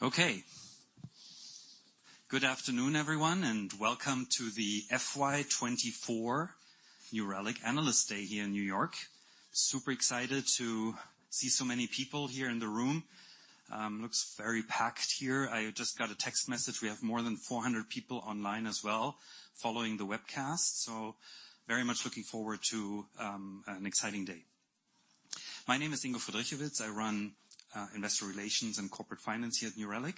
Good afternoon, everyone, and welcome to the FY 2024 New Relic Analyst Day here in New York. Super excited to see so many people here in the room. Looks very packed here. I just got a text message. We have more than 400 people online as well, following the webcast, so very much looking forward to an exciting day. My name is Ingo Friedrichs. I run Investor Relations and Corporate Finance here at New Relic.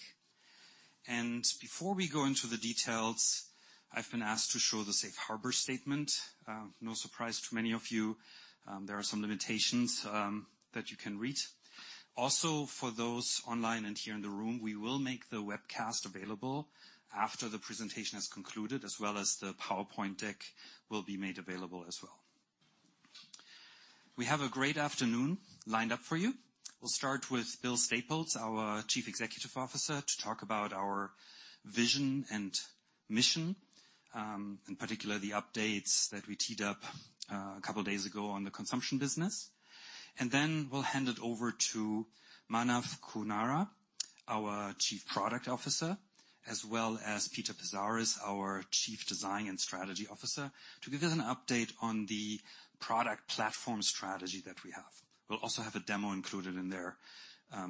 Before we go into the details, I've been asked to show the safe harbor statement. No surprise to many of you, there are some limitations that you can read. Also, for those online and here in the room, we will make the webcast available after the presentation has concluded, as well as the PowerPoint deck will be made available as well. We have a great afternoon lined up for you. We'll start with Bill Staples, our Chief Executive Officer, to talk about our vision and mission, in particular, the updates that we teed up a couple of days ago on the consumption business. We'll hand it over to Manav Khurana, our Chief Product Officer, as well as Peter Pezaris, our Chief Design and Strategy Officer, to give us an update on the product platform strategy that we have. We'll also have a demo included in there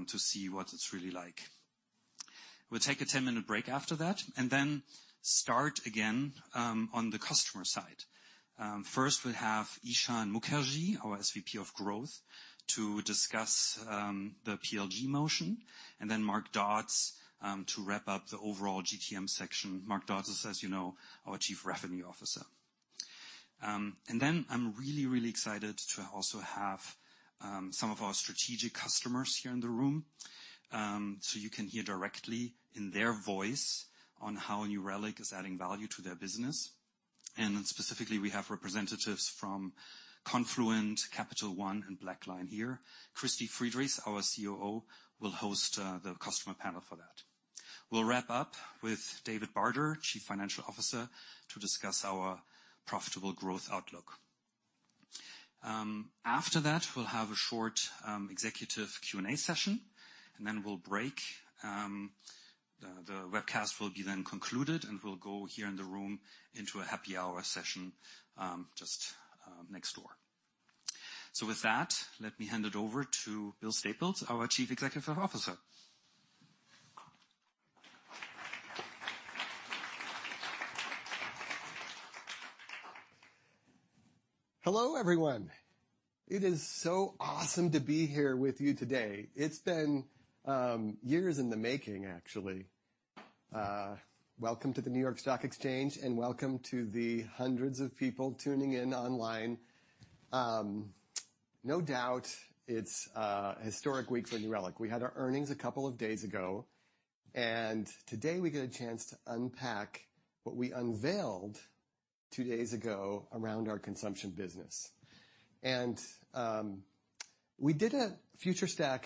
to see what it's really like. We'll take a 10-minute break after that, and then start again on the customer side. First, we'll have Ishan Mukherjee, our SVP of Growth, to discuss the PLG motion, and then Mark Dodds to wrap up the overall GTM section. Mark Dodds is, as you know, our Chief Revenue Officer. Then I'm really excited to also have some of our strategic customers here in the room. You can hear directly in their voice on how New Relic is adding value to their business. Specifically, we have representatives from Confluent, Capital One, and BlackLine here. Kristy Friedrichs, our COO, will host the customer panel for that. We'll wrap up with David Barter, Chief Financial Officer, to discuss our profitable growth outlook. After that, we'll have a short executive Q&A session, and then we'll break. The webcast will be then concluded, and we'll go here in the room into a happy hour session just next door. With that, let me hand it over to Bill Staples, our Chief Executive Officer. Hello, everyone. It is so awesome to be here with you today. It's been years in the making, actually. Welcome to the New York Stock Exchange, and welcome to the hundreds of people tuning in online. No doubt, it's a historic week for New Relic. We had our earnings a couple of days ago. Today we get a chance to unpack what we unveiled two days ago around our consumption business. We did a FutureStack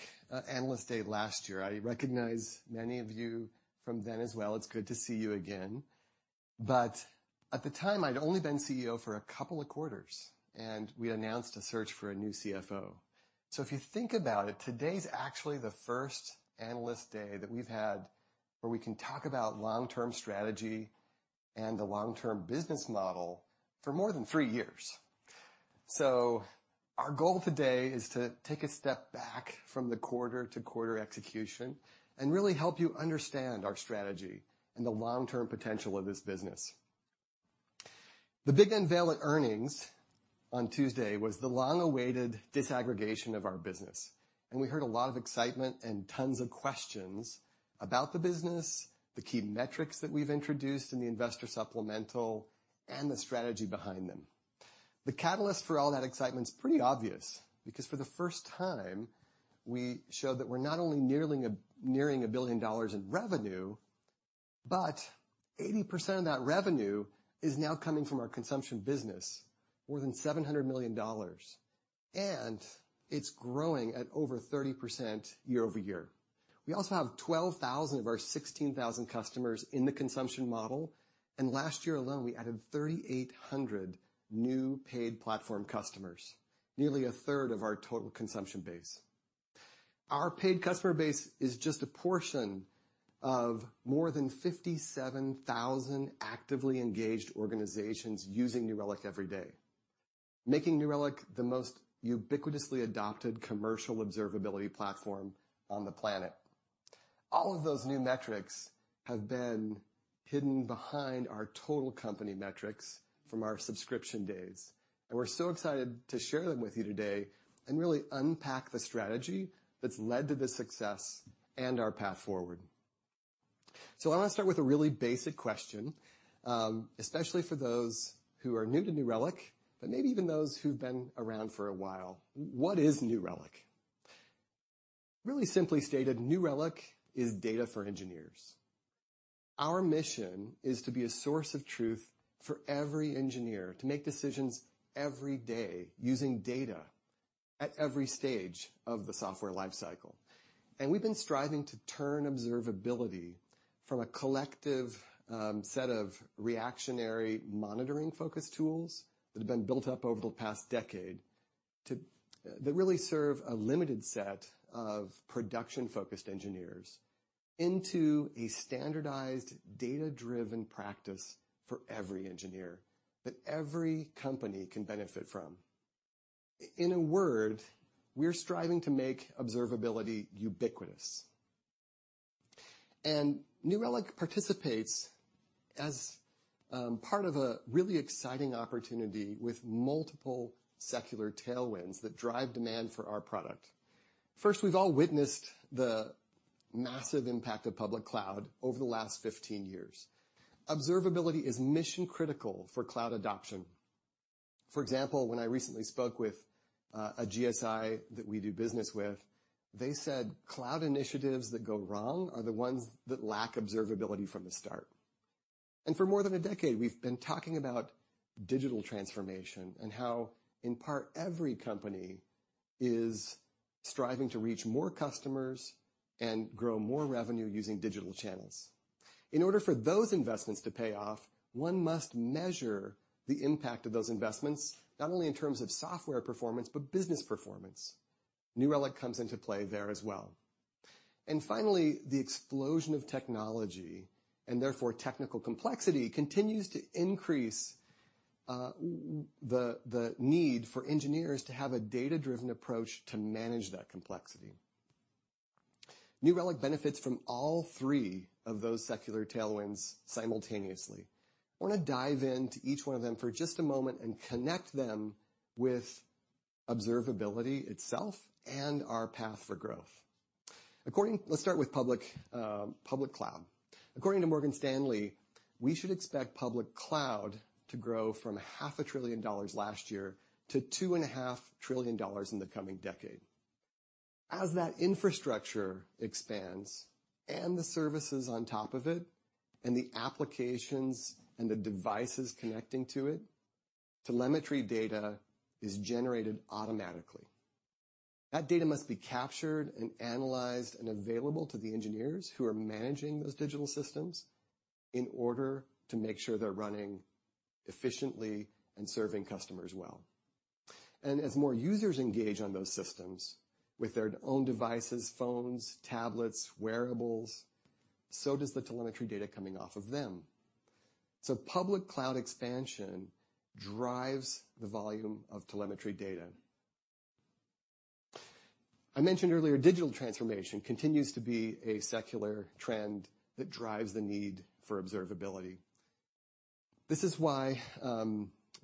Analyst Day last year. I recognize many of you from then as well. It's good to see you again. At the time, I'd only been CEO for a couple of quarters, and we announced a search for a new CFO. If you think about it, today's actually the first Analyst Day that we've had where we can talk about long-term strategy and the long-term business model for more than three years. Our goal today is to take a step back from the quarter-to-quarter execution and really help you understand our strategy and the long-term potential of this business. The big unveil at earnings on Tuesday was the long-awaited disaggregation of our business, and we heard a lot of excitement and tons of questions about the business, the key metrics that we've introduced in the investor supplemental, and the strategy behind them. The catalyst for all that excitement is pretty obvious. For the first time, we showed that we're not only nearing a billion dollars in revenue, 80% of that revenue is now coming from our consumption business, more than $700 million, and it's growing at over 30% year-over-year. We also have 12,000 of our 16,000 customers in the consumption model. Last year alone, we added 3,800 new paid platform customers, nearly a third of our total consumption base. Our paid customer base is just a portion of more than 57,000 actively engaged organizations using New Relic every day, making New Relic the most ubiquitously adopted commercial observability platform on the planet. All of those new metrics have been hidden behind our total company metrics from our subscription days. We're so excited to share them with you today and really unpack the strategy that's led to this success and our path forward. I want to start with a really basic question, especially for those who are new to New Relic, but maybe even those who've been around for a while. What is New Relic? Really simply stated, New Relic is data for engineers. Our mission is to be a source of truth for every engineer, to make decisions every day using data at every stage of the software lifecycle. We've been striving to turn observability from a collective set of reactionary, monitoring-focused tools that have been built up over the past decade. to, that really serve a limited set of production-focused engineers into a standardized, data-driven practice for every engineer that every company can benefit from. In a word, we're striving to make observability ubiquitous. New Relic participates as part of a really exciting opportunity with multiple secular tailwinds that drive demand for our product. First, we've all witnessed the massive impact of public cloud over the last 15 years. Observability is mission critical for cloud adoption. For example, when I recently spoke with a GSI that we do business with, they said, "Cloud initiatives that go wrong are the ones that lack observability from the start." For more than a decade, we've been talking about digital transformation and how, in part, every company is striving to reach more customers and grow more revenue using digital channels. In order for those investments to pay off, one must measure the impact of those investments, not only in terms of software performance, but business performance. New Relic comes into play there as well. Finally, the explosion of technology, and therefore technical complexity, continues to increase the need for engineers to have a data-driven approach to manage that complexity. New Relic benefits from all three of those secular tailwinds simultaneously. I want to dive into each one of them for just a moment and connect them with observability itself and our path for growth. Let's start with public cloud. According to Morgan Stanley, we should expect public cloud to grow from half a trillion dollars last year to $2.5 trillion in the coming decade. As that infrastructure expands, and the services on top of it, and the applications and the devices connecting to it, telemetry data is generated automatically. That data must be captured, and analyzed, and available to the engineers who are managing those digital systems in order to make sure they're running efficiently and serving customers well. As more users engage on those systems with their own devices, phones, tablets, wearables, so does the telemetry data coming off of them. Public cloud expansion drives the volume of telemetry data. I mentioned earlier, digital transformation continues to be a secular trend that drives the need for observability. This is why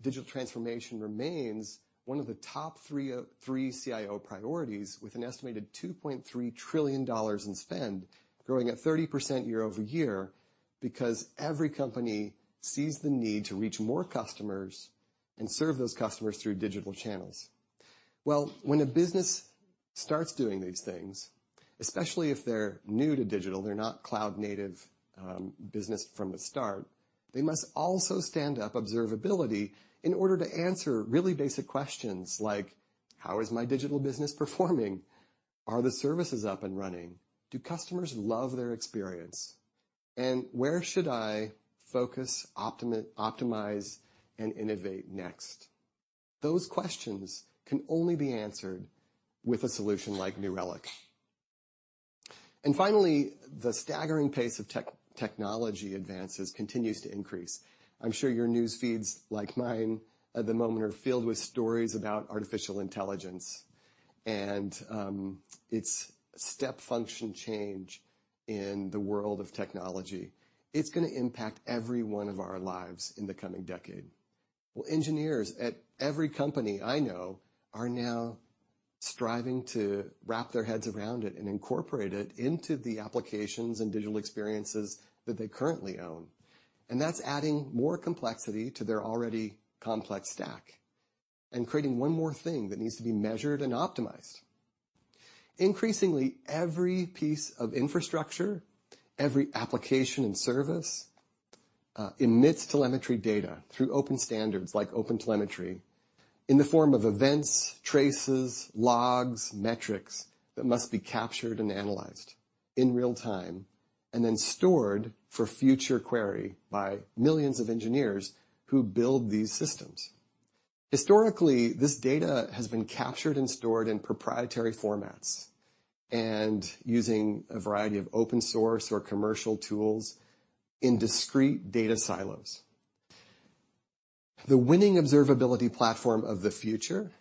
digital transformation remains one of the top three CIO priorities, with an estimated $2.3 trillion in spend, growing at 30% year-over-year, because every company sees the need to reach more customers and serve those customers through digital channels. Well, when a business starts doing these things, especially if they're new to digital, they're not cloud native business from the start, they must also stand up observability in order to answer really basic questions like: How is my digital business performing? Are the services up and running? Do customers love their experience? And where should I focus, optimize, and innovate next? Those questions can only be answered with a solution like New Relic. Finally, the staggering pace of technology advances continues to increase. I'm sure your news feeds, like mine at the moment, are filled with stories about artificial intelligence and its step function change in the world of technology. It's going to impact every one of our lives in the coming decade. Engineers at every company I know are now striving to wrap their heads around it and incorporate it into the applications and digital experiences that they currently own, and that's adding more complexity to their already complex stack and creating one more thing that needs to be measured and optimized. Increasingly, every piece of infrastructure, every application and service emits telemetry data through open standards, like OpenTelemetry, in the form of events, traces, logs, metrics that must be captured and analyzed in real time, and then stored for future query by millions of engineers who build these systems. Historically, this data has been captured and stored in proprietary formats and using a variety of open source or commercial tools in discrete data silos. The winning observability platform of the future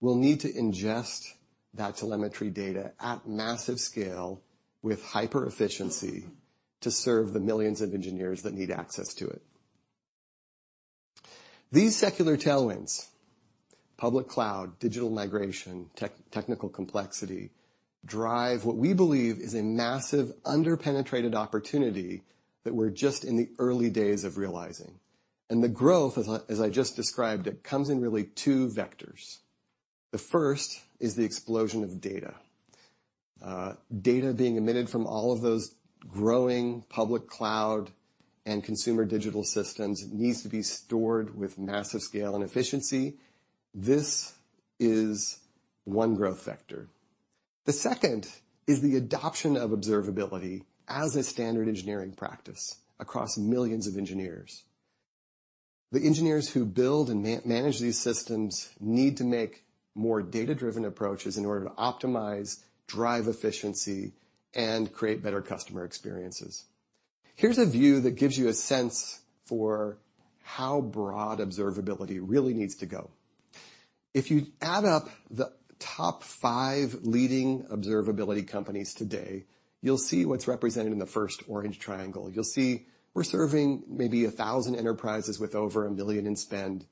will need to ingest that telemetry data at massive scale, with hyper efficiency, to serve the millions of engineers that need access to it. These secular tailwinds, public cloud, digital migration, technical complexity, drive what we believe is a massive, under-penetrated opportunity that we're just in the early days of realizing. The growth, as I just described it, comes in really two vectors. The first is the explosion of data. Data being emitted from all of those growing public cloud and consumer digital systems needs to be stored with massive scale and efficiency. This is one growth vector. The second is the adoption of observability as a standard engineering practice across millions of engineers. The engineers who build and manage these systems need to make more data-driven approaches in order to optimize, drive efficiency, and create better customer experiences. Here's a view that gives you a sense for how broad observability really needs to go. If you add up the top five leading observability companies today, you'll see what's represented in the first orange triangle. You'll see we're serving maybe 1,000 enterprises with over $1 million in spend,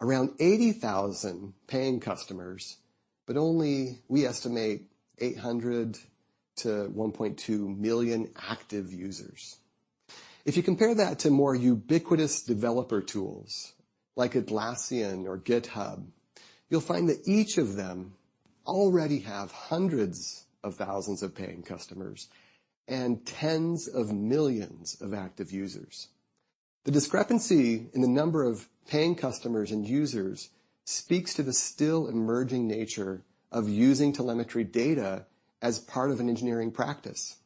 around 80,000 paying customers, but only, we estimate, 800 to 1.2 million active users. If you compare that to more ubiquitous developer tools like Atlassian or GitHub, you'll find that each of them already have hundreds of thousands of paying customers and tens of millions of active users. The discrepancy in the number of paying customers and users speaks to the still emerging nature of using telemetry data as part of an engineering practice.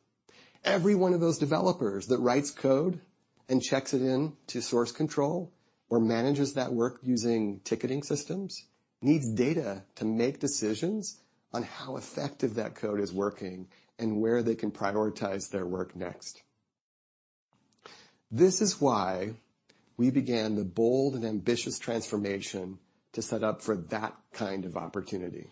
Every one of those developers that writes code and checks it in to source control, or manages that work using ticketing systems, needs data to make decisions on how effective that code is working and where they can prioritize their work next. This is why we began the bold and ambitious transformation to set up for that kind of opportunity.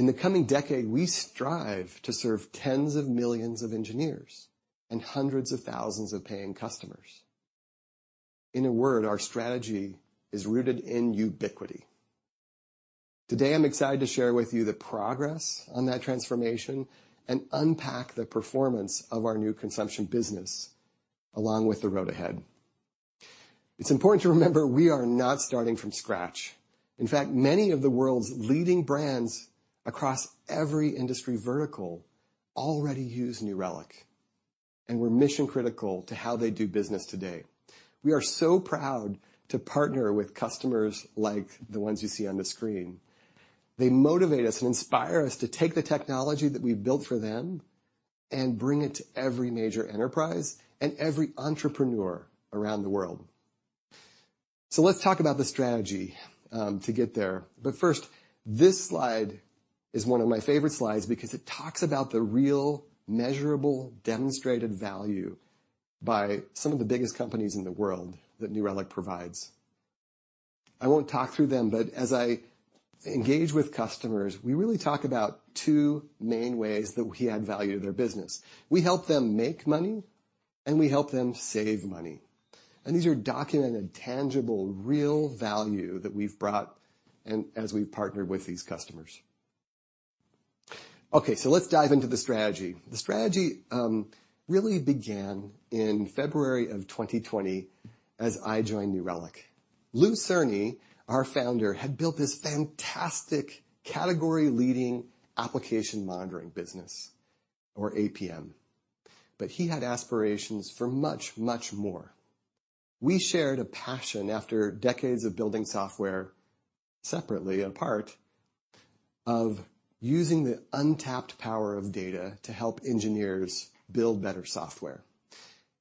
In the coming decade, we strive to serve tens of millions of engineers and hundreds of thousands of paying customers. In a word, our strategy is rooted in ubiquity. Today, I'm excited to share with you the progress on that transformation and unpack the performance of our new consumption business, along with the road ahead. It's important to remember, we are not starting from scratch. In fact, many of the world's leading brands across every industry vertical already use New Relic, and we're mission critical to how they do business today. We are so proud to partner with customers like the ones you see on the screen. They motivate us and inspire us to take the technology that we've built for them and bring it to every major enterprise and every entrepreneur around the world. Let's talk about the strategy to get there. First, this slide is one of my favorite slides because it talks about the real, measurable, demonstrated value by some of the biggest companies in the world that New Relic provides. I won't talk through them, but as I engage with customers, we really talk about two main ways that we add value to their business. We help them make money, we help them save money, these are documented, tangible, real value that we've brought and as we've partnered with these customers. Okay, let's dive into the strategy. The strategy really began in February of 2020, as I joined New Relic. Lew Cirne, our founder, had built this fantastic category-leading application monitoring business, or APM, he had aspirations for much, much more. We shared a passion, after decades of building software separately, apart, of using the untapped power of data to help engineers build better software.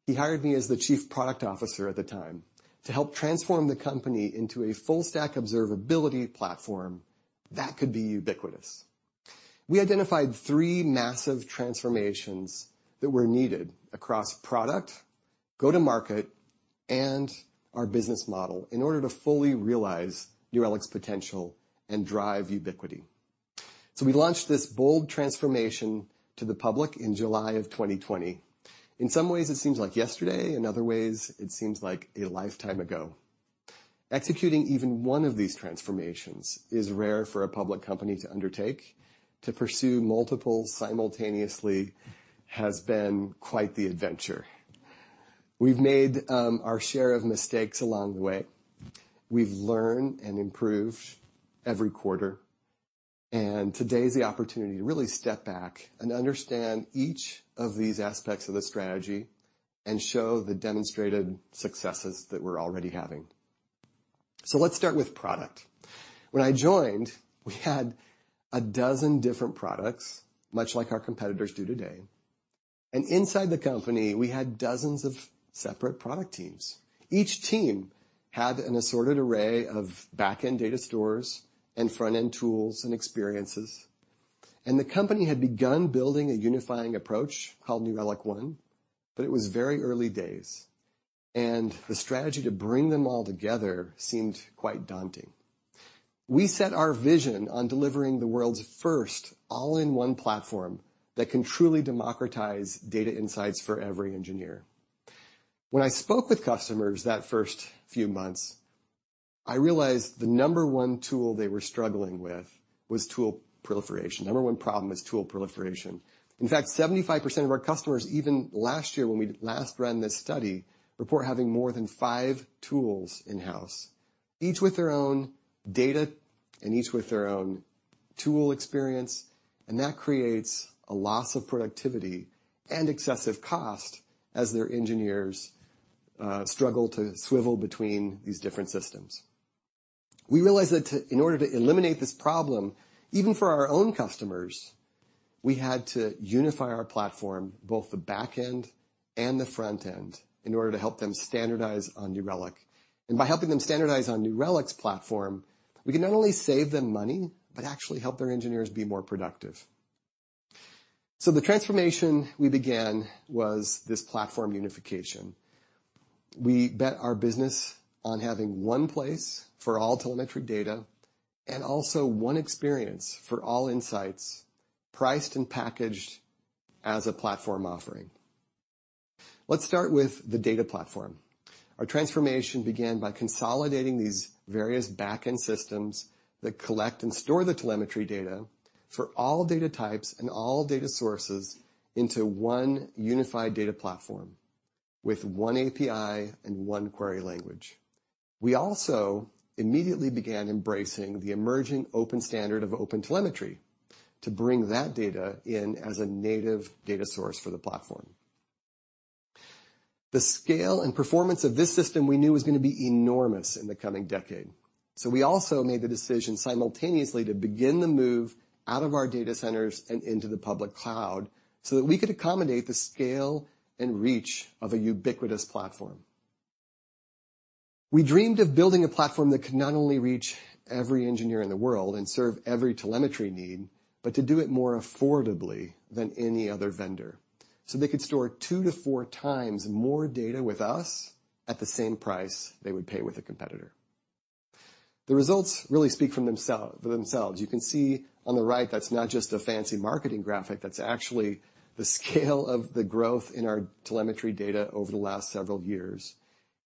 He hired me as the chief product officer at the time to help transform the company into a full stack observability platform that could be ubiquitous. We identified three massive transformations that were needed across product, go-to-market, and our business model in order to fully realize New Relic's potential and drive ubiquity. We launched this bold transformation to the public in July of 2020. In some ways, it seems like yesterday. In other ways, it seems like a lifetime ago. Executing even one of these transformations is rare for a public company to undertake. To pursue multiple simultaneously has been quite the adventure. We've made our share of mistakes along the way. We've learned and improved every quarter, and today is the opportunity to really step back and understand each of these aspects of the strategy and show the demonstrated successes that we're already having. Let's start with product. When I joined, we had 12 different products, much like our competitors do today. Inside the company, we had dozens of separate product teams. Each team had an assorted array of back-end data stores and front-end tools and experiences. The company had begun building a unifying approach called New Relic One, but it was very early days, and the strategy to bring them all together seemed quite daunting. We set our vision on delivering the world's first all-in-one platform that can truly democratize data insights for every engineer. When I spoke with customers that first few months, I realized the number one tool they were struggling with was tool proliferation. Number one problem is tool proliferation. In fact, 75% of our customers, even last year when we last ran this study, report having more than 5 tools in-house, each with their own data and each with their own tool experience, and that creates a loss of productivity and excessive cost as their engineers struggle to swivel between these different systems. We realized that in order to eliminate this problem, even for our own customers, we had to unify our platform, both the back end and the front end, in order to help them standardize on New Relic. By helping them standardize on New Relic's platform, we can not only save them money, but actually help their engineers be more productive. The transformation we began was this platform unification. We bet our business on having one place for all telemetric data, and also one experience for all insights, priced and packaged as a platform offering. Let's start with the data platform. Our transformation began by consolidating these various back-end systems that collect and store the telemetry data for all data types and all data sources into one unified data platform, with one API and one query language. We also immediately began embracing the emerging open standard of OpenTelemetry, to bring that data in as a native data source for the platform. The scale and performance of this system we knew was gonna be enormous in the coming decade. We also made the decision simultaneously to begin the move out of our data centers and into the public cloud, so that we could accommodate the scale and reach of a ubiquitous platform. We dreamed of building a platform that could not only reach every engineer in the world and serve every telemetry need, but to do it more affordably than any other vendor. They could store two to four times more data with us at the same price they would pay with a competitor. The results really speak from themselves, for themselves. You can see on the right, that's not just a fancy marketing graphic, that's actually the scale of the growth in our telemetry data over the last several years.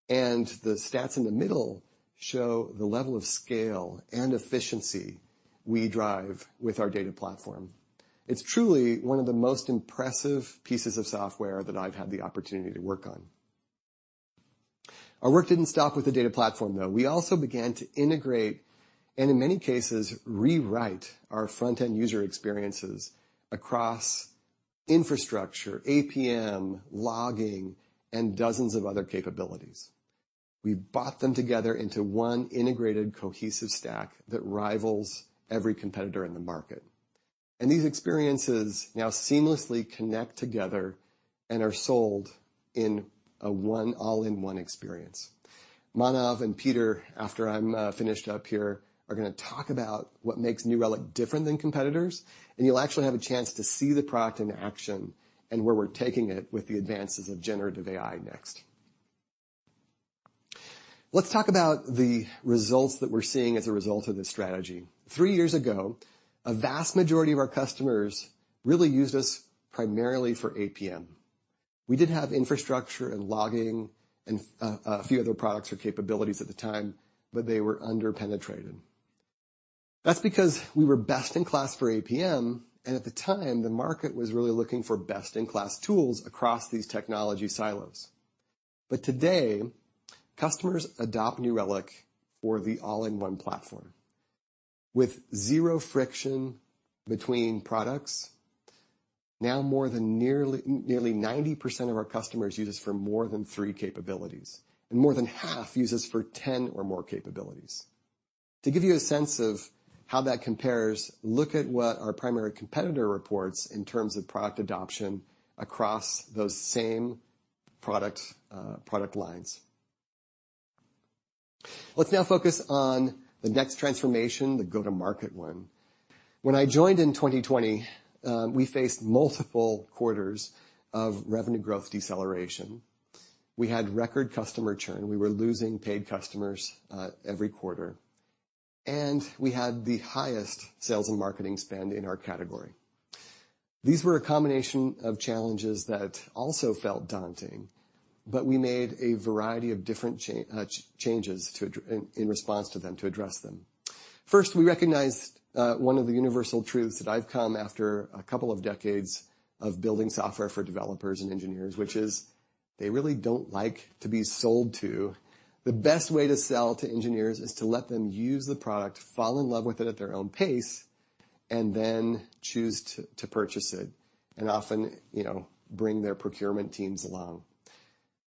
The stats in the middle show the level of scale and efficiency we drive with our data platform. It's truly one of the most impressive pieces of software that I've had the opportunity to work on. Our work didn't stop with the data platform, though. We also began to integrate and, in many cases, rewrite our front-end user experiences across infrastructure, APM, logging, and dozens of other capabilities. We bought them together into one integrated, cohesive stack that rivals every competitor in the market. These experiences now seamlessly connect together and are sold in a all-in-one experience. Manav and Peter, after I'm finished up here, are gonna talk about what makes New Relic different than competitors, and you'll actually have a chance to see the product in action and where we're taking it with the advances of generative AI next. Let's talk about the results that we're seeing as a result of this strategy. 3 years ago, a vast majority of our customers really used us primarily for APM. We did have infrastructure and logging and a few other products or capabilities at the time, but they were under-penetrated. That's because we were best-in-class for APM, and at the time, the market was really looking for best-in-class tools across these technology silos. Today, customers adopt New Relic for the all-in-one platform. With zero friction between products, now more than nearly 90% of our customers use us for more than three capabilities, and more than half use us for 10 or more capabilities. To give you a sense of how that compares, look at what our primary competitor reports in terms of product adoption across those same product lines. Let's now focus on the next transformation, the go-to-market one. When I joined in 2020, we faced multiple quarters of revenue growth deceleration. We had record customer churn. We were losing paid customers every quarter. We had the highest sales and marketing spend in our category. These were a combination of challenges that also felt daunting, but we made a variety of different changes in response to them, to address them. First, we recognized one of the universal truths that I've come after a couple of decades of building software for developers and engineers, which is they really don't like to be sold to. The best way to sell to engineers is to let them use the product, fall in love with it at their own pace, and then choose to purchase it, and often, you know, bring their procurement teams along.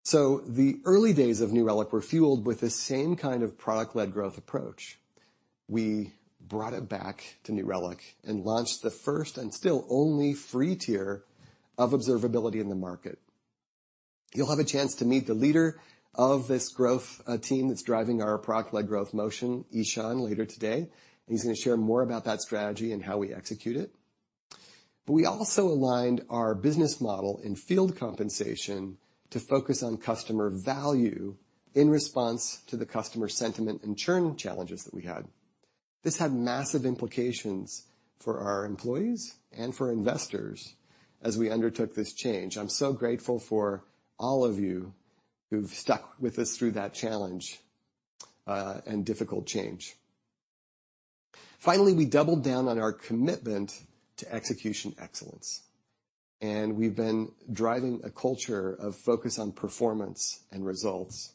The early days of New Relic were fueled with the same kind of product-led growth approach. We brought it back to New Relic and launched the first and still only free tier of observability in the market. You'll have a chance to meet the leader of this growth team that's driving our product-led growth motion, Ishan, later today, and he's gonna share more about that strategy and how we execute it. We also aligned our business model and field compensation to focus on customer value in response to the customer sentiment and churn challenges that we had. This had massive implications for our employees and for investors as we undertook this change. I'm so grateful for all of you who've stuck with us through that challenge and difficult change. Finally, we doubled down on our commitment to execution excellence, and we've been driving a culture of focus on performance and results.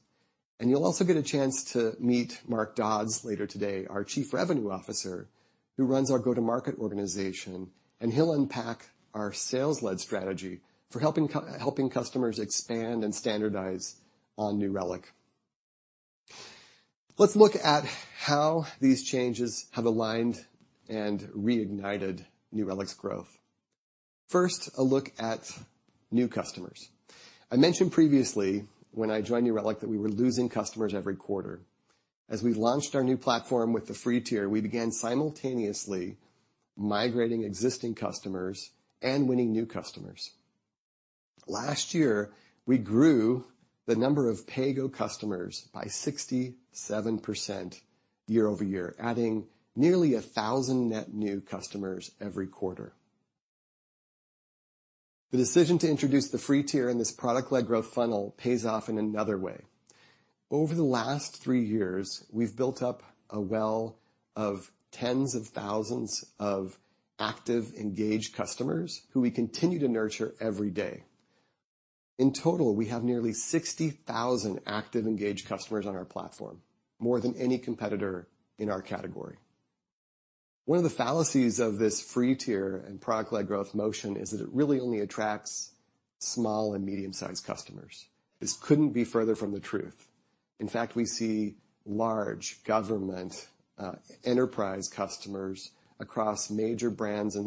You'll also get a chance to meet Mark Dodds later today, our Chief Revenue Officer, who runs our go-to-market organization, and he'll unpack our sales-led strategy for helping customers expand and standardize on New Relic. Let's look at how these changes have aligned and reignited New Relic's growth. First, a look at new customers. I mentioned previously, when I joined New Relic, that we were losing customers every quarter. As we launched our new platform with the free tier, we began simultaneously migrating existing customers and winning new customers. Last year, we grew the number of pay-go customers by 67% year-over-year, adding nearly 1,000 net new customers every quarter. The decision to introduce the free tier and this product-led growth funnel pays off in another way. Over the last 3 years, we've built up a well of tens of thousands of active, engaged customers who we continue to nurture every day. In total, we have nearly 60,000 active, engaged customers on our platform, more than any competitor in our category. One of the fallacies of this free tier and product-led growth motion is that it really only attracts small and medium-sized customers. This couldn't be further from the truth. We see large government, enterprise customers across major brands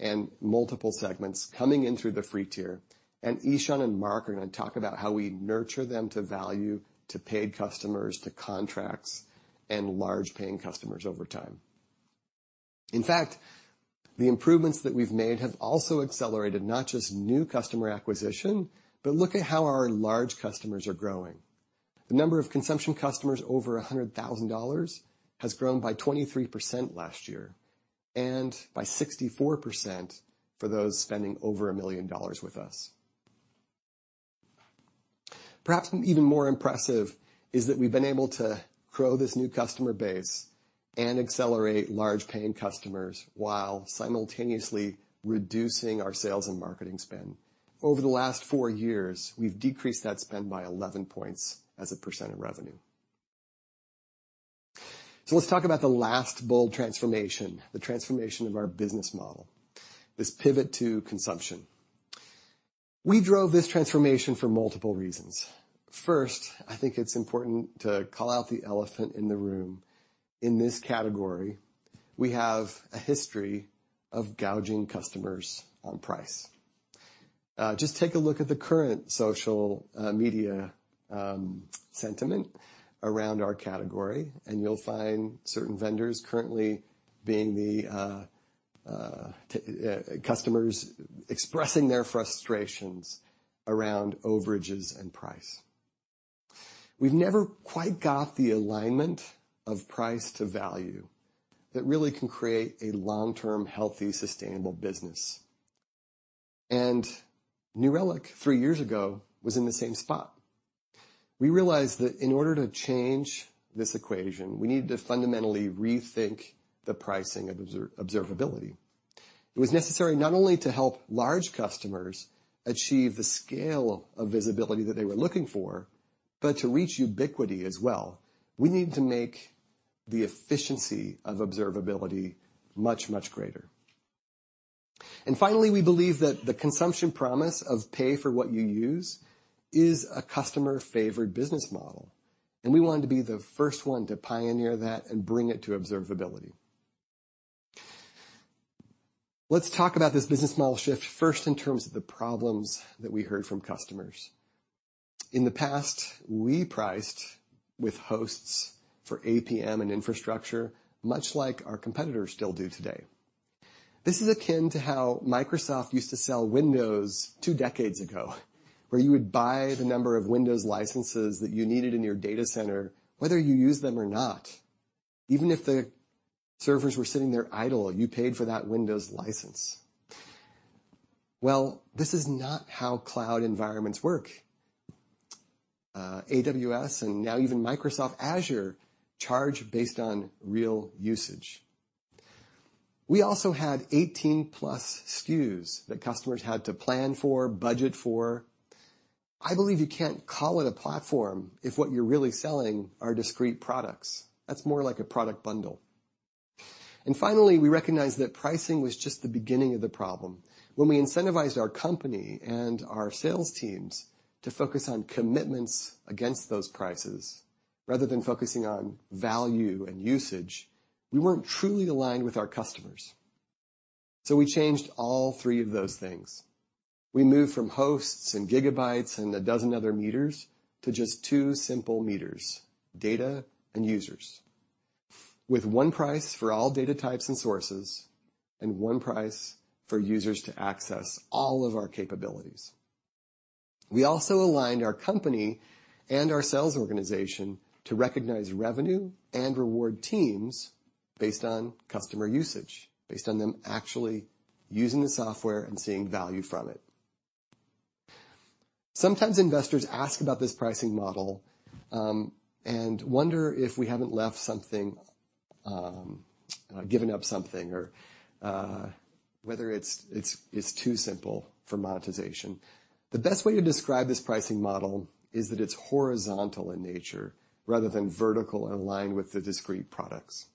and multiple segments coming in through the free tier, and Ishan and Mark are going to talk about how we nurture them to value, to paid customers, to contracts, and large paying customers over time. The improvements that we've made have also accelerated not just new customer acquisition, but look at how our large customers are growing. The number of consumption customers over $100,000 has grown by 23% last year, and by 64% for those spending over $1 million with us. Perhaps even more impressive is that we've been able to grow this new customer base and accelerate large paying customers while simultaneously reducing our sales and marketing spend. Over the last 4 years, we've decreased that spend by 11 points as a % of revenue. Let's talk about the last bold transformation, the transformation of our business model, this pivot to consumption. We drove this transformation for multiple reasons. First, I think it's important to call out the elephant in the room. In this category, we have a history of gouging customers on price. Just take a look at the current social media sentiment around our category, and you'll find certain vendors currently being customers expressing their frustrations around overages and price. We've never quite got the alignment of price to value that really can create a long-term, healthy, sustainable business. New Relic, three years ago, was in the same spot. We realized that in order to change this equation, we needed to fundamentally rethink the pricing of observability. It was necessary not only to help large customers achieve the scale of visibility that they were looking for, but to reach ubiquity as well. We needed to make the efficiency of observability much, much greater. Finally, we believe that the consumption promise of pay for what you use is a customer-favored business model, and we wanted to be the first one to pioneer that and bring it to observability. Let's talk about this business model shift first in terms of the problems that we heard from customers. In the past, we priced with hosts for APM and infrastructure, much like our competitors still do today. This is akin to how Microsoft used to sell Windows 2 decades ago, where you would buy the number of Windows licenses that you needed in your data center, whether you use them or not. Even if the servers were sitting there idle, you paid for that Windows license. Well, this is not how cloud environments work. AWS, and now even Microsoft Azure, charge based on real usage. We also had 18 plus SKUs that customers had to plan for, budget for. I believe you can't call it a platform if what you're really selling are discrete products. That's more like a product bundle. Finally, we recognized that pricing was just the beginning of the problem. When we incentivized our company and our sales teams to focus on commitments against those prices, rather than focusing on value and usage, we weren't truly aligned with our customers. We changed all 3 of those things. We moved from hosts and gigabytes and a dozen other meters to just two simple meters, data and users, with one price for all data types and sources and one price for users to access all of our capabilities. We also aligned our company and our sales organization to recognize revenue and reward teams based on customer usage, based on them actually using the software and seeing value from it. Sometimes investors ask about this pricing model and wonder if we haven't left something, giving up something or whether it's too simple for monetization. The best way to describe this pricing model is that it's horizontal in nature rather than vertical and aligned with the discrete products.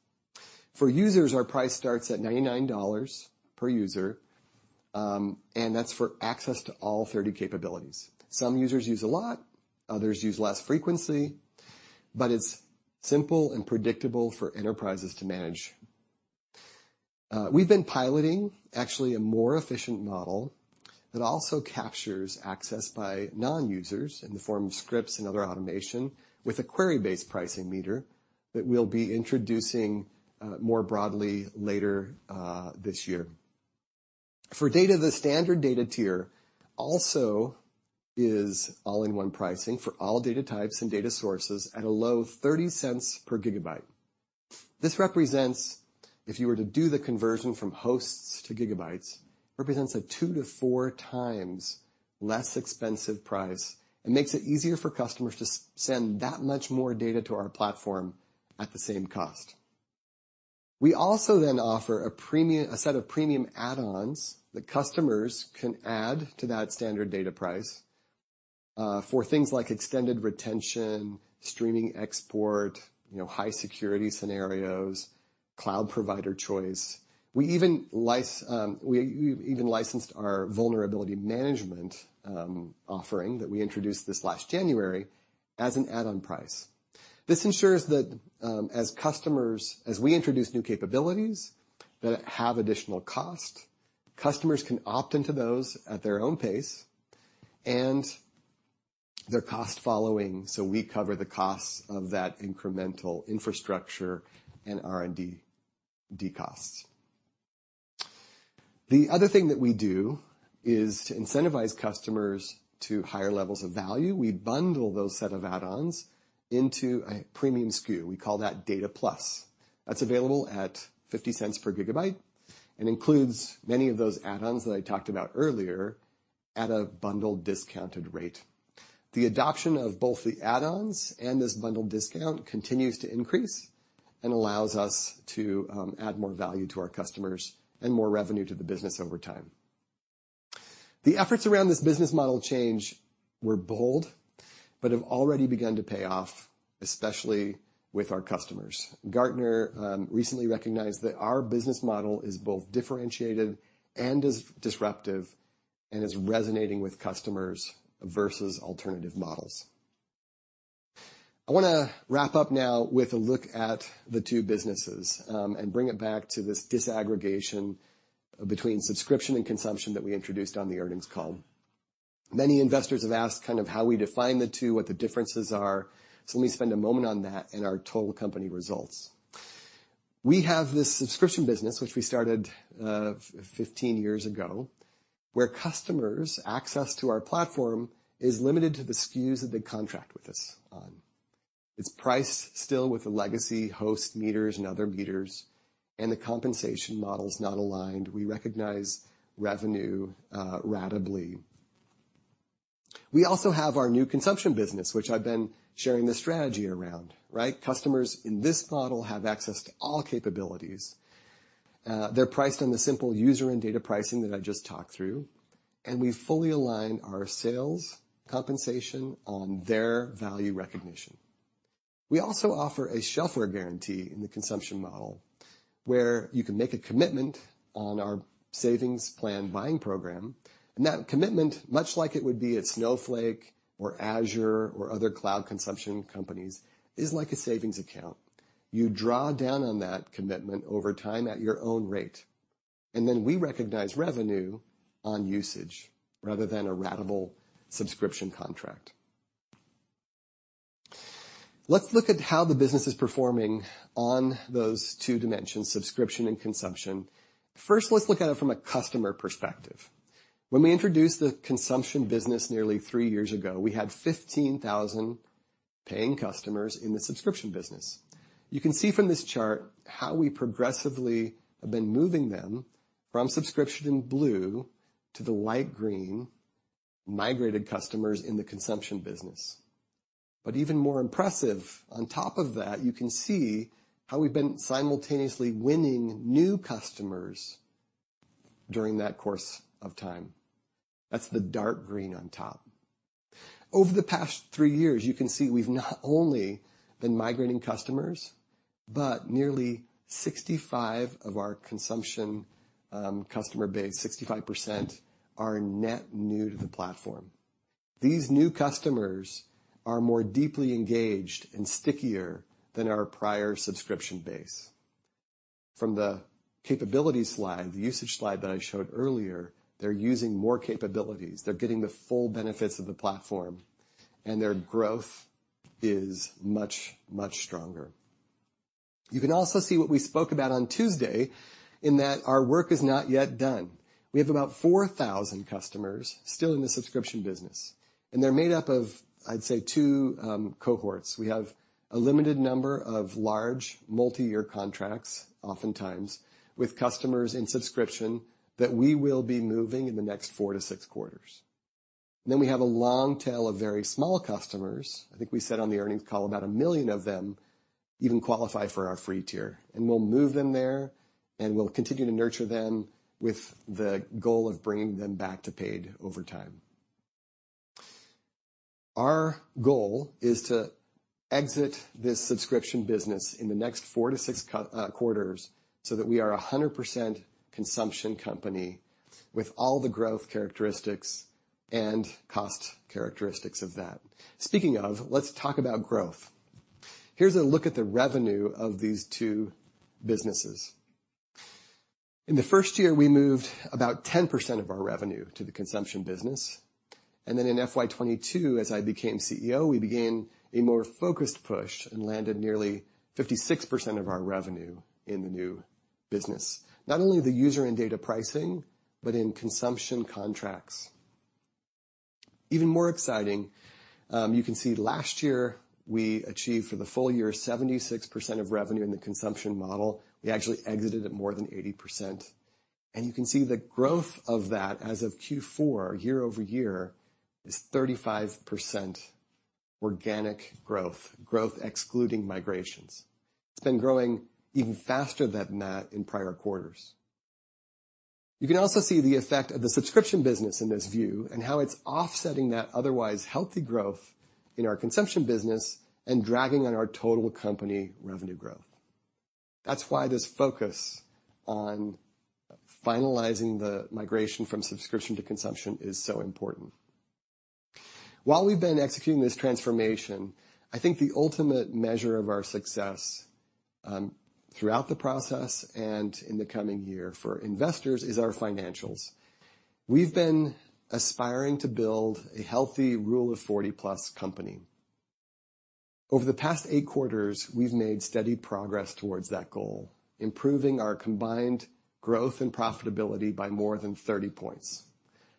For users, our price starts at $99 per user. That's for access to all 30 capabilities. Some users use a lot, others use less frequency, but it's simple and predictable for enterprises to manage. We've been piloting actually a more efficient model that also captures access by non-users in the form of scripts and other automation, with a query-based pricing meter that we'll be introducing more broadly later this year. For data, the standard data tier also is all-in-one pricing for all data types and data sources at a low $0.30 per gigabyte. This represents, if you were to do the conversion from hosts to gigabytes, represents a two to four times less expensive price and makes it easier for customers to send that much more data to our platform at the same cost. We also offer a set of premium add-ons that customers can add to that standard data price, for things like extended retention, streaming export, you know, high security scenarios, cloud provider choice. We even licensed our vulnerability management offering that we introduced this last January as an add-on price. This ensures that, as we introduce new capabilities that have additional cost, customers can opt into those at their own pace and their cost following. We cover the costs of that incremental infrastructure and R&D costs. The other thing that we do is to incentivize customers to higher levels of value. We bundle those set of add-ons into a premium SKU. We call that Data Plus. That's available at $0.50 per gigabyte and includes many of those add-ons that I talked about earlier, at a bundled, discounted rate. The adoption of both the add-ons and this bundled discount continues to increase and allows us to add more value to our customers and more revenue to the business over time. The efforts around this business model change were bold, but have already begun to pay off, especially with our customers. Gartner recently recognized that our business model is both differentiated and is disruptive, and is resonating with customers versus alternative models. I want to wrap up now with a look at the two businesses and bring it back to this disaggregation between subscription and consumption that we introduced on the earnings call. Many investors have asked kind of how we define the two, what the differences are. Let me spend a moment on that in our total company results. We have this subscription business, which we started 15 years ago, where customers' access to our platform is limited to the SKUs that they contract with us on. It's priced still with the legacy host meters and other meters, and the compensation model is not aligned. We recognize revenue ratably. We also have our new consumption business, which I've been sharing the strategy around, right? Customers in this model have access to all capabilities. They're priced on the simple user and data pricing that I just talked through, and we fully align our sales compensation on their value recognition. We also offer a shelfware guarantee in the consumption model, where you can make a commitment on our savings plan buying program. That commitment, much like it would be at Snowflake or Azure or other cloud consumption companies, is like a savings account. You draw down on that commitment over time at your own rate. Then we recognize revenue on usage rather than a ratable subscription contract. Let's look at how the business is performing on those two dimensions, subscription and consumption. First, let's look at it from a customer perspective. When we introduced the consumption business nearly three years ago, we had 15,000 paying customers in the subscription business. You can see from this chart how we progressively have been moving them from subscription in blue to the light green, migrated customers in the consumption business. Even more impressive, on top of that, you can see how we've been simultaneously winning new customers during that course of time. That's the dark green on top. Over the past 3 years, you can see we've not only been migrating customers, but nearly 65 of our consumption customer base, 65%, are net new to the platform. These new customers are more deeply engaged and stickier than our prior subscription base. From the capabilities slide, the usage slide that I showed earlier, they're using more capabilities. They're getting the full benefits of the platform. Their growth is much, much stronger. You can also see what we spoke about on Tuesday, in that our work is not yet done. We have about 4,000 customers still in the subscription business. They're made up of, I'd say, 2 cohorts. We have a limited number of large, multi-year contracts, oftentimes with customers in subscription, that we will be moving in the next 4 to 6 quarters. We have a long tail of very small customers. I think we said on the earnings call, about 1 million of them even qualify for our free tier, and we'll move them there, and we'll continue to nurture them with the goal of bringing them back to paid over time. Our goal is to exit this subscription business in the next 4 to 6 quarters, so that we are a 100% consumption company with all the growth characteristics and cost characteristics of that. Speaking of, let's talk about growth. Here's a look at the revenue of these two businesses. In the first year, we moved about 10% of our revenue to the consumption business. In FY 2022, as I became CEO, we began a more focused push and landed nearly 56% of our revenue in the new business. Not only the user and data pricing, but in consumption contracts. Even more exciting, you can see last year, we achieved, for the full year, 76% of revenue in the consumption model. We actually exited at more than 80%. You can see the growth of that as of Q4 year-over-year is 35% organic growth excluding migrations. It's been growing even faster than that in prior quarters. You can also see the effect of the subscription business in this view, and how it's offsetting that otherwise healthy growth in our consumption business and dragging on our total company revenue growth. That's why this focus on finalizing the migration from subscription to consumption is so important. While we've been executing this transformation, I think the ultimate measure of our success, throughout the process and in the coming year for investors, is our financials. We've been aspiring to build a healthy rule of 40-plus company. Over the past eight quarters, we've made steady progress towards that goal, improving our combined growth and profitability by more than 30 points.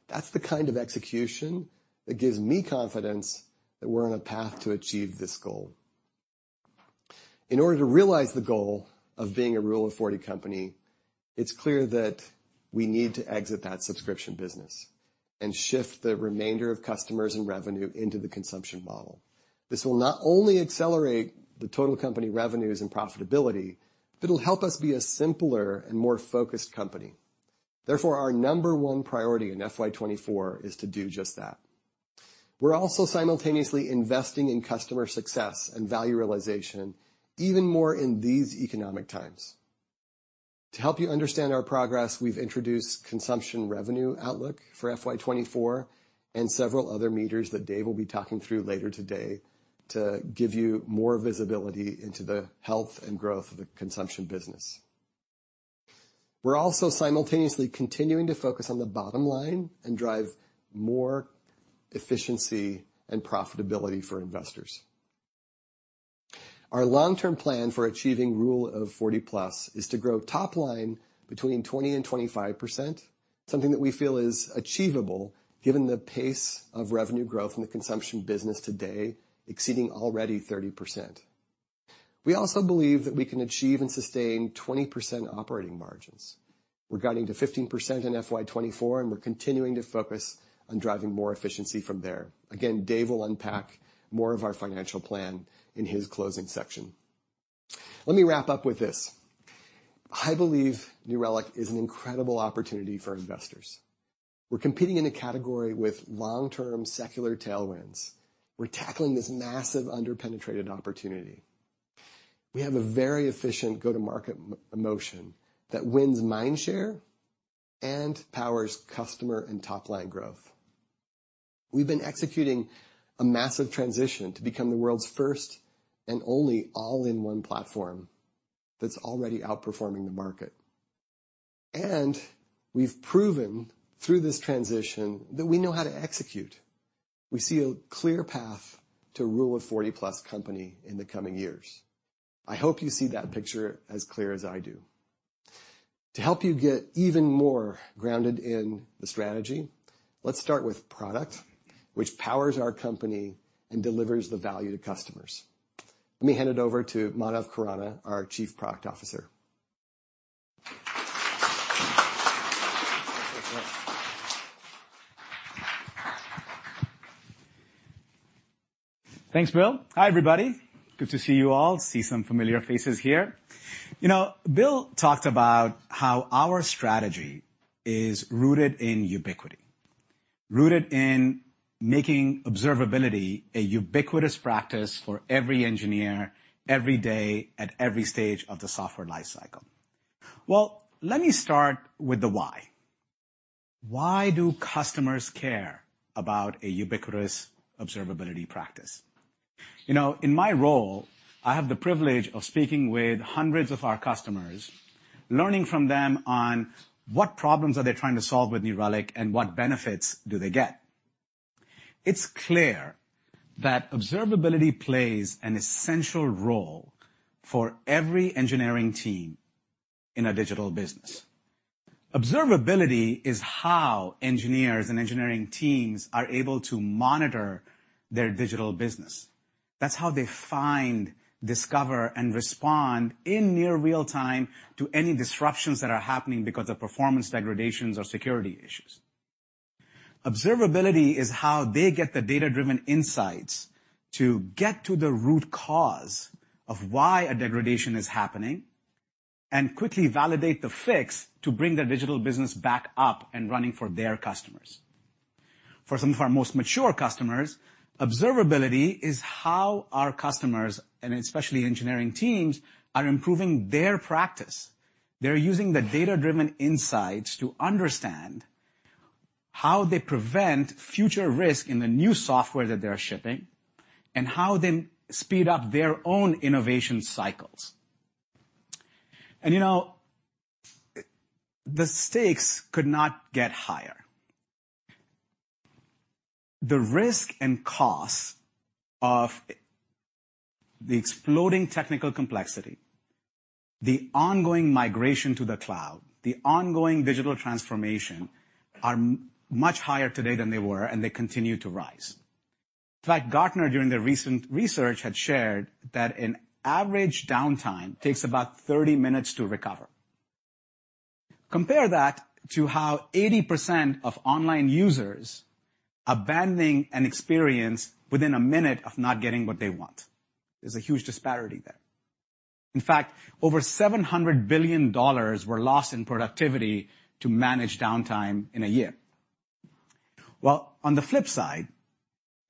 That's the kind of execution that gives me confidence that we're on a path to achieve this goal. In order to realize the goal of being a rule of 40 company, it's clear that we need to exit that subscription business and shift the remainder of customers and revenue into the consumption model. This will not only accelerate the total company revenues and profitability, but it'll help us be a simpler and more focused company. Therefore, our number one priority in FY 2024 is to do just that. We're also simultaneously investing in customer success and value realization, even more in these economic times. To help you understand our progress, we've introduced consumption revenue outlook for FY 2024 and several other meters that Dave will be talking through later today to give you more visibility into the health and growth of the consumption business. We're also simultaneously continuing to focus on the bottom line and drive more efficiency and profitability for investors. Our long-term plan for achieving Rule of 40+ is to grow top line between 20% and 25%, something that we feel is achievable given the pace of revenue growth in the consumption business today, exceeding already 30%. We also believe that we can achieve and sustain 20% operating margins. We're guiding to 15% in FY 2024. We're continuing to focus on driving more efficiency from there. Dave will unpack more of our financial plan in his closing section. Let me wrap up with this: I believe New Relic is an incredible opportunity for investors. We're competing in a category with long-term secular tailwinds. We're tackling this massive under-penetrated opportunity. We have a very efficient go-to-market motion that wins mind share and powers customer and top-line growth. We've been executing a massive transition to become the world's first and only all-in-one platform that's already outperforming the market. We've proven through this transition that we know how to execute. We see a clear path to rule a 40-plus company in the coming years. I hope you see that picture as clear as I do. To help you get even more grounded in the strategy, let's start with product, which powers our company and delivers the value to customers. Let me hand it over to Manav Khurana, our Chief Product Officer. Thanks, Bill. Hi, everybody. Good to see you all. See some familiar faces here. You know, Bill talked about how our strategy is rooted in ubiquity, rooted in making observability a ubiquitous practice for every engineer, every day, at every stage of the software life cycle. Well, let me start with the why. Why do customers care about a ubiquitous observability practice? You know, in my role, I have the privilege of speaking with hundreds of our customers, learning from them on what problems are they trying to solve with New Relic, and what benefits do they get? I t's clear that observability plays an essential role for every engineering team in a digital business. Observability is how engineers and engineering teams are able to monitor their digital business. That's how they find, discover, and respond in near real time to any disruptions that are happening because of performance degradations or security issues. Observability is how they get the data-driven insights to get to the root cause of why a degradation is happening, and quickly validate the fix to bring their digital business back up and running for their customers. For some of our most mature customers, observability is how our customers, and especially engineering teams, are improving their practice. They're using the data-driven insights to understand how they prevent future risk in the new software that they are shipping, and how they speed up their own innovation cycles. The stakes could not get higher. The risk and costs of the exploding technical complexity, the ongoing migration to the cloud, the ongoing digital transformation are much higher today than they were, and they continue to rise. In fact, Gartner, during their recent research, had shared that an average downtime takes about 30 minutes to recover. Compare that to how 80% of online users abandoning an experience within a minute of not getting what they want. There's a huge disparity there. In fact, over $700 billion were lost in productivity to manage downtime in a year. On the flip side,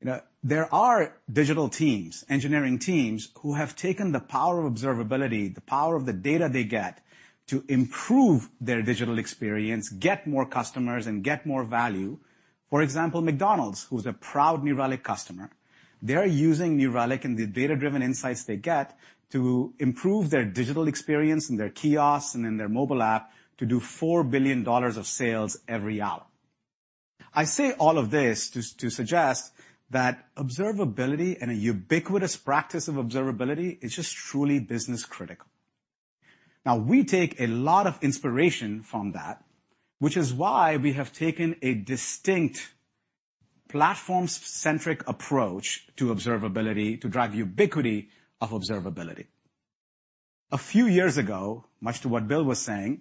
you know, there are digital teams, engineering teams, who have taken the power of observability, the power of the data they get, to improve their digital experience, get more customers, and get more value. For example, McDonald's, who's a proud New Relic customer, they're using New Relic and the data-driven insights they get to improve their digital experience in their kiosks and in their mobile app to do $4 billion of sales every hour. I say all of this to suggest that observability and a ubiquitous practice of observability is just truly business-critical. We take a lot of inspiration from that, which is why we have taken a distinct platform-centric approach to observability to drive ubiquity of observability. A few years ago, much to what Bill was saying,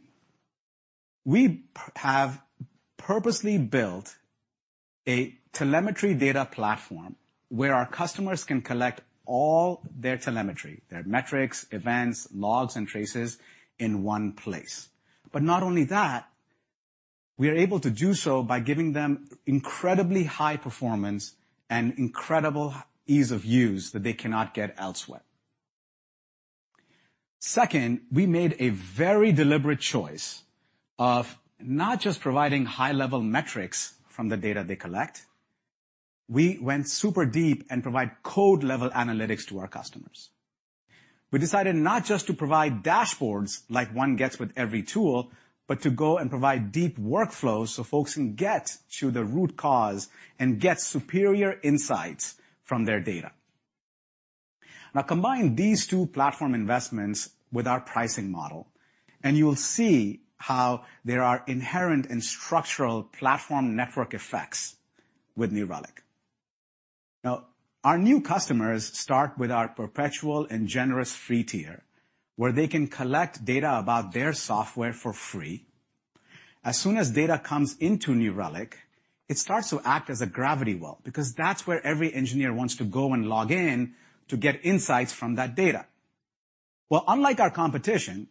we have purposely built a telemetry data platform where our customers can collect all their telemetry, their metrics, events, logs, and traces in one place. Not only that, we are able to do so by giving them incredibly high performance and incredible ease of use that they cannot get elsewhere. Second, we made a very deliberate choice of not just providing high-level metrics from the data they collect. We went super deep and provide code-level analytics to our customers. We decided not just to provide dashboards, like one gets with every tool, but to go and provide deep workflows so folks can get to the root cause and get superior insights from their data. Combine these two platform investments with our pricing model, and you'll see how there are inherent and structural platform network effects with New Relic. Our new customers start with our perpetual and generous free tier, where they can collect data about their software for free. As soon as data comes into New Relic, it starts to act as a gravity well, because that's where every engineer wants to go and log in to get insights from that data. Well, unlike our competition,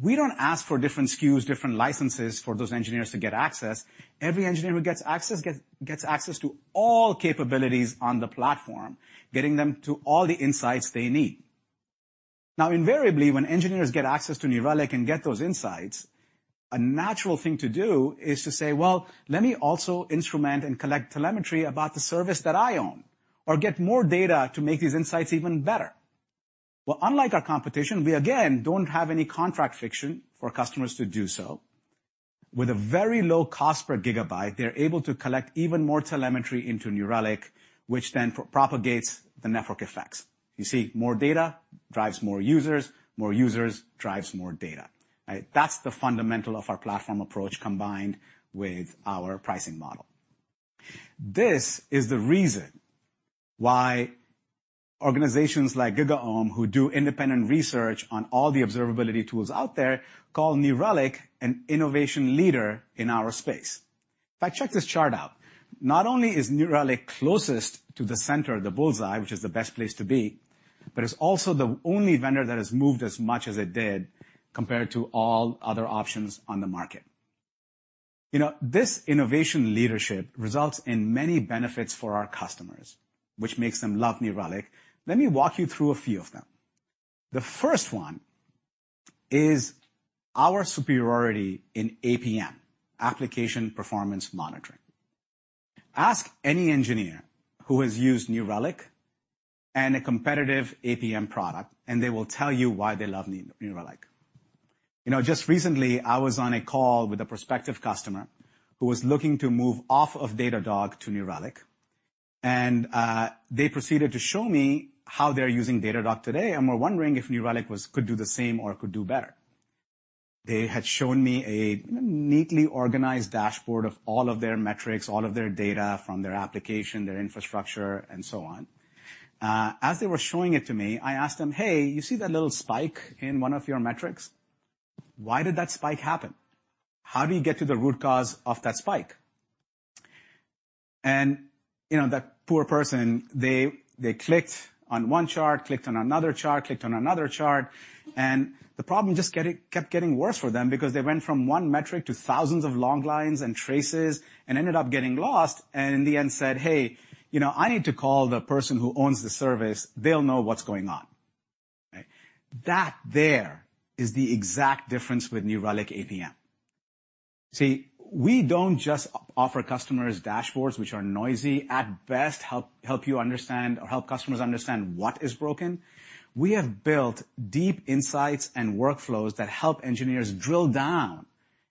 we don't ask for different SKUs, different licenses for those engineers to get access. Every engineer who gets access to all capabilities on the platform, getting them to all the insights they need. Invariably, when engineers get access to New Relic and get those insights, a natural thing to do is to say, "Well, let me also instrument and collect telemetry about the service that I own, or get more data to make these insights even better." Unlike our competition, we again, don't have any contract friction for customers to do so. With a very low cost per gigabyte, they're able to collect even more telemetry into New Relic, which then propagates the network effects. More data drives more users, more users drives more data, right? That's the fundamental of our platform approach combined with our pricing model. This is the reason why organizations like GigaOm, who do independent research on all the observability tools out there, call New Relic an innovation leader in our space. In fact, check this chart out. Not only is New Relic closest to the center of the bull's-eye, which is the best place to be, but it's also the only vendor that has moved as much as it did compared to all other options on the market. You know, this innovation leadership results in many benefits for our customers, which makes them love New Relic. Let me walk you through a few of them. The first one is our superiority in APM, Application Performance Monitoring. Ask any engineer who has used New Relic and a competitive APM product, and they will tell you why they love New Relic. You know, just recently, I was on a call with a prospective customer who was looking to move off of Datadog to New Relic. They proceeded to show me how they're using Datadog today, and were wondering if New Relic could do the same or could do better. They had shown me a neatly organized dashboard of all of their metrics, all of their data from their application, their infrastructure, and so on. As they were showing it to me, I asked them, "Hey, you see that little spike in one of your metrics? Why did that spike happen? How do you get to the root cause of that spike?" You know, that poor person, they clicked on one chart, clicked on another chart, clicked on another chart, and the problem kept getting worse for them because they went from one metric to thousands of long lines and traces and ended up getting lost, and in the end said: "Hey, you know, I need to call the person who owns the service. They'll know what's going on." Right? There is the exact difference with New Relic APM. We don't just offer customers dashboards, which are noisy at best, help you understand or help customers understand what is broken. We have built deep insights and workflows that help engineers drill down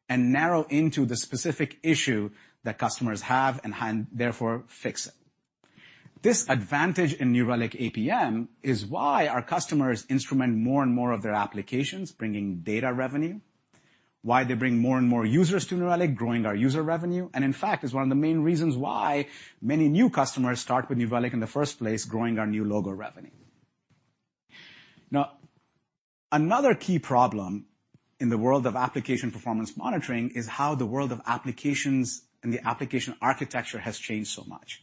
and narrow into the specific issue that customers have, and hand, therefore, fix it. This advantage in New Relic APM is why our customers instrument more and more of their applications, bringing data revenue, why they bring more and more users to New Relic, growing our user revenue, and in fact, is one of the main reasons why many new customers start with New Relic in the first place, growing our new logo revenue. Another key problem in the world of application performance monitoring is how the world of applications and the application architecture has changed so much.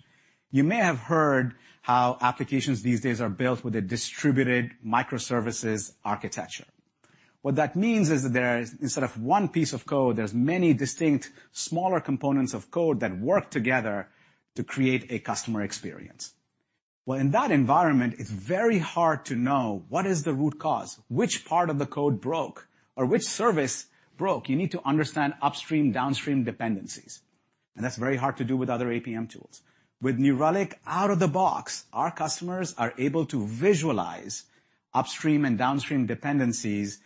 You may have heard how applications these days are built with a distributed microservices architecture. What that means is that there is, instead of one piece of code, there's many distinct, smaller components of code that work together to create a customer experience. Well, in that environment, it's very hard to know what is the root cause, which part of the code broke or which service broke. You need to understand upstream, downstream dependencies, and that's very hard to do with other APM tools. With New Relic, out of the box, our customers are able to visualize upstream and downstream dependencies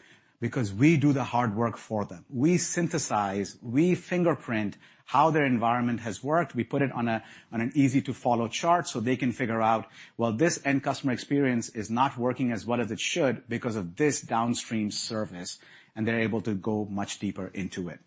because we do the hard work for them. We synthesize, we fingerprint how their environment has worked. We put it on an easy-to-follow chart so they can figure out, well, this end customer experience is not working as well as it should because of this downstream service, and they're able to go much deeper into it.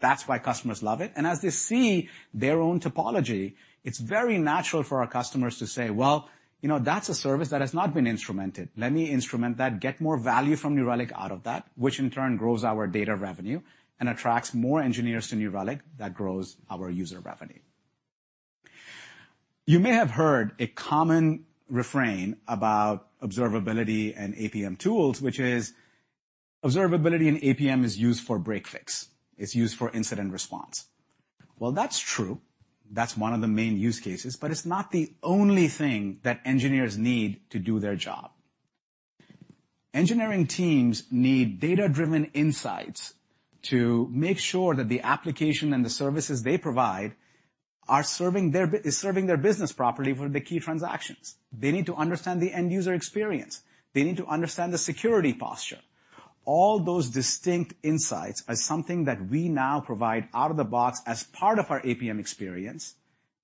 That's why customers love it. As they see their own topology, it's very natural for our customers to say, "Well, you know, that's a service that has not been instrumented. Let me instrument that, get more value from New Relic out of that," which in turn grows our data revenue and attracts more engineers to New Relic. That grows our user revenue. You may have heard a common refrain about observability and APM tools, which is observability and APM is used for break-fix. It's used for incident response. Well, that's true. That's one of the main use cases, but it's not the only thing that engineers need to do their job. Engineering teams need data-driven insights to make sure that the application and the services they provide are serving their business properly for the key transactions. They need to understand the end-user experience. They need to understand the security posture. All those distinct insights are something that we now provide out of the box as part of our APM experience,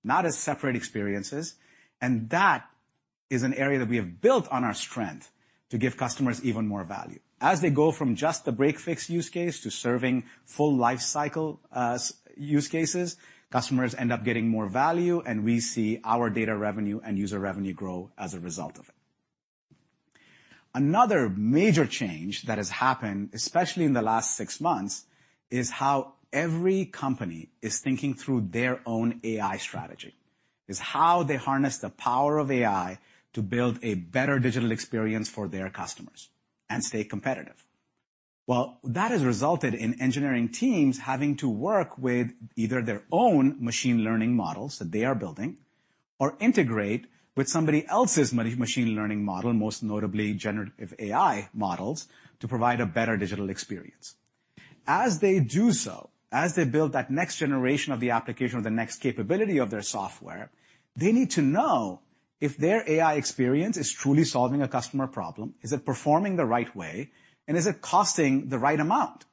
not as separate experiences. That is an area that we have built on our strength to give customers even more value. As they go from just the break-fix use case to serving full lifecycle, use cases, customers end up getting more value. We see our data revenue and user revenue grow as a result of it. Another major change that has happened, especially in the last six months, is how every company is thinking through their own AI strategy, is how they harness the power of AI to build a better digital experience for their customers and stay competitive. Well, that has resulted in engineering teams having to work with either their own machine learning models that they are building or integrate with somebody else's machine learning model, most notably generative AI models, to provide a better digital experience. As they do so, as they build that next generation of the application or the next capability of their software, they need to know if their AI experience is truly solving a customer problem, is it performing the right way, and is it costing the right amount?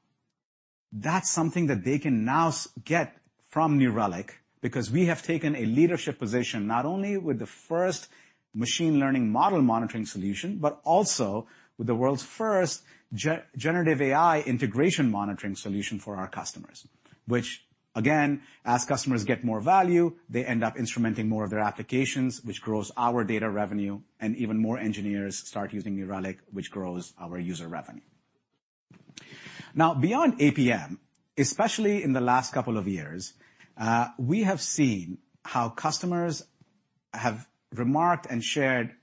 That's something that they can now get from New Relic because we have taken a leadership position, not only with the first machine learning model monitoring solution, but also with the world's first generative AI integration monitoring solution for our customers, which again, as customers get more value, they end up instrumenting more of their applications, which grows our data revenue, even more engineers start using New Relic, which grows our user revenue. Beyond APM, especially in the last couple of years, we have seen how customers have remarked and shared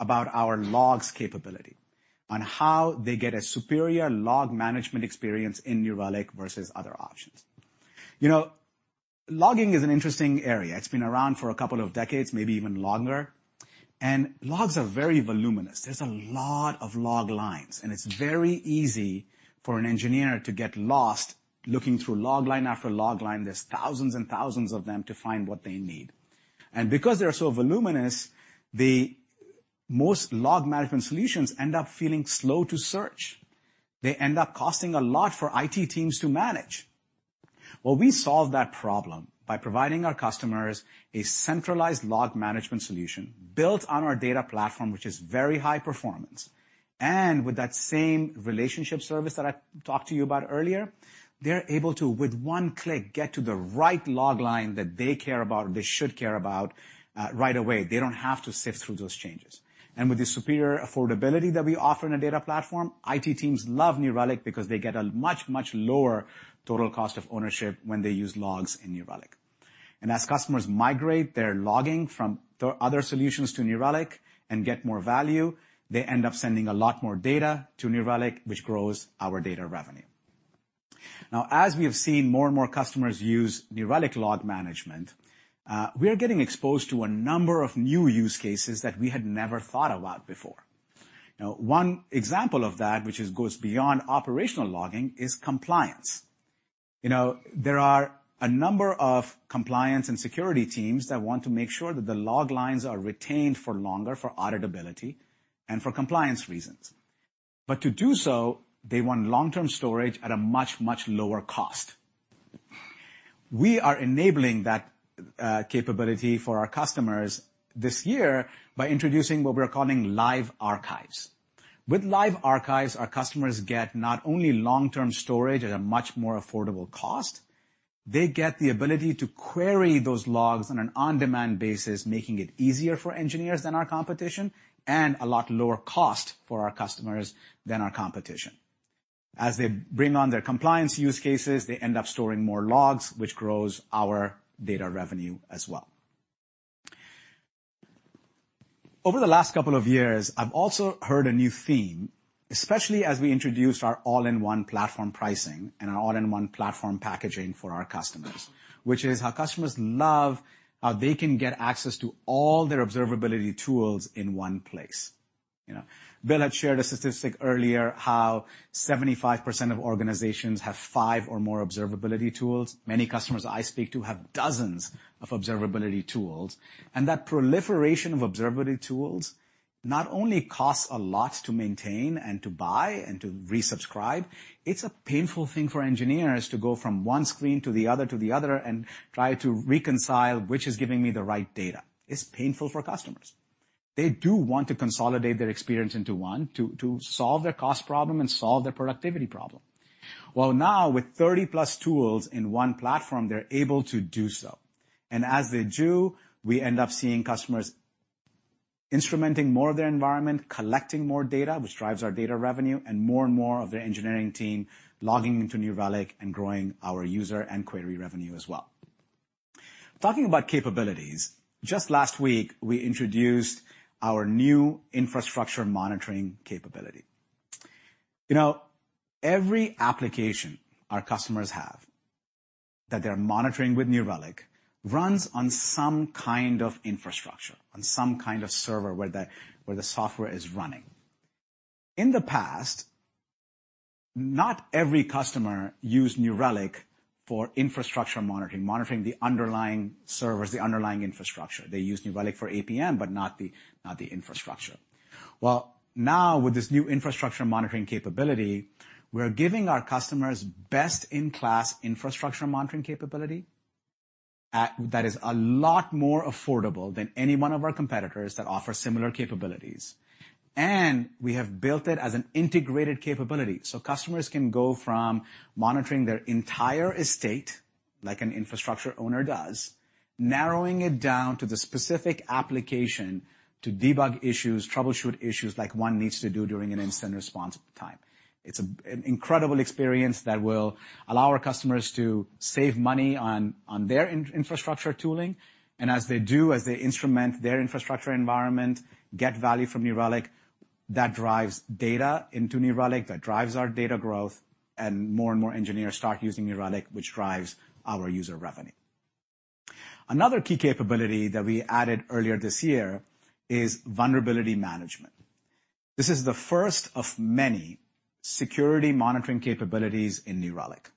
about our logs capability on how they get a superior log management experience in New Relic versus other options. Logging is an interesting area. It's been around for a couple of decades, maybe even longer, logs are very voluminous. There's a lot of log lines, and it's very easy for an engineer to get lost looking through log line after log line. There's thousands and thousands of them to find what they need. Because they're so voluminous, the most log management solutions end up feeling slow to search. They end up costing a lot for IT teams to manage. Well, we solve that problem by providing our customers a centralized log management solution built on our data platform, which is very high performance. With that same relationship service that I talked to you about earlier, they're able to, with one click, get to the right log line that they care about or they should care about, right away. They don't have to sift through those changes. With the superior affordability that we offer in a data platform, IT teams love New Relic because they get a much, much lower total cost of ownership when they use logs in New Relic. As customers migrate their logging from the other solutions to New Relic and get more value, they end up sending a lot more data to New Relic, which grows our data revenue. As we have seen more and more customers use New Relic log management, we are getting exposed to a number of new use cases that we had never thought about before. One example of that, which goes beyond operational logging, is compliance. You know, there are a number of compliance and security teams that want to make sure that the log lines are retained for longer, for auditability and for compliance reasons. To do so, they want long-term storage at a much, much lower cost. We are enabling that capability for our customers this year by introducing what we're calling Live Archives. With Live Archives, our customers get not only long-term storage at a much more affordable cost, they get the ability to query those logs on an on-demand basis, making it easier for engineers than our competition, and a lot lower cost for our customers than our competition. They bring on their compliance use cases, they end up storing more logs, which grows our data revenue as well. Over the last couple of years, I've also heard a new theme, especially as we introduced our all-in-one platform pricing and our all-in-one platform packaging for our customers, which is how customers love how they can get access to all their observability tools in one place, you know. Bill had shared a statistic earlier, how 75% of organizations have 5 or more observability tools. Many customers I speak to have dozens of observability tools. That proliferation of observability tools not only costs a lot to maintain and to buy and to resubscribe, it's a painful thing for engineers to go from one screen to the other and try to reconcile which is giving me the right data. It's painful for customers. They do want to consolidate their experience into one to solve their cost problem and solve their productivity problem. Now, with 30+ tools in one platform, they're able to do so. As they do, we end up seeing customers instrumenting more of their environment, collecting more data, which drives our data revenue, and more and more of their engineering team logging into New Relic and growing our user and query revenue as well. Talking about capabilities, just last week, we introduced our new infrastructure monitoring capability. You know, every application our customers have that they're monitoring with New Relic runs on some kind of infrastructure, on some kind of server where the software is running. In the past, not every customer used New Relic for infrastructure monitoring, the underlying servers, the underlying infrastructure. They used New Relic for APM, but not the infrastructure. Well, now, with this new infrastructure monitoring capability, we're giving our customers best-in-class infrastructure monitoring capability that is a lot more affordable than any 1 of our competitors that offer similar capabilities. We have built it as an integrated capability, so customers can go from monitoring their entire estate, like an infrastructure owner does, narrowing it down to the specific application to debug issues, troubleshoot issues like 1 needs to do during an incident response time. It's an incredible experience that will allow our customers to save money on their in-infrastructure tooling, and as they do, as they instrument their infrastructure environment, get value from New Relic. That drives data into New Relic, that drives our data growth, and more and more engineers start using New Relic, which drives our user revenue. Another key capability that we added earlier this year is vulnerability management. This is the first of many security monitoring capabilities in New Relic.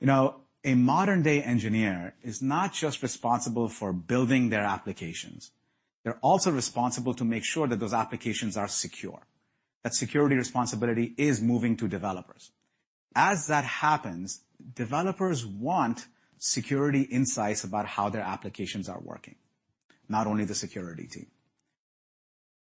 You know, a modern-day engineer is not just responsible for building their applications. They're also responsible to make sure that those applications are secure. That security responsibility is moving to developers. As that happens, developers want security insights about how their applications are working, not only the security team.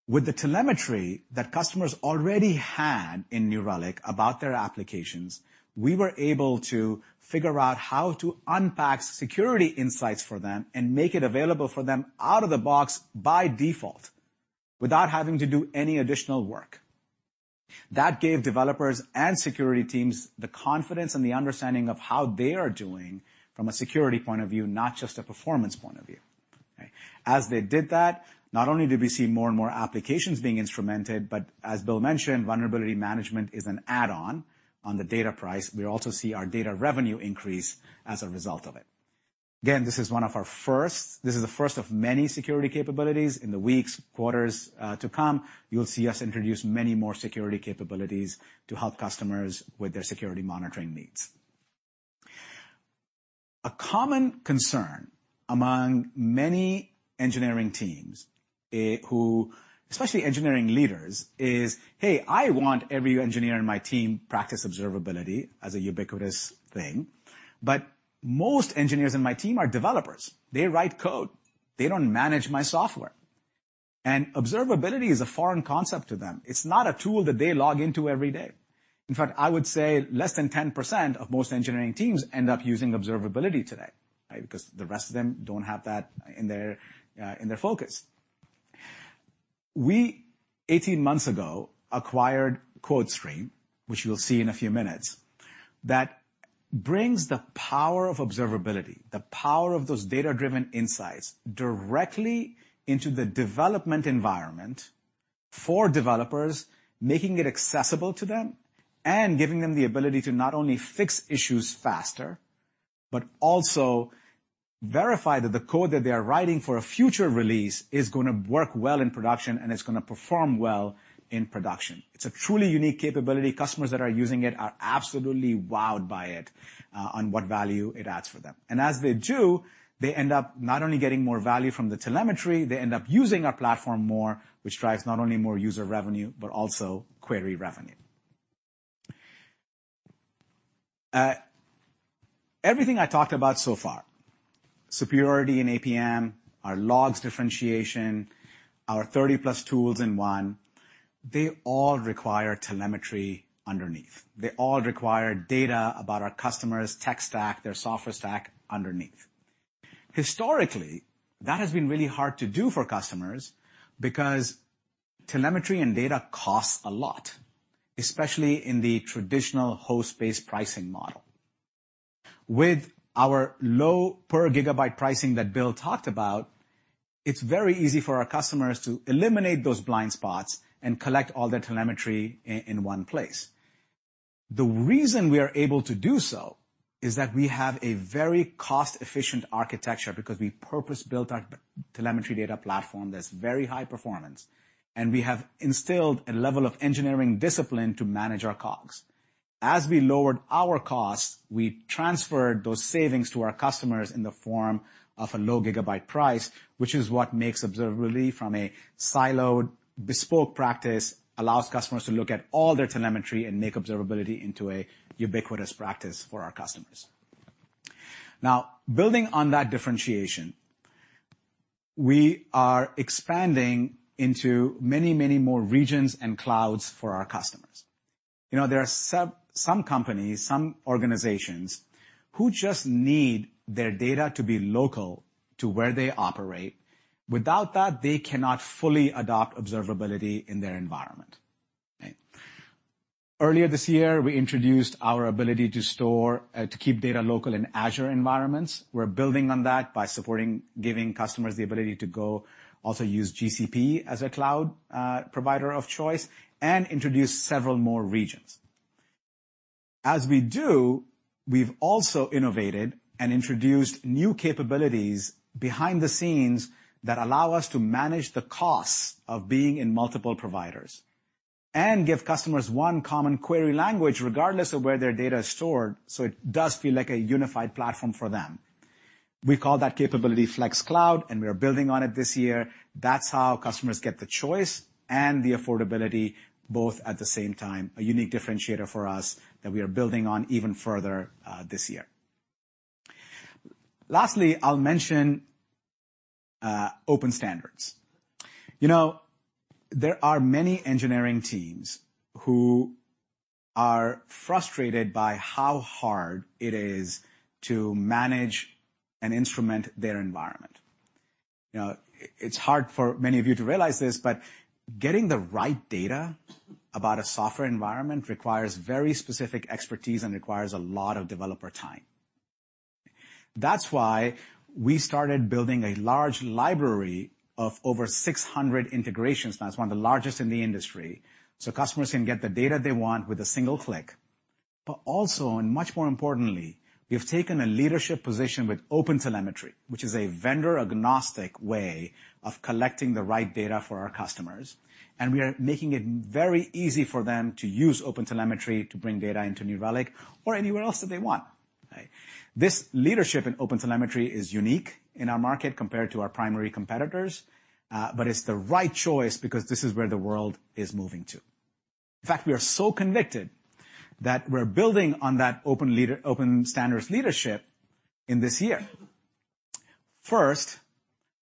With the telemetry that customers already had in New Relic about their applications, we were able to figure out how to unpack security insights for them and make it available for them out of the box by default, without having to do any additional work. That gave developers and security teams the confidence and the understanding of how they are doing from a security point of view, not just a performance point of view. As they did that, not only did we see more and more applications being instrumented, but as Bill mentioned, vulnerability management is an add-on, on the Data Plus. We also see our data revenue increase as a result of it. Again, this is the first of many security capabilities. In the weeks, quarters, to come, you'll see us introduce many more security capabilities to help customers with their security monitoring needs. A common concern among many engineering teams, who, especially engineering leaders, is, "Hey, I want every engineer in my team practice observability as a ubiquitous thing. Most engineers in my team are developers. They write code. They don't manage my software." Observability is a foreign concept to them. It's not a tool that they log into every day. In fact, I would say less than 10% of most engineering teams end up using observability today, right? The rest of them don't have that in their focus. We, 18 months ago, acquired CodeStream, which you'll see in a few minutes, that brings the power of observability, the power of those data-driven insights, directly into the development environment for developers, making it accessible to them, and giving them the ability to not only fix issues faster, but also verify that the code that they are writing for a future release is gonna work well in production, and it's gonna perform well in production. It's a truly unique capability. Customers that are using it are absolutely wowed by it on what value it adds for them. As they do, they end up not only getting more value from the telemetry, they end up using our platform more, which drives not only more user revenue, but also query revenue. Everything I talked about so far, superiority in APM, our logs differentiation, our 30-plus tools in one, they all require telemetry underneath. They all require data about our customers' tech stack, their software stack underneath. Historically, that has been really hard to do for customers because telemetry and data costs a lot, especially in the traditional host-based pricing model. With our low per gigabyte pricing that Bill talked about, it's very easy for our customers to eliminate those blind spots and collect all their telemetry in one place. The reason we are able to do so is that we have a very cost-efficient architecture because we purpose-built our telemetry data platform that's very high performance, and we have instilled a level of engineering discipline to manage our costs. As we lowered our costs, we transferred those savings to our customers in the form of a low gigabyte price, which is what makes observability from a siloed, bespoke practice, allows customers to look at all their telemetry and make observability into a ubiquitous practice for our customers. Building on that differentiation, we are expanding into many, many more regions and clouds for our customers. There are some companies, some organizations who just need their data to be local to where they operate. Without that, they cannot fully adopt observability in their environment, okay? Earlier this year, we introduced our ability to store, to keep data local in Azure environments. We're building on that by supporting, giving customers the ability to go also use GCP as a cloud provider of choice and introduce several more regions. As we do, we've also innovated and introduced new capabilities behind the scenes that allow us to manage the costs of being in multiple providers and give customers one common query language, regardless of where their data is stored, so it does feel like a unified platform for them. We call that capability Flex Cloud, and we are building on it this year. That's how customers get the choice and the affordability, both at the same time, a unique differentiator for us that we are building on even further this year. Lastly, I'll mention open standards. There are many engineering teams who are frustrated by how hard it is to manage and instrument their environment. You know, it's hard for many of you to realize this, but getting the right data about a software environment requires very specific expertise and requires a lot of developer time. That's why we started building a large library of over 600 integrations, now it's one of the largest in the industry, so customers can get the data they want with a single click. Also, and much more importantly, we have taken a leadership position with OpenTelemetry, which is a vendor-agnostic way of collecting the right data for our customers, and we are making it very easy for them to use OpenTelemetry to bring data into New Relic or anywhere else that they want. Right? This leadership in OpenTelemetry is unique in our market compared to our primary competitors, but it's the right choice because this is where the world is moving to. In fact, we are so convicted that we're building on that open standards leadership in this year. First,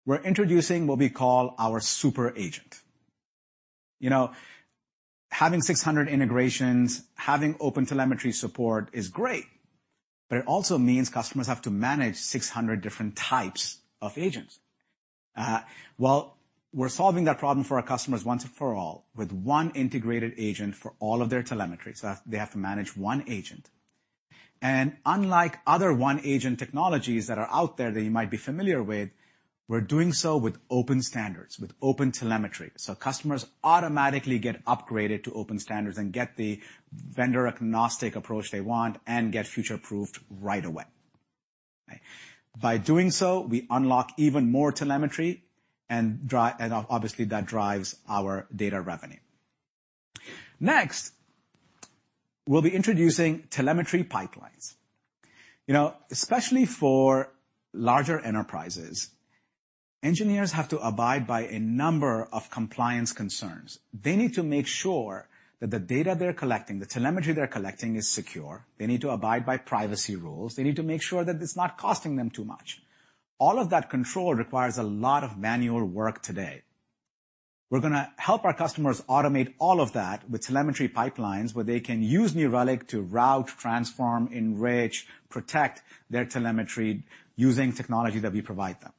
we're introducing what we call our SuperAgent. You know, having 600 integrations, having OpenTelemetry support is great, but it also means customers have to manage 600 different types of agents. Well, we're solving that problem for our customers once and for all, with one integrated agent for all of their telemetry. They have to manage one agent. Unlike other one-agent technologies that are out there that you might be familiar with, we're doing so with open standards, with OpenTelemetry, so customers automatically get upgraded to open standards and get the vendor-agnostic approach they want and get future-proofed right away. By doing so, we unlock even more telemetry and obviously, that drives our data revenue. Next, we'll be introducing telemetry pipelines. You know, especially for larger enterprises, engineers have to abide by a number of compliance concerns. They need to make sure that the data they're collecting, the telemetry they're collecting, is secure. They need to abide by privacy rules. They need to make sure that it's not costing them too much. All of that control requires a lot of manual work today. We're gonna help our customers automate all of that with telemetry pipelines, where they can use New Relic to route, transform, enrich, protect their telemetry using technology that we provide them,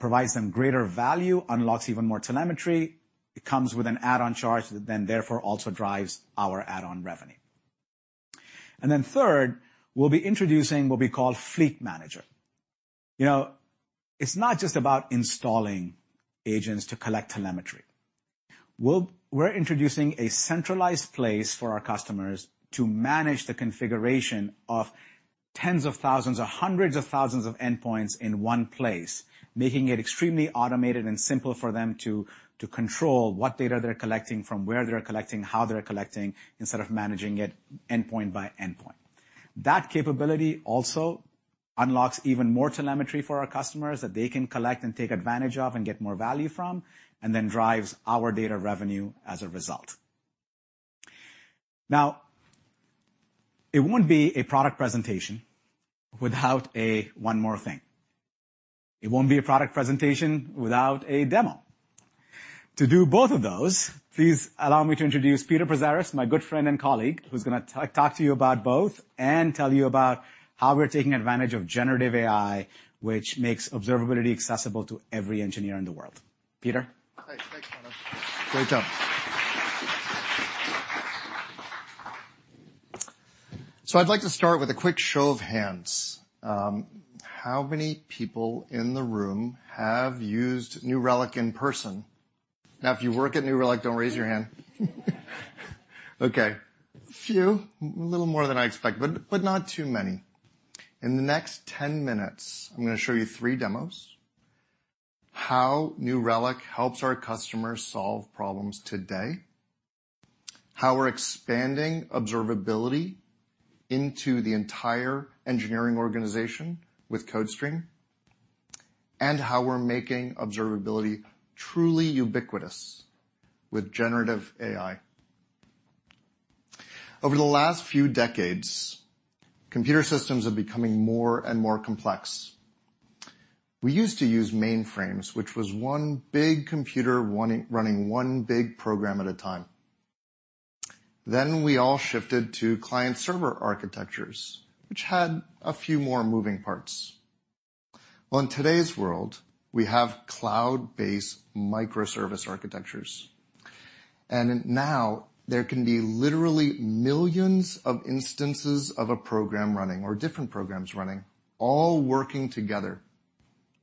provides them greater value, unlocks even more telemetry. It comes with an add-on charge, that then, therefore, also drives our add-on revenue. Third, we'll be introducing what we call Fleet Manager. You know, it's not just about installing agents to collect telemetry. We're introducing a centralized place for our customers to manage the configuration of tens of thousands or hundreds of thousands of endpoints in one place, making it extremely automated and simple for them to control what data they're collecting from where they're collecting, how they're collecting, instead of managing it endpoint by endpoint. That capability also unlocks even more telemetry for our customers that they can collect and take advantage of and get more value from, and drives our data revenue as a result. It wouldn't be a product presentation without a one more thing. It won't be a product presentation without a demo. To do both of those, please allow me to introduce Peter Pezaris, my good friend and colleague, who's gonna talk to you about both and tell you about how we're taking advantage of generative AI, which makes observability accessible to every engineer in the world. Peter? Thanks. Thanks, Manav. Great job. I'd like to start with a quick show of hands. How many people in the room have used New Relic in person? If you work at New Relic, don't raise your hand. Okay, a few. A little more than I expected, but not too many. In the next 10 minutes, I'm gonna show you three demos: how New Relic helps our customers solve problems today, how we're expanding observability into the entire engineering organization with CodeStream, and how we're making observability truly ubiquitous with generative AI. Over the last few decades, computer systems are becoming more and more complex. We used to use mainframes, which was one big computer running one big program at a time. We all shifted to client-server architectures, which had a few more moving parts. Well, in today's world, we have cloud-based microservice architectures, and now there can be literally millions of instances of a program running or different programs running, all working together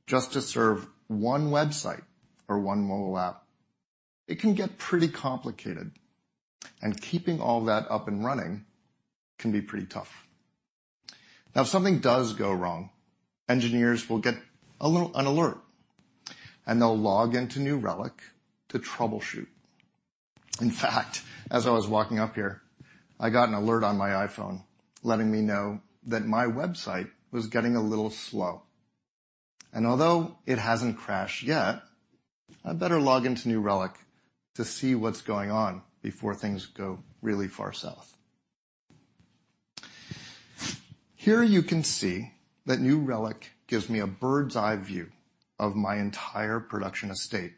just to serve one website or one mobile app. It can get pretty complicated, and keeping all that up and running can be pretty tough. If something does go wrong, engineers will get an alert, and they'll log into New Relic to troubleshoot. In fact, as I was walking up here, I got an alert on my iPhone letting me know that my website was getting a little slow, and although it hasn't crashed yet, I'd better log into New Relic to see what's going on before things go really far south. Here you can see that New Relic gives me a bird's-eye view of my entire production estate.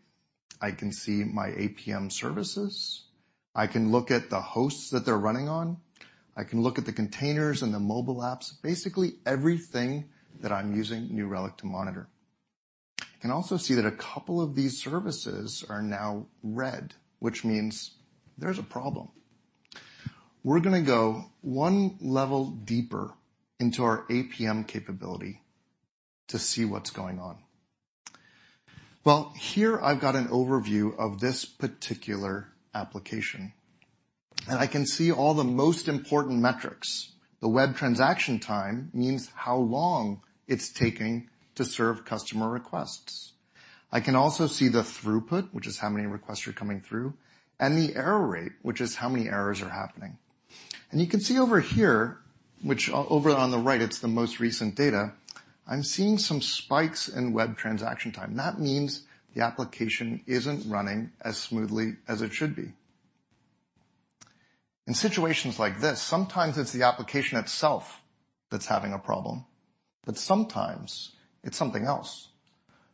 I can see my APM services. I can look at the hosts that they're running on. I can look at the containers and the mobile apps, basically everything that I'm using New Relic to monitor. I can also see that a couple of these services are now red, which means there's a problem. We're gonna go one level deeper into our APM capability to see what's going on. Well, here I've got an overview of this particular application. I can see all the most important metrics. The web transaction time means how long it's taking to serve customer requests. I can also see the throughput, which is how many requests are coming through, and the error rate, which is how many errors are happening. You can see over here, which over on the right, it's the most recent data, I'm seeing some spikes in web transaction time. That means the application isn't running as smoothly as it should be. In situations like this, sometimes it's the application itself that's having a problem, but sometimes it's something else,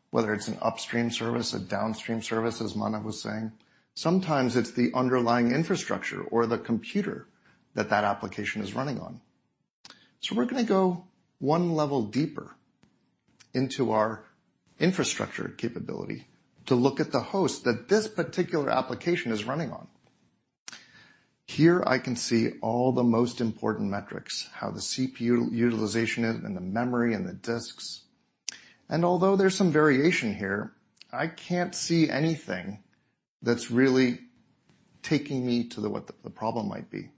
whether it's an upstream service, a downstream service, as Manav was saying. Sometimes it's the underlying infrastructure or the computer that that application is running on. We're gonna go one level deeper into our infrastructure capability to look at the host that this particular application is running on. Here I can see all the most important metrics, how the CPU utilization is, and the memory and the disks, and although there's some variation here, I can't see anything that's really taking me to the. what the problem might be.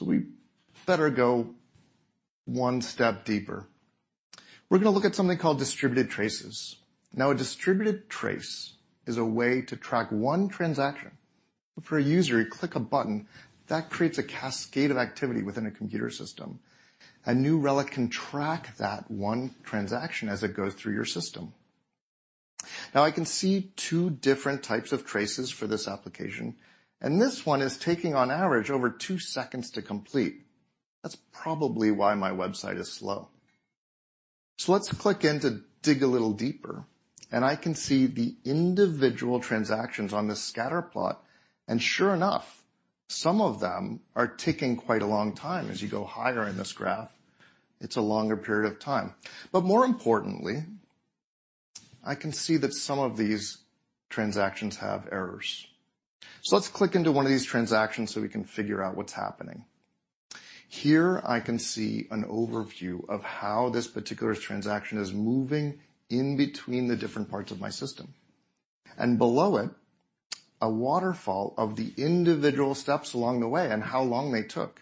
We better go one step deeper. We're gonna look at something called distributed traces. Now, a distributed trace is a way to track one transaction. For a user, you click a button, that creates a cascade of activity within a computer system. New Relic can track that one transaction as it goes through your system. I can see two different types of traces for this application, and this one is taking, on average, over 2 seconds to complete. That's probably why my website is slow. Let's click in to dig a little deeper. I can see the individual transactions on this scatter plot, and sure enough, some of them are taking quite a long time. As you go higher in this graph, it's a longer period of time. More importantly, I can see that some of these transactions have errors. Let's click into one of these transactions so we can figure out what's happening. Here, I can see an overview of how this particular transaction is moving in between the different parts of my system. Below it, a waterfall of the individual steps along the way and how long they took.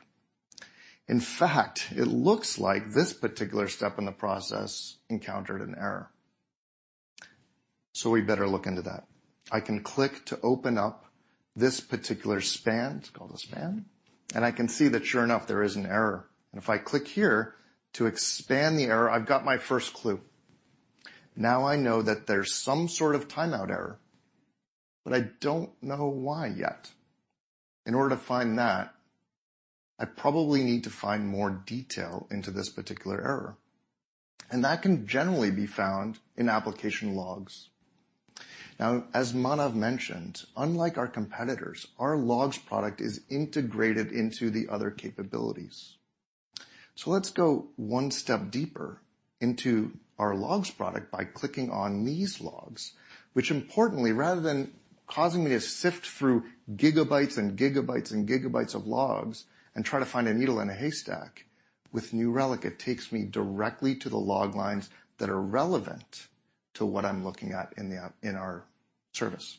In fact, it looks like this particular step in the process encountered an error. We better look into that. I can click to open up this particular span. It's called a span. I can see that sure enough, there is an error. If I click here to expand the error, I've got my first clue. I know that there's some sort of timeout error. I don't know why yet. In order to find that, I probably need to find more detail into this particular error. That can generally be found in application logs. Now, as Manav mentioned, unlike our competitors, our logs product is integrated into the other capabilities. Let's go one step deeper into our logs product by clicking on these logs, which importantly, rather than causing me to sift through gigabytes and gigabytes, and gigabytes of logs and try to find a needle in a haystack, with New Relic, it takes me directly to the log lines that are relevant to what I'm looking at in the app, in our service.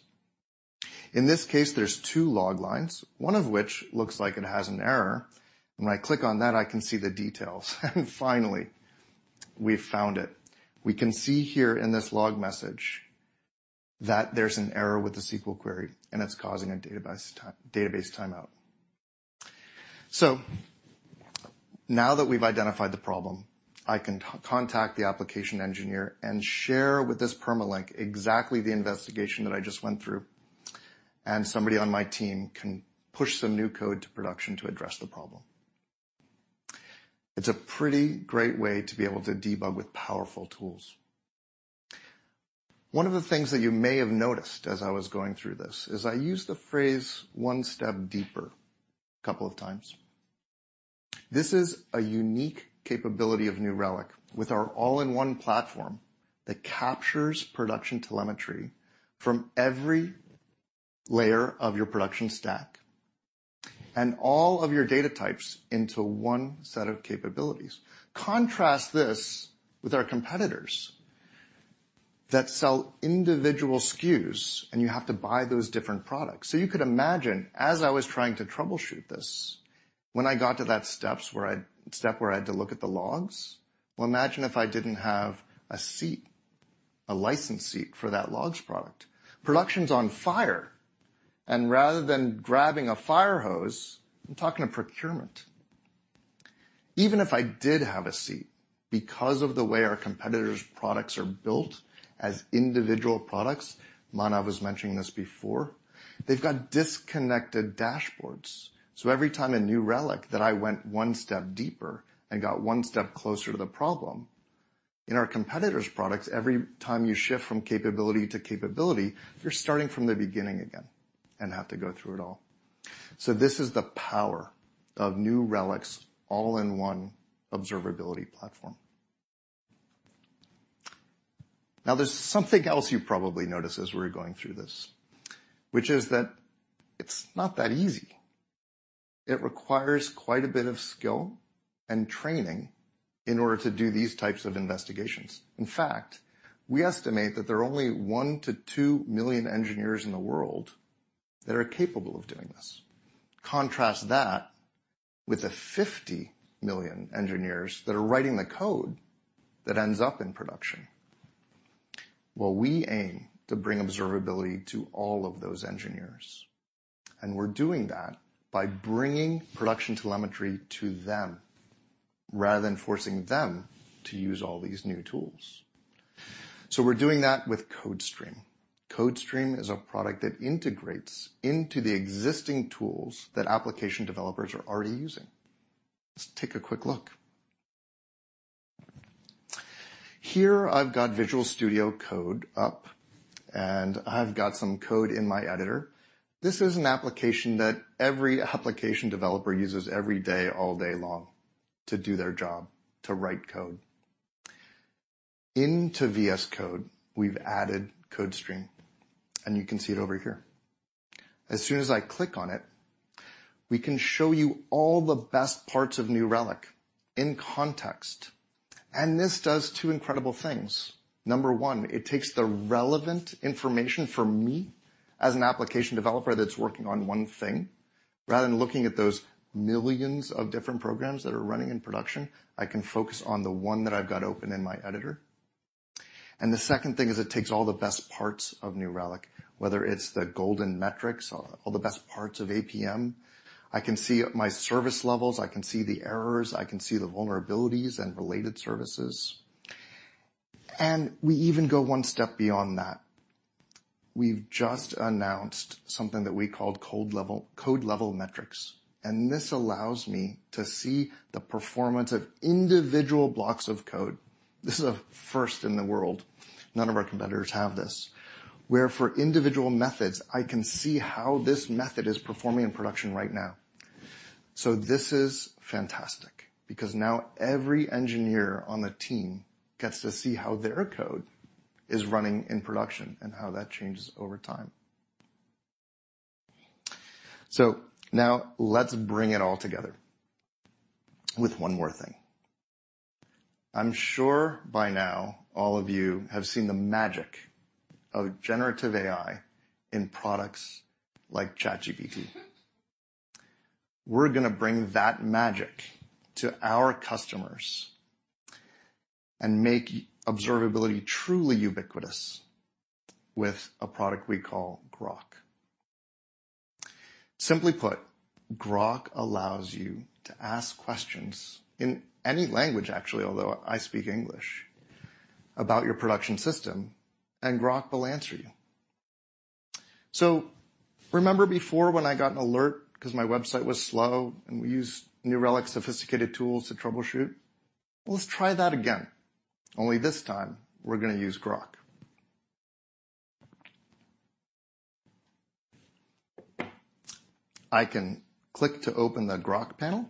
In this case, there's two log lines, one of which looks like it has an error, and when I click on that, I can see the details. Finally, we've found it. We can see here in this log message that there's an error with the SQL query, and it's causing a database timeout. Now that we've identified the problem, I can contact the application engineer and share with this permalink exactly the investigation that I just went through. Somebody on my team can push some new code to production to address the problem. It's a pretty great way to be able to debug with powerful tools. One of the things that you may have noticed as I was going through this, is I used the phrase, one step deeper, a couple of times. This is a unique capability of New Relic with our all-in-one platform that captures production telemetry from every layer of your production stack and all of your data types into one set of capabilities. Contrast this with our competitors that sell individual SKUs, you have to buy those different products. You could imagine, as I was trying to troubleshoot this, when I got to that step where I had to look at the logs, well, imagine if I didn't have a seat, a licensed seat for that logs product. Production's on fire, and rather than grabbing a fire hose, I'm talking to procurement. Even if I did have a seat, because of the way our competitors' products are built as individual products, Manav was mentioning this before, they've got disconnected dashboards. Every time a New Relic that I went one step deeper and got one step closer to the problem, in our competitors' products, every time you shift from capability to capability, you're starting from the beginning again and have to go through it all. This is the power of New Relic's all-in-one observability platform. There's something else you probably noticed as we were going through this, which is that it's not that easy. It requires quite a bit of skill and training in order to do these types of investigations. In fact, we estimate that there are only 1 million-2 million engineers in the world that are capable of doing this. Contrast that with the 50 million engineers that are writing the code that ends up in production. We aim to bring observability to all of those engineers, and we're doing that by bringing production telemetry to them, rather than forcing them to use all these new tools. We're doing that with CodeStream. CodeStream is a product that integrates into the existing tools that application developers are already using. Let's take a quick look. Here I've got Visual Studio Code up, and I've got some code in my editor. This is an application that every application developer uses every day, all day long to do their job, to write code. Into VS Code, we've added CodeStream, and you can see it over here. As soon as I click on it, we can show you all the best parts of New Relic in context. This does two incredible things. Number one, it takes the relevant information for me as an application developer that's working on one thing. Rather than looking at those millions of different programs that are running in production, I can focus on the one that I've got open in my editor. The second thing is it takes all the best parts of New Relic, whether it's the golden metrics, or all the best parts of APM. I can see my service levels, I can see the errors, I can see the vulnerabilities and related services. We even go one step beyond that. We've just announced something that we called code-level metrics, and this allows me to see the performance of individual blocks of code. This is a first in the world. None of our competitors have this, where for individual methods, I can see how this method is performing in production right now. This is fantastic because now every engineer on the team gets to see how their code is running in production and how that changes over time. Now let's bring it all together with one more thing. I'm sure by now all of you have seen the magic of generative AI in products like ChatGPT. We're gonna bring that magic to our customers and make observability truly ubiquitous with a product we call Grok. Simply put, Groq allows you to ask questions in any language, actually, although I speak English, about your production system. Groq will answer you. Remember before when I got an alert because my website was slow, and we used New Relic's sophisticated tools to troubleshoot? Let's try that again. Only this time, we're gonna use Groq. I can click to open the Groq panel.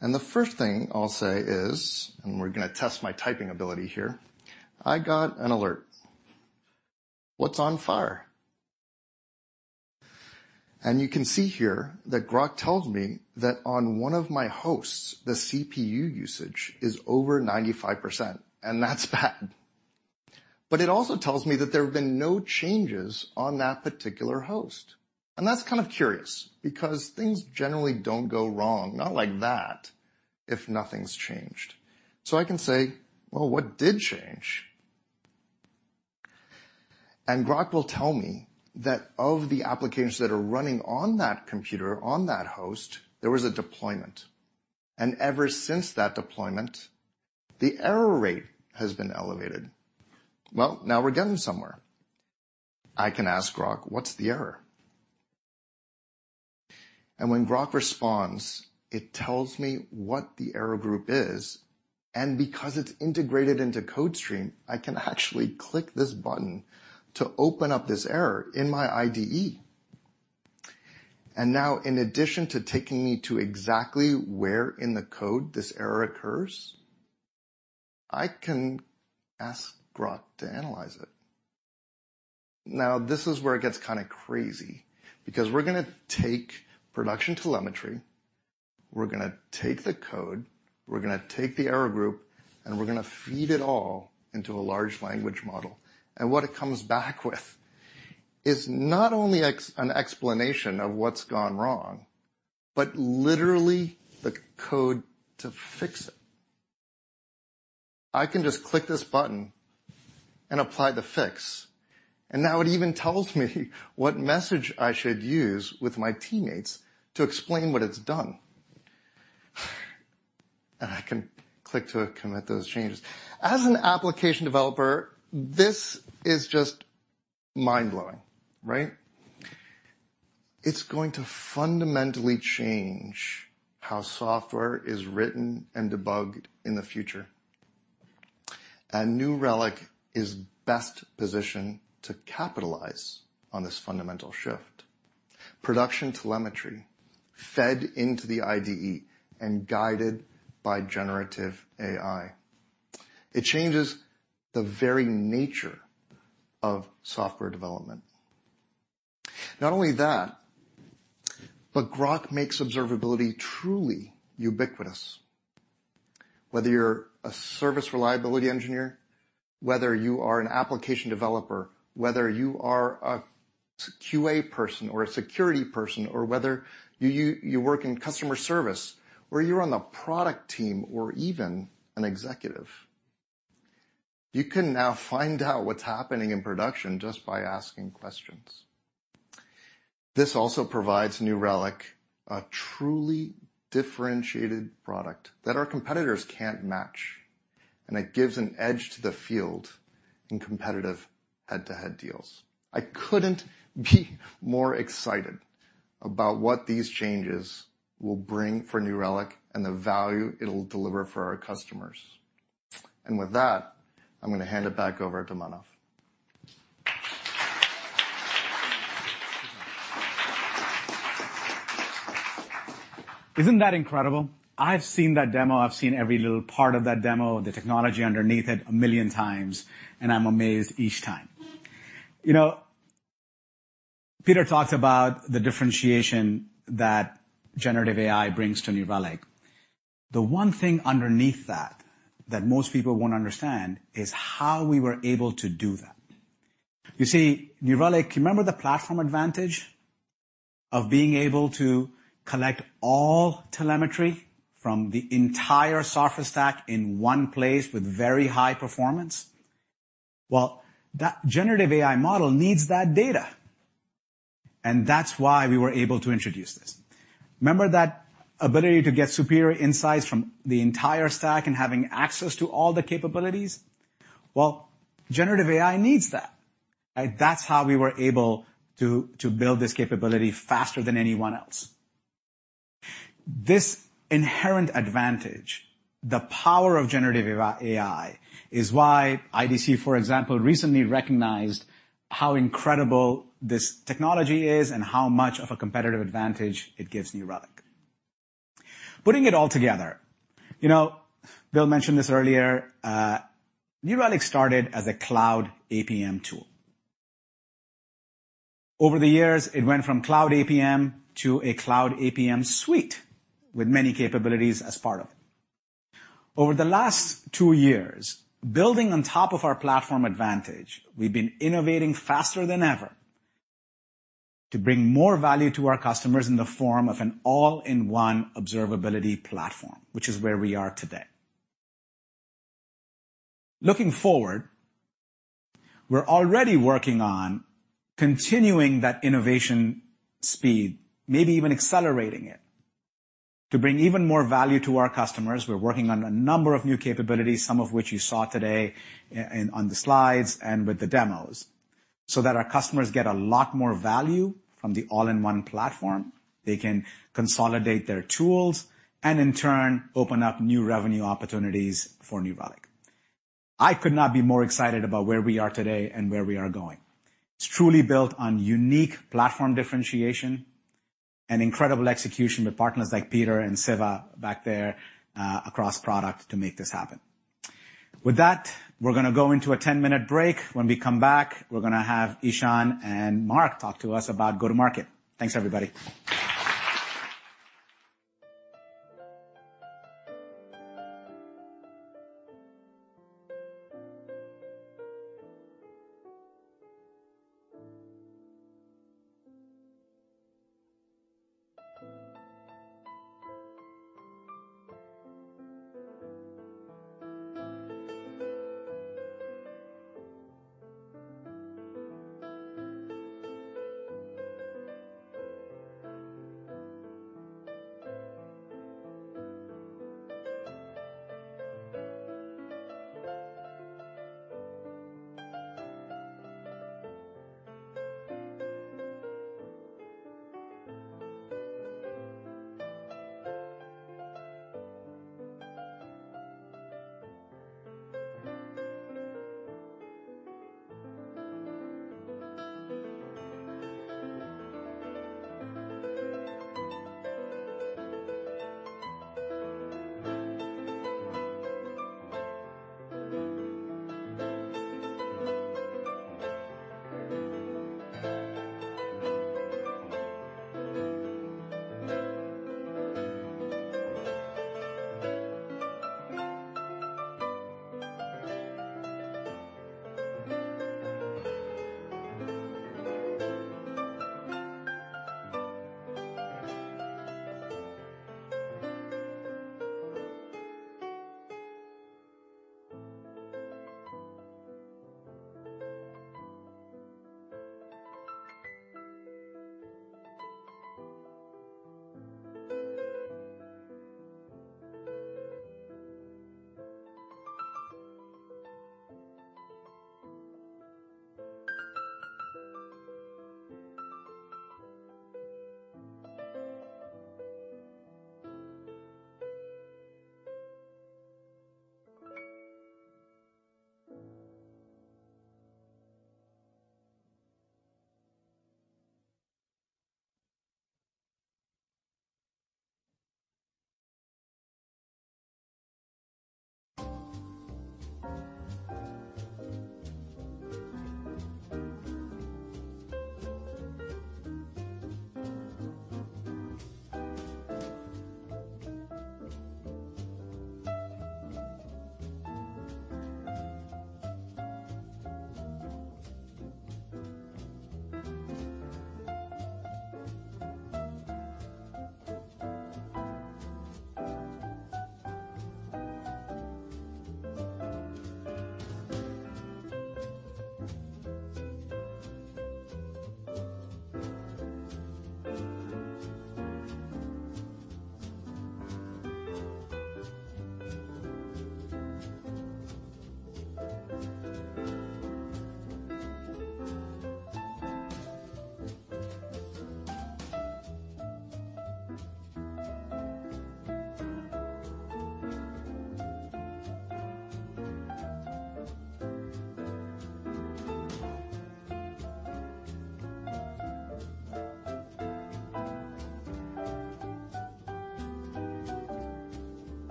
The first thing I'll say is, we're gonna test my typing ability here: I got an alert. What's on fire? You can see here that Groq tells me that on one of my hosts, the CPU usage is over 95%. That's bad. It also tells me that there have been no changes on that particular host. That's kind of curious, because things generally don't go wrong, not like that, if nothing's changed. I can say, "Well, what did change?" Grok will tell me that of the applications that are running on that computer, on that host, there was a deployment, and ever since that deployment, the error rate has been elevated. Well, now we're getting somewhere. I can ask Grok: What's the error? When Grok responds, it tells me what the error group is, and because it's integrated into CodeStream, I can actually click this button to open up this error in my IDE. Now, in addition to taking me to exactly where in the code this error occurs, I can ask Grok to analyze it. This is where it gets kinda crazy, because we're gonna take production telemetry, we're gonna take the code, we're gonna take the error group, and we're gonna feed it all into a large language model. What it comes back with is not only an explanation of what's gone wrong, but literally the code to fix it. I can just click this button and apply the fix, now it even tells me what message I should use with my teammates to explain what it's done. I can click to commit those changes. As an application developer, this is just mind-blowing, right? It's going to fundamentally change how software is written and debugged in the future. New Relic is best positioned to capitalize on this fundamental shift. Production telemetry fed into the IDE and guided by generative AI. It changes the very nature of software development. Not only that, Grok makes observability truly ubiquitous. Whether you're a service reliability engineer, whether you are an application developer, whether you are a QA person or a security person, or whether you work in customer service or you're on the product team or even an executive, you can now find out what's happening in production just by asking questions. This also provides New Relic a truly differentiated product that our competitors can't match, and it gives an edge to the field in competitive head-to-head deals. I couldn't be more excited about what these changes will bring for New Relic and the value it'll deliver for our customers. With that, I'm gonna hand it back over to Manav. Isn't that incredible? I've seen that demo. I've seen every little part of that demo, the technology underneath it, a million times, and I'm amazed each time. Peter talked about the differentiation that generative AI brings to New Relic. The one thing underneath that most people won't understand is how we were able to do that. You see, New Relic, you remember the platform advantage of being able to collect all telemetry from the entire software stack in one place with very high performance? Well, that generative AI model needs that data, and that's why we were able to introduce this. Remember that ability to get superior insights from the entire stack and having access to all the capabilities? Well, generative AI needs that, and that's how we were able to build this capability faster than anyone else. This inherent advantage, the power of generative AI, is why IDC, for example, recently recognized how incredible this technology is and how much of a competitive advantage it gives New Relic. Putting it all together, you know, Bill mentioned this earlier, New Relic started as a cloud APM tool. Over the years, it went from cloud APM to a cloud APM suite with many capabilities as part of it. Over the last two years, building on top of our platform advantage, we've been innovating faster than ever to bring more value to our customers in the form of an all-in-one observability platform, which is where we are today. Looking forward, we're already working on continuing that innovation speed, maybe even accelerating it, to bring even more value to our customers. We're working on a number of new capabilities, some of which you saw today on the slides and with the demos, so that our customers get a lot more value from the all-in-one platform. They can consolidate their tools and in turn, open up new revenue opportunities for New Relic. I could not be more excited about where we are today and where we are going. It's truly built on unique platform differentiation and incredible execution with partners like Peter and Siva back there, across product to make this happen. We're going to go into a 10-minute break. When we come back, we're going to have Ishan and Mark talk to us about go-to-market. Thanks, everybody.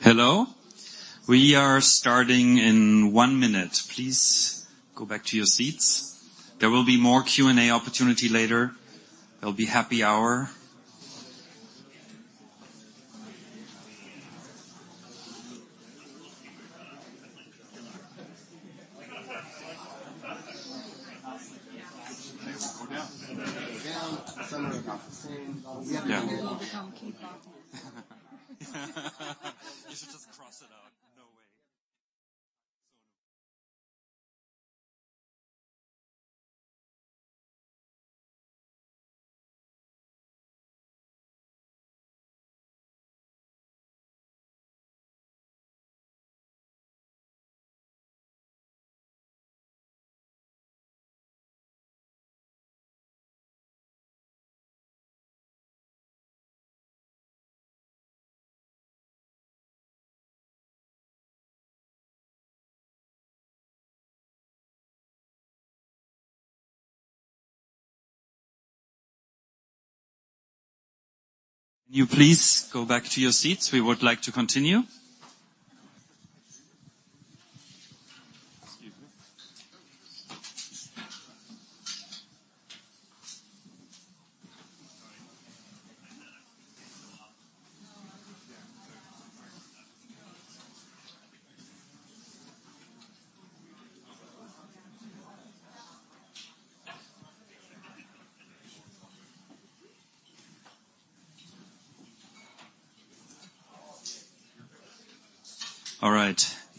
Hello, we are starting in one minute. Please go back to your seats. There will be more Q&A opportunity later. There'll be happy hour. You should just cross it out. No way! Can you please go back to your seats? We would like to continue.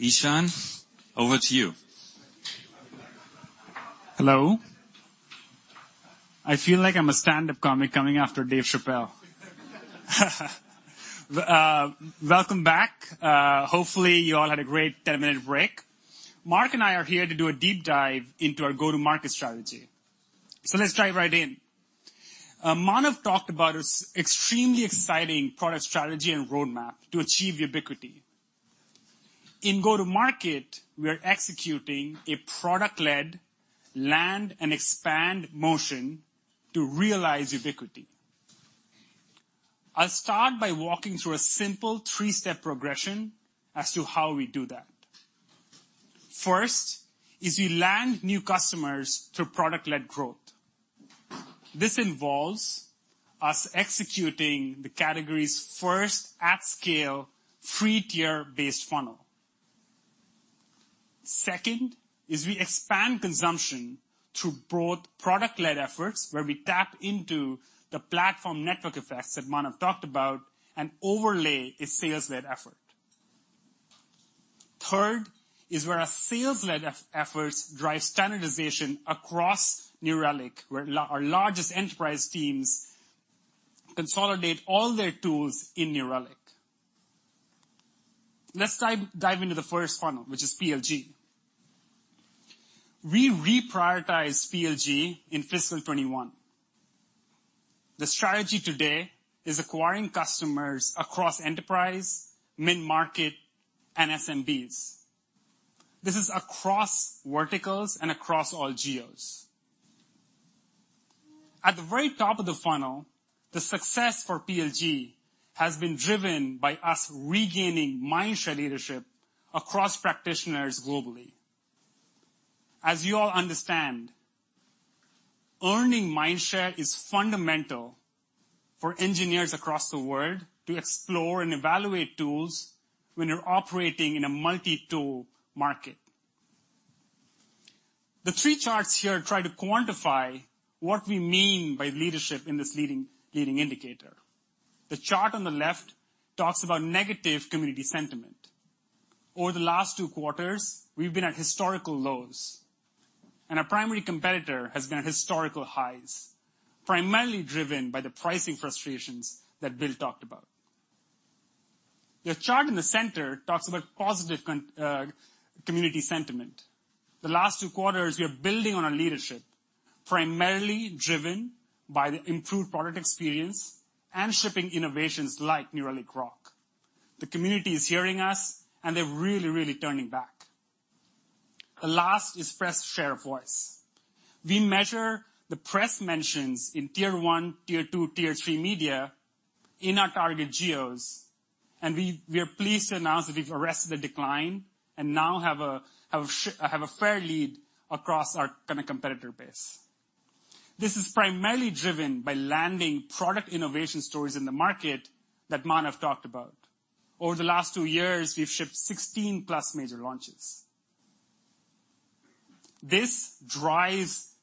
Excuse me. All right, Ishan, over to you. Hello. I feel like I'm a stand-up comic coming after Dave Chappelle. Welcome back. Hopefully, you all had a great 10-minute break. Mark and I are here to do a deep dive into our go-to-market strategy. Let's dive right in. Manav talked about his extremely exciting product strategy and roadmap to achieve ubiquity. In go-to-market, we are executing a product-led land and expand motion to realize ubiquity. I'll start by walking through a simple 3-step progression as to how we do that. First, is we land new customers through product-led growth. This involves us executing the category's first at scale, free tier-based funnel. Second, is we expand consumption through broad product-led efforts, where we tap into the platform network effects that Manav talked about and overlay a sales-led effort. Third, is where our sales-led efforts drive standardization across New Relic, where our largest enterprise teams consolidate all their tools in New Relic. Let's dive into the first funnel, which is PLG. We reprioritized PLG in fiscal 21. The strategy today is acquiring customers across enterprise, mid-market, and SMBs. This is across verticals and across all geos. At the very top of the funnel, the success for PLG has been driven by us regaining mindshare leadership across practitioners globally. As you all understand, earning mindshare is fundamental for engineers across the world to explore and evaluate tools when you're operating in a multi-tool market. The three charts here try to quantify what we mean by leadership in this leading indicator. The chart on the left talks about negative community sentiment. Over the last 2 quarters, we've been at historical lows, and our primary competitor has been at historical highs, primarily driven by the pricing frustrations that Bill talked about. The chart in the center talks about positive community sentiment. The last 2 quarters, we are building on our leadership, primarily driven by the improved product experience and shipping innovations like New Relic Grok. The community is hearing us, and they're really turning back. The last is press share of voice. We measure the press mentions in tier 1, tier 2, tier 3 media in our target geos, and we are pleased to announce that we've arrested the decline and now have a fair lead across our kind of competitor base. This is primarily driven by landing product innovation stories in the market that Manav talked about. Over the last two years, we've shipped 16+ major launches. This drives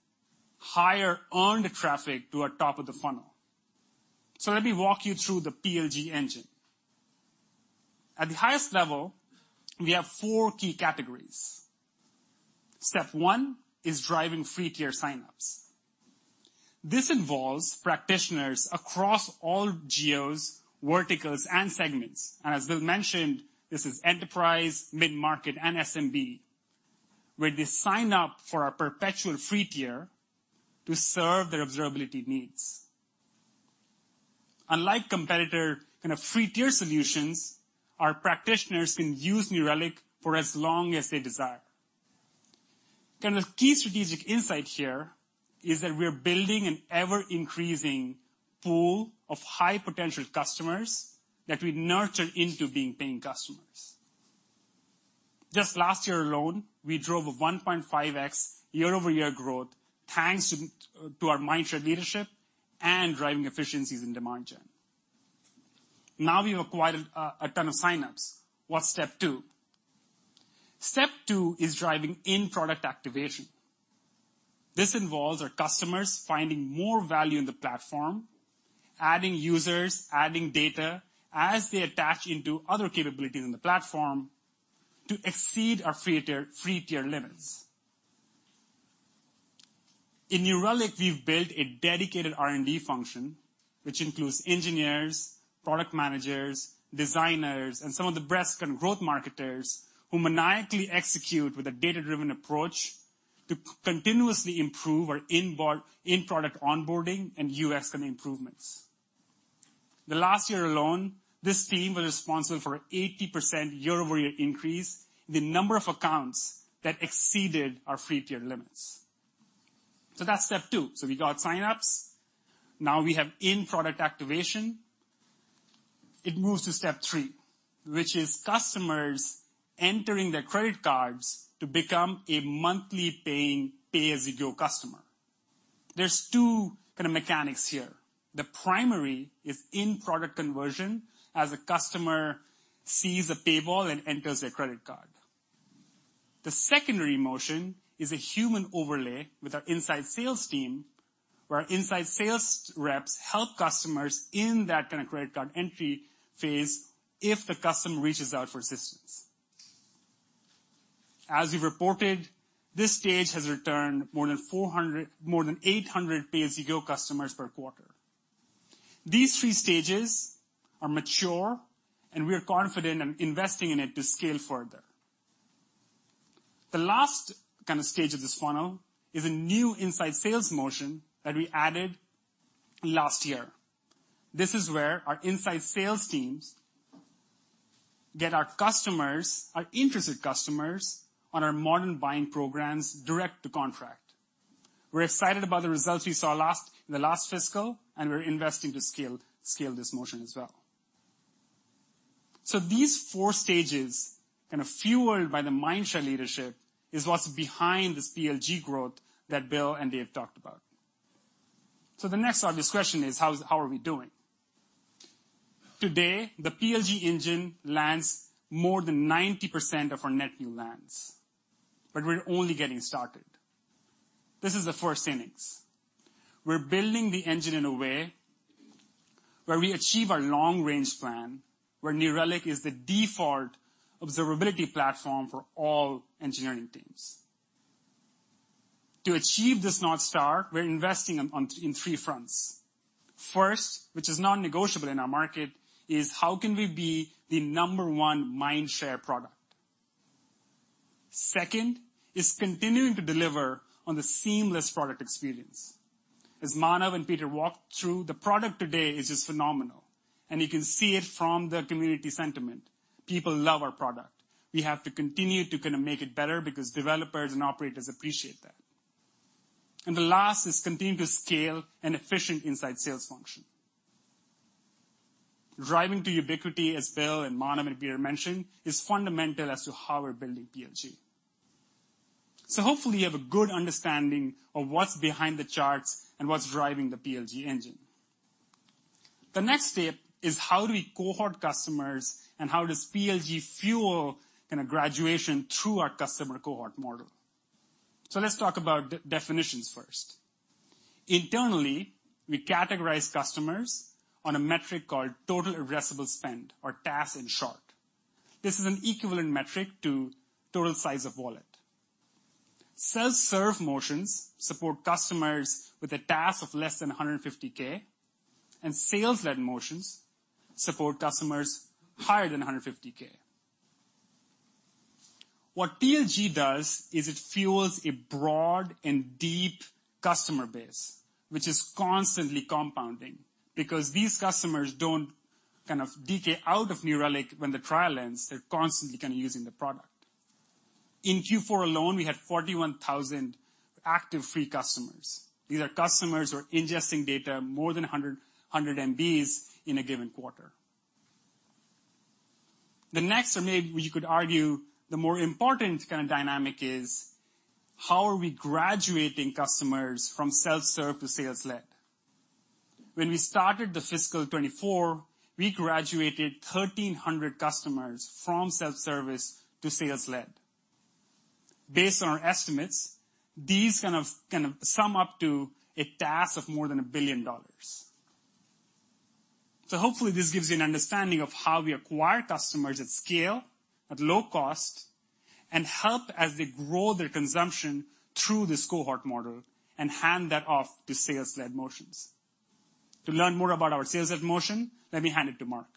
higher earned traffic to our top of the funnel. Let me walk you through the PLG engine. At the highest level, we have four key categories. Step 1 is driving free tier signups. This involves practitioners across all geos, verticals, and segments. As Bill mentioned, this is enterprise, mid-market, and SMB, where they sign up for our perpetual free tier to serve their observability needs. Unlike competitor kind of free tier solutions, our practitioners can use New Relic for as long as they desire. Kind of key strategic insight here is that we are building an ever-increasing pool of high-potential customers that we nurture into being paying customers. Just last year alone, we drove a 1.5x year-over-year growth, thanks to our mindshare leadership and driving efficiencies in demand gen. We've acquired a ton of signups. What's step two? Step two is driving in-product activation. This involves our customers finding more value in the platform, adding users, adding data as they attach into other capabilities in the platform to exceed our free tier limits. In New Relic, we've built a dedicated R&D function, which includes engineers, product managers, designers, and some of the best growth marketers, who maniacally execute with a data-driven approach to continuously improve our in-product onboarding and UX kind of improvements. The last year alone, this team was responsible for 80% year-over-year increase in the number of accounts that exceeded our free tier limits. That's step two. We got sign-ups. We have in-product activation. It moves to step three, which is customers entering their credit cards to become a monthly paying, pay-as-you-go customer. There's two kind of mechanics here. The primary is in-product conversion, as a customer sees a paywall and enters their credit card. The secondary motion is a human overlay with our inside sales team, where our inside sales reps help customers in that kind of credit card entry Phase if the customer reaches out for assistance. As we've reported, this stage has returned more than 800 pay-as-you-go customers per quarter. These three stages are mature, and we are confident in investing in it to scale further. The last kind of stage of this funnel is a new inside sales motion that we added last year. This is where our inside sales teams get our customers, our interested customers, on our modern buying programs, direct to contract. We're excited about the results we saw in the last fiscal. We're investing to scale this motion as well. These four stages, kind of fueled by the mindshare leadership, is what's behind this PLG growth that Bill and Dave talked about. The next obvious question is: How are we doing? Today, the PLG engine lands more than 90% of our net new lands. We're only getting started. This is the first innings. We're building the engine in a way where we achieve our long-range plan, where New Relic is the default observability platform for all engineering teams. To achieve this North Star, we're investing in three fronts. First, which is non-negotiable in our market, is how can we be the number one mindshare product? Second, is continuing to deliver on the seamless product experience. As Manav and Peter walked through, the product today is just phenomenal, and you can see it from the community sentiment. People love our product. We have to continue to kind of make it better because developers and operators appreciate that. The last is continue to scale an efficient inside sales function. Driving to ubiquity, as Bill and Manav and Peter mentioned, is fundamental as to how we're building PLG. Hopefully you have a good understanding of what's behind the charts and what's driving the PLG engine. The next step is how do we cohort customers, and how does PLG fuel kind of graduation through our customer cohort model? Let's talk about de-definitions first. Internally, we categorize customers on a metric called Total Addressable Spend, or TAS in short. This is an equivalent metric to total size of wallet. Self-serve motions support customers with a TAS of less than $150K. Sales-led motions support customers higher than $150K. What PLG does is it fuels a broad and deep customer base, which is constantly compounding, because these customers don't kind of decay out of New Relic when the trial ends. They're constantly kind of using the product. In Q4 alone, we had 41,000 active free customers. These are customers who are ingesting data, more than 100 MBs in a given quarter. The next, or maybe you could argue, the more important kind of dynamic is: How are we graduating customers from self-serve to sales-led? When we started the fiscal 2024, we graduated 1,300 customers from self-service to sales-led. Based on our estimates, these kind of sum up to a TAS of more than $1 billion. Hopefully this gives you an understanding of how we acquire customers at scale, at low cost, and help as they grow their consumption through this cohort model and hand that off to sales-led motions. T o learn more about our sales-led motion, let me hand it to Mark.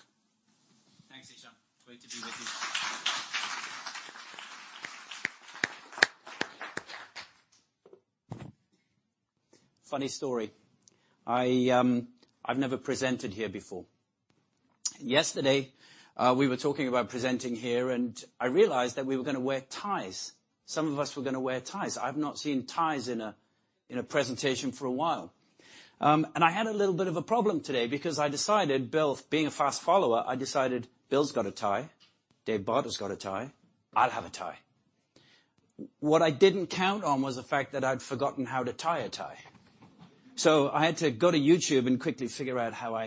Thanks, Ishan. Great to be with you. Funny story. I've never presented here before. Yesterday, we were talking about presenting here, and I realized that we were gonna wear ties. Some of us were gonna wear ties. I've not seen ties in a presentation for a while. I had a little bit of a problem today because I decided, Bill, being a fast follower, I decided Bill's got a tie, Dave Bohn has got a tie. I'll have a tie. What I didn't count on was the fact that I'd forgotten how to tie a tie. I had to go to YouTube and quickly figure out how I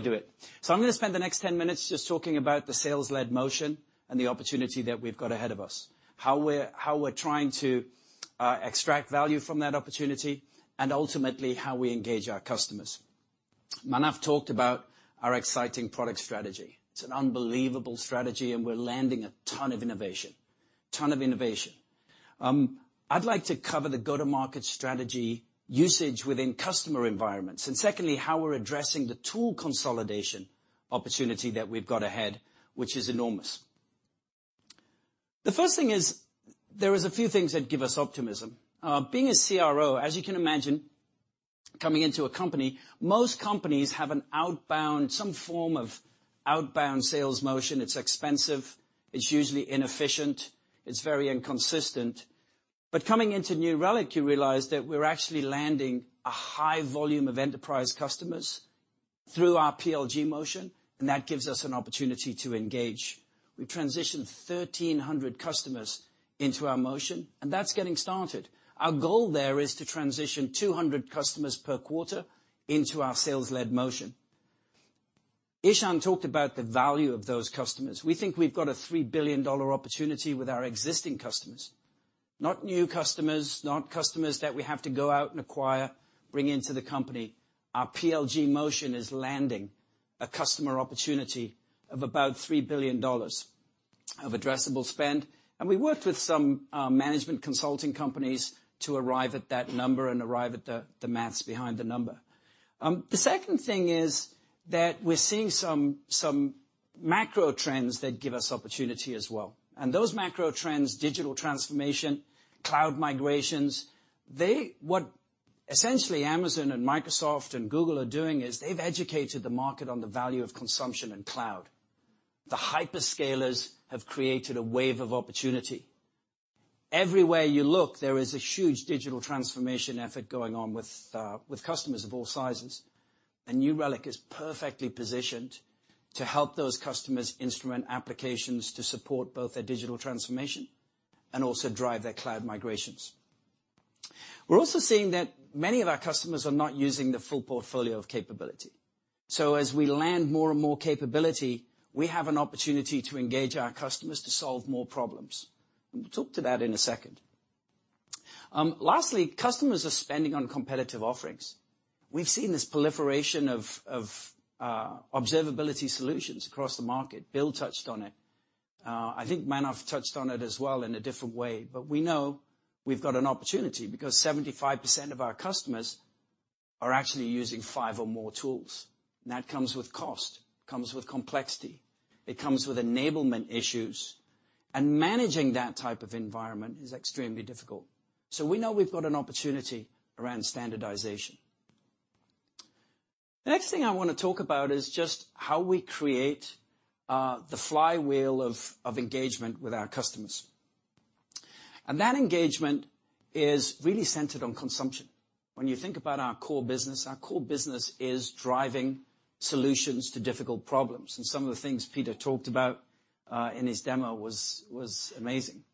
do it. I'm gonna spend the next 10 minutes just talking about the sales-led motion and the opportunity that we've got ahead of us, how we're trying to extract value from that opportunity, and ultimately, how we engage our customers. Manav talked about our exciting product strategy. It's an unbelievable strategy, and we're landing a ton of innovation. Ton of innovation. I'd like to cover the go-to-market strategy usage within customer environments, and secondly, how we're addressing the tool consolidation opportunity that we've got ahead, which is enormous. The first thing is, there is a few things that give us optimism. Being a CRO, as you can imagine, coming into a company, most companies have some form of outbound sales motion. It's expensive, it's usually inefficient, it's very inconsistent. Coming into New Relic, you realize that we're actually landing a high volume of enterprise customers through our PLG motion, and that gives us an opportunity to engage. We transitioned 1,300 customers into our motion, and that's getting started. Our goal there is to transition 200 customers per quarter into our sales-led motion. Ishan talked about the value of those customers. We think we've got a $3 billion opportunity with our existing customers, not new customers, not customers that we have to go out and acquire, bring into the company. Our PLG motion is landing a customer opportunity of about $3 billion of addressable spend. We worked with some management consulting companies to arrive at that number and arrive at the maths behind the number. The second thing is that we're seeing some macro trends that give us opportunity as well. Those macro trends, digital transformation, cloud migrations, what essentially Amazon and Microsoft and Google are doing is they've educated the market on the value of consumption and cloud. The hyperscalers have created a wave of opportunity. Everywhere you look, there is a huge digital transformation effort going on with customers of all sizes, and New Relic is perfectly positioned to help those customers instrument applications to support both their digital transformation and also drive their cloud migrations. We're also seeing that many of our customers are not using the full portfolio of capability. As we land more and more capability, we have an opportunity to engage our customers to solve more problems. We'll talk to that in a second. Lastly, customers are spending on competitive offerings. We've seen this proliferation of observability solutions across the market. Bill touched on it. I think Manav touched on it as well in a different way, but we know we've got an opportunity because 75% of our customers are actually using five or more tools. That comes with cost, comes with complexity, it comes with enablement issues, and managing that type of environment is extremely difficult. We know we've got an opportunity around standardization. The next thing I want to talk about is just how we create the flywheel of engagement with our customers. That engagement is really centered on consumption. When you think about our core business, our core business is driving solutions to difficult problems, and some of the things Peter talked about in his demo was amazing.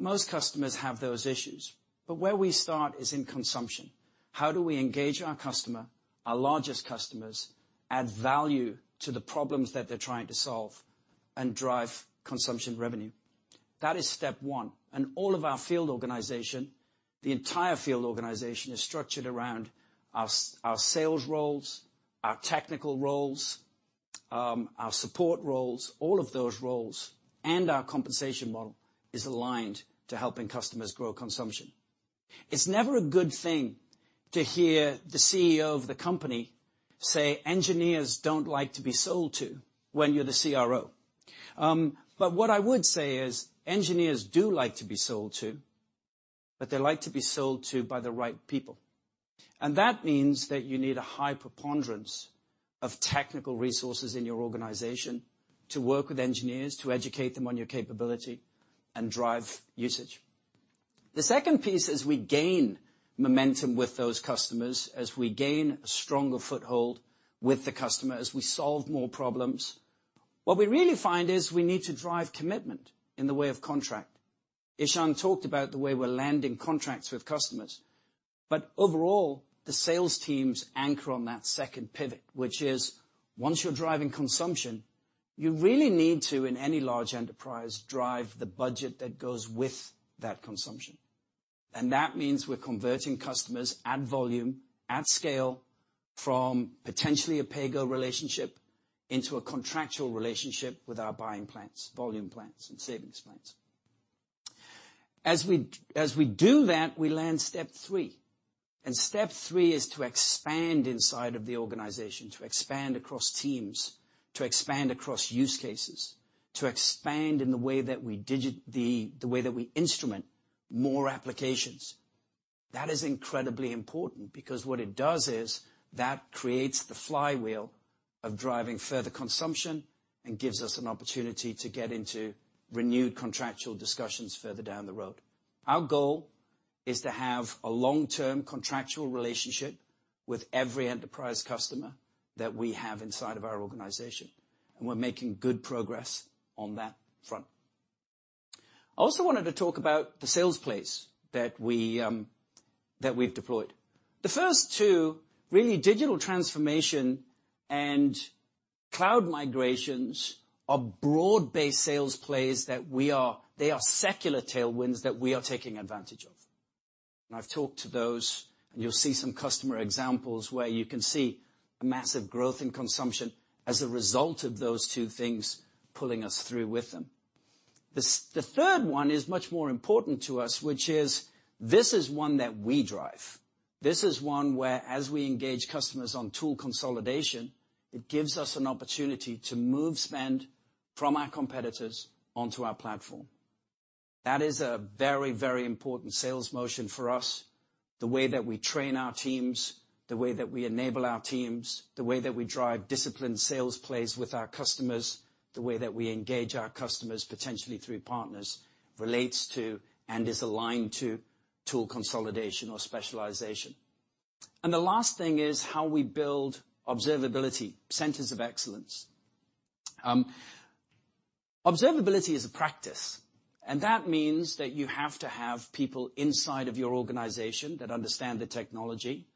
Most customers have those issues. Where we start is in consumption. How do we engage our customer, our largest customers, add value to the problems that they're trying to solve, and drive consumption revenue? That is step one. All of our field organization, the entire field organization, is structured around our sales roles, our technical roles, our support roles, all of those roles, and our compensation model is aligned to helping customers grow consumption. It's never a good thing to hear the CEO of the company say, "Engineers don't like to be sold to," when you're the CRO. What I would say is, engineers do like to be sold to, but they like to be sold to by the right people. That means that you need a high preponderance of technical resources in your organization to work with engineers, to educate them on your capability and drive usage. The second piece, as we gain momentum with those customers, as we gain a stronger foothold with the customer, as we solve more problems, what we really find is we need to drive commitment in the way of contract. Ishan talked about the way we're landing contracts with customers, but overall, the sales teams anchor on that second pivot, which is, once you're driving consumption, you really need to, in any large enterprise, drive the budget that goes with that consumption. That means we're converting customers at volume, at scale, from potentially a pay-go relationship into a contractual relationship with our buying plans, volume plans, and savings plans. As we do that, we land step 3. Step 3 is to expand inside of the organization, to expand across teams, to expand across use cases, to expand in the way that we instrument more applications. That is incredibly important because what it does is, that creates the flywheel of driving further consumption and gives us an opportunity to get into renewed contractual discussions further down the road. Our goal is to have a long-term contractual relationship with every enterprise customer that we have inside of our organization. We're making good progress on that front. I also wanted to talk about the sales plays that we've deployed. The first two, really, digital transformation and cloud migrations are broad-based sales plays. They are secular tailwinds that we are taking advantage of. I've talked to those, and you'll see some customer examples where you can see a massive growth in consumption as a result of those two things pulling us through with them. The third one is much more important to us, which is, this is one that we drive. This is one where, as we engage customers on tool consolidation, it gives us an opportunity to move spend from our competitors onto our platform. That is a very important sales motion for us. The way that we train our teams, the way that we enable our teams, the way that we drive disciplined sales plays with our customers, the way that we engage our customers, potentially through partners, relates to and is aligned to tool consolidation or specialization. The last thing is how we build observability, centers of excellence. Observability is a practice, and that means that you have to have people inside of your organization that understand the technology,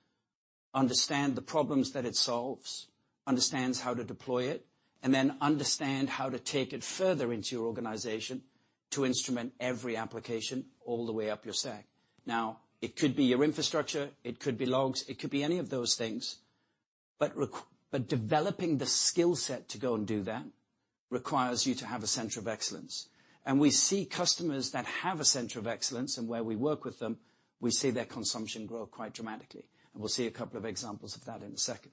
understand the problems that it solves, understands how to deploy it, and then understand how to take it further into your organization to instrument every application all the way up your stack. It could be your infrastructure, it could be logs, it could be any of those things, but developing the skill set to go and do that requires you to have a center of excellence. We see customers that have a center of excellence, and where we work with them, we see their consumption grow quite dramatically, and we'll see a couple of examples of that in a second.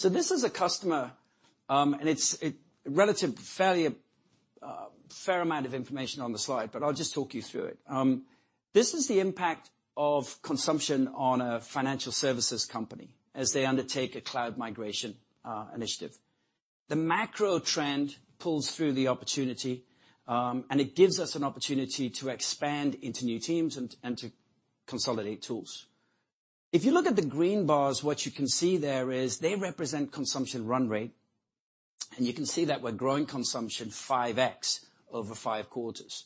This is a customer, and it's a relative fairly fair amount of information on the slide, but I'll just talk you through it. This is the impact of consumption on a financial services company as they undertake a cloud migration initiative. The macro trend pulls through the opportunity, and it gives us an opportunity to expand into new teams and to consolidate tools. If you look at the green bars, what you can see there is they represent consumption run rate, and you can see that we're growing consumption 5x over 5 quarters.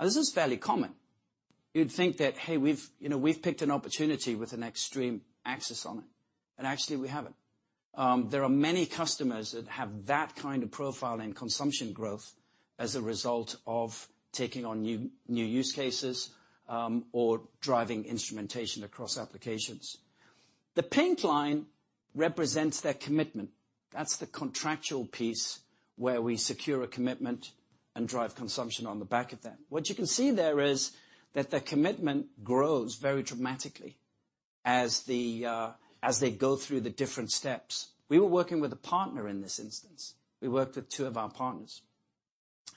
This is fairly common. You'd think that, hey, we've, you know, we've picked an opportunity with an extreme axis on it, and actually, we haven't. There are many customers that have that kind of profile and consumption growth as a result of taking on new use cases or driving instrumentation across applications. The pink line represents their commitment. That's the contractual piece where we secure a commitment and drive consumption on the back of that. What you can see there is that their commitment grows very dramatically as they go through the different steps. We were working with a partner in this instance. We worked with two of our partners.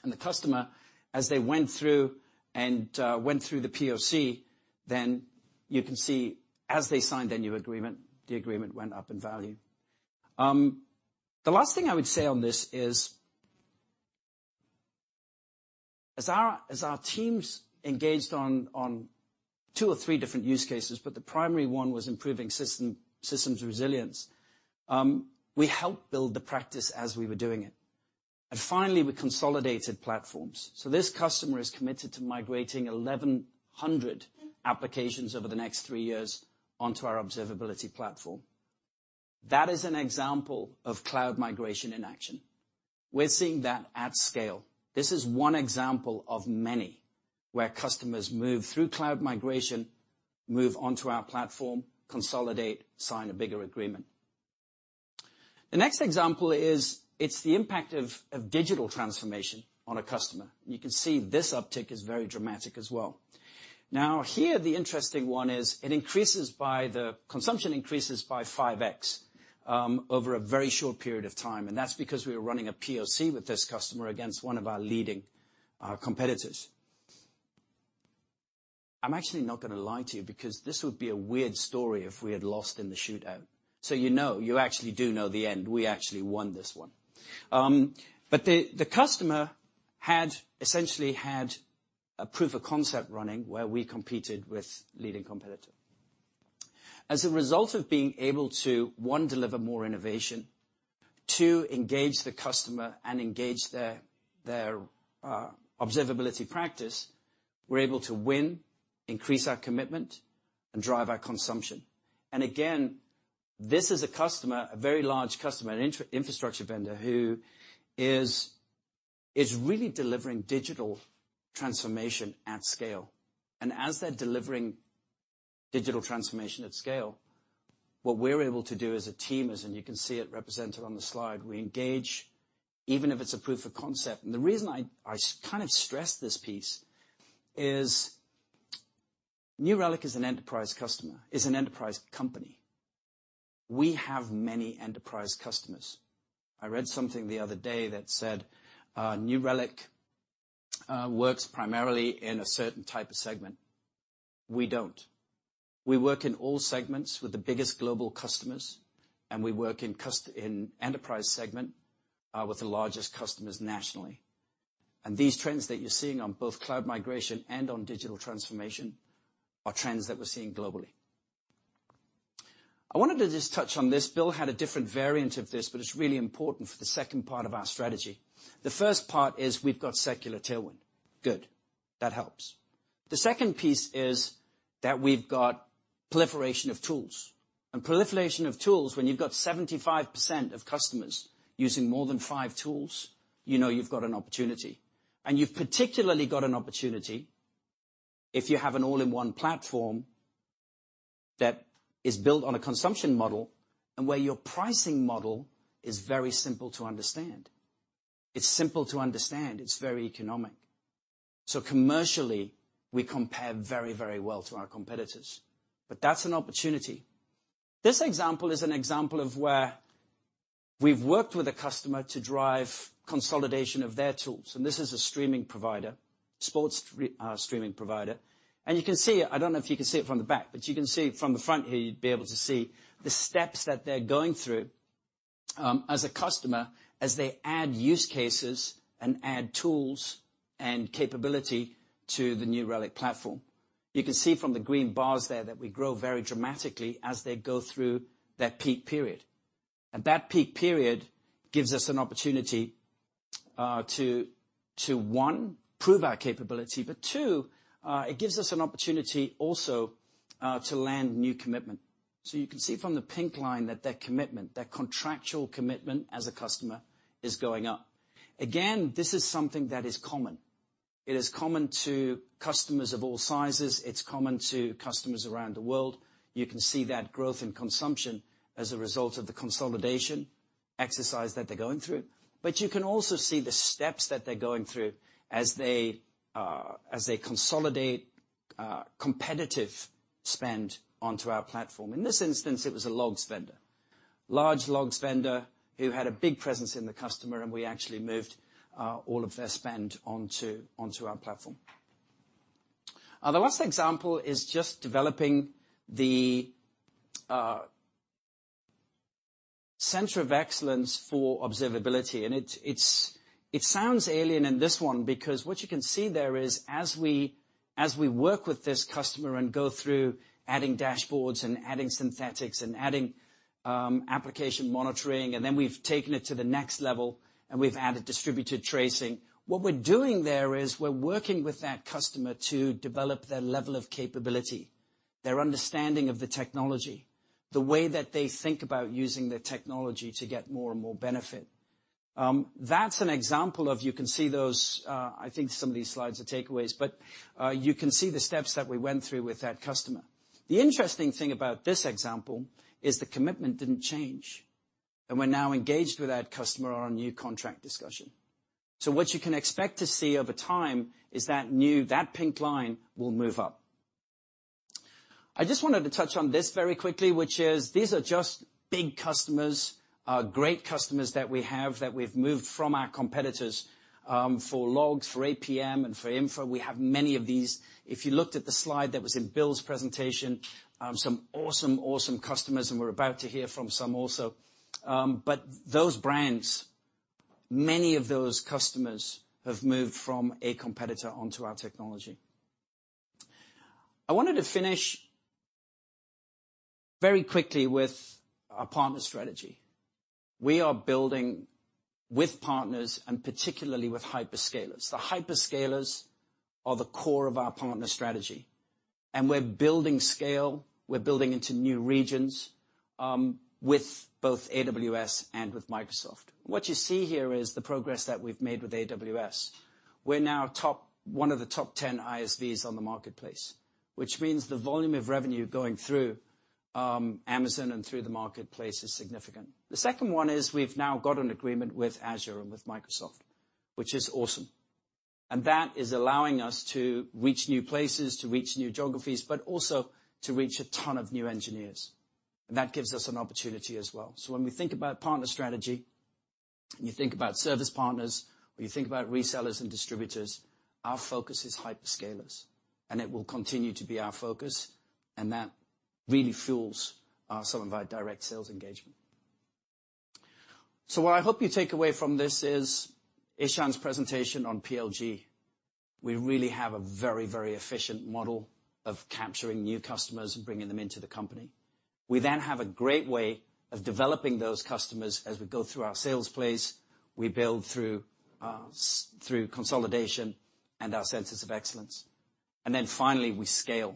The customer, as they went through and went through the POC, you can see as they signed the new agreement, the agreement went up in value. The last thing I would say on this is, as our teams engaged on 2 or 3 different use cases, but the primary one was improving systems resilience, we helped build the practice as we were doing it, and finally, we consolidated platforms. This customer is committed to migrating 1,100 applications over the next 3 years onto our observability platform. That is an example of cloud migration in action. We're seeing that at scale. This is one example of many where customers move through cloud migration, move onto our platform, consolidate, sign a bigger agreement. The next example is, it's the impact of digital transformation on a customer. You can see this uptick is very dramatic as well. Here, the interesting one is it increases by the. consumption increases by 5x over a very short period of time. That's because we were running a POC with this customer against one of our leading competitors. I'm actually not gonna lie to you because this would be a weird story if we had lost in the shootout. You know, you actually do know the end. We actually won this one. The customer had essentially had a proof of concept running where we competed with leading competitor. As a result of being able to, 1, deliver more innovation, 2, engage the customer and engage their observability practice, we're able to win, increase our commitment, and drive our consumption. Again, this is a customer, a very large customer, an infrastructure vendor, who is really delivering digital transformation at scale. As they're delivering digital transformation at scale, what we're able to do as a team is, and you can see it represented on the slide, we engage, even if it's a proof of concept. The reason I kind of stress this piece is New Relic is an enterprise company. We have many enterprise customers. I read something the other day that said New Relic works primarily in a certain type of segment. We don't. We work in all segments with the biggest global customers, and we work in enterprise segment with the largest customers nationally. These trends that you're seeing on both cloud migration and on digital transformation are trends that we're seeing globally. I wanted to just touch on this. Bill had a different variant of this, but it's really important for the second part of our strategy. The first part is we've got secular tailwind. Good, that helps. The second piece is that we've got proliferation of tools. Proliferation of tools, when you've got 75% of customers using more than five tools, you know you've got an opportunity. You've particularly got an opportunity if you have an all-in-one platform that is built on a consumption model, and where your pricing model is very simple to understand. It's simple to understand. It's very economic. Commercially, we compare very well to our competitors, but that's an opportunity. This example is an example of where we've worked with a customer to drive consolidation of their tools, and this is a streaming provider, sports streaming provider. You can see, I don't know if you can see it from the back, but you can see from the front here, you'd be able to see the steps that they're going through, as a customer, as they add use cases and add tools and capability to the New Relic platform. You can see from the green bars there that we grow very dramatically as they go through that peak period. That peak period gives us an opportunity, to, one, prove our capability, but two, it gives us an opportunity also, to land new commitment. You can see from the pink line that their commitment, their contractual commitment as a customer is going up. This is something that is common. It is common to customers of all sizes. It's common to customers around the world. You can see that growth in consumption as a result of the consolidation exercise that they're going through. You can also see the steps that they're going through as they, as they consolidate, competitive spend onto our platform. In this instance, it was a logs vendor, large logs vendor, who had a big presence in the customer. We actually moved, all of their spend onto our platform. The last example is just developing the center of excellence for observability, and it sounds alien in this one because what you can see there is, as we work with this customer and go through adding dashboards and adding synthetics and adding application monitoring, and then we've taken it to the next level, and we've added distributed tracing, what we're doing there is we're working with that customer to develop their level of capability, their understanding of the technology, the way that they think about using the technology to get more and more benefit. That's an example of You can see those, I think some of these slides are takeaways, but you can see the steps that we went through with that customer. The interesting thing about this example is the commitment didn't change, and we're now engaged with that customer on a new contract discussion. What you can expect to see over time is that pink line will move up. I just wanted to touch on this very quickly, which is, these are just big customers, great customers that we have, that we've moved from our competitors, for logs, for APM, and for infra. We have many of these. If you looked at the slide that was in Bill's presentation, some awesome customers, and we're about to hear from some also. Those brands, many of those customers have moved from a competitor onto our technology. I wanted to finish very quickly with our partner strategy. We are building with partners, and particularly with hyperscalers. The hyperscalers are the core of our partner strategy, and we're building scale, we're building into new regions, with both AWS and with Microsoft. What you see here is the progress that we've made with AWS. We're now top, one of the top 10 ISVs on the marketplace, which means the volume of revenue going through, Amazon and through the marketplace is significant. The second one is we've now got an agreement with Azure and with Microsoft, which is awesome, and that is allowing us to reach new places, to reach new geographies, but also to reach a ton of new engineers. That gives us an opportunity as well. When we think about partner strategy, and you think about service partners, or you think about resellers and distributors, our focus is hyperscalers, and it will continue to be our focus, and that really fuels some of our direct sales engagement. What I hope you take away from this is Ishan's presentation on PLG. We really have a very efficient model of capturing new customers and bringing them into the company. We then have a great way of developing those customers as we go through our sales place. We build through consolidation and our centers of excellence. Finally, we scale.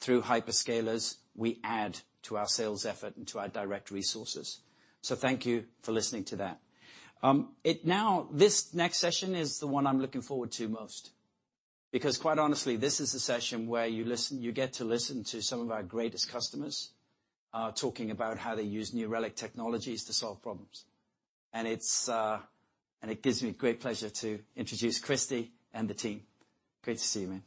Through hyperscalers, we add to our sales effort and to our direct resources. Thank you for listening to that. This next session is the one I'm looking forward to most, because quite honestly, this is the session where you get to listen to some of our greatest customers, talking about how they use New Relic technologies to solve problems. It gives me great pleasure to introduce Kristy and the team. Great to see you, man.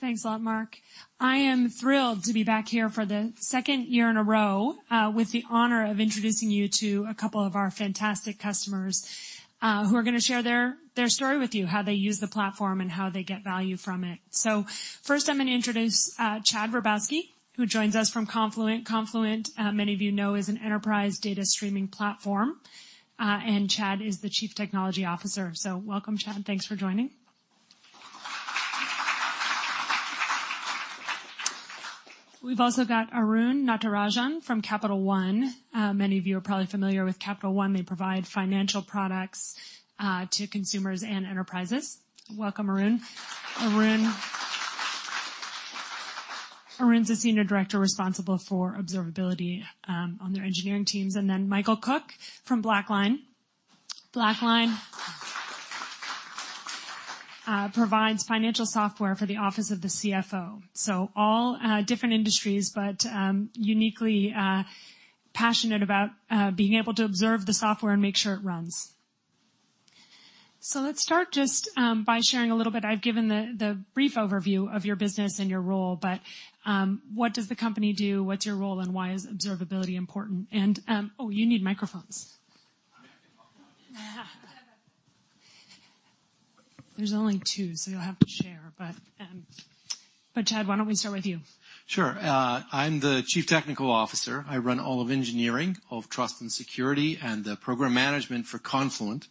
Thanks a lot, Mark. I am thrilled to be back here for the second year in a row, with the honor of introducing you to a couple of our fantastic customers, who are going to share their story with you, how they use the platform and how they get value from it. First, I'm going to introduce Chad Verbowsky, who joins us from Confluent. Confluent, many of you know, is an enterprise data streaming platform, and Chad is the Chief Technology Officer. Welcome, Chad. Thanks for joining. We've also got Arun Natarajan from Capital One. Many of you are probably familiar with Capital One. They provide financial products to consumers and enterprises. Welcome, Arun. Arun's a Senior Director responsible for observability on their engineering teams, and then Michael Cook from BlackLine. BlackLine provides financial software for the office of the CFO. All different industries, but uniquely passionate about being able to observe the software and make sure it runs. Let's start just by sharing a little bit. I've given the brief overview of your business and your role, but what does the company do? What's your role, and why is observability important? Oh, you need microphones. There's only two, so you'll have to share. Chad, why don't we start with you? Sure. I'm the Chief Technical Officer. I run all of engineering, all of trust and security, and the program management for Confluent.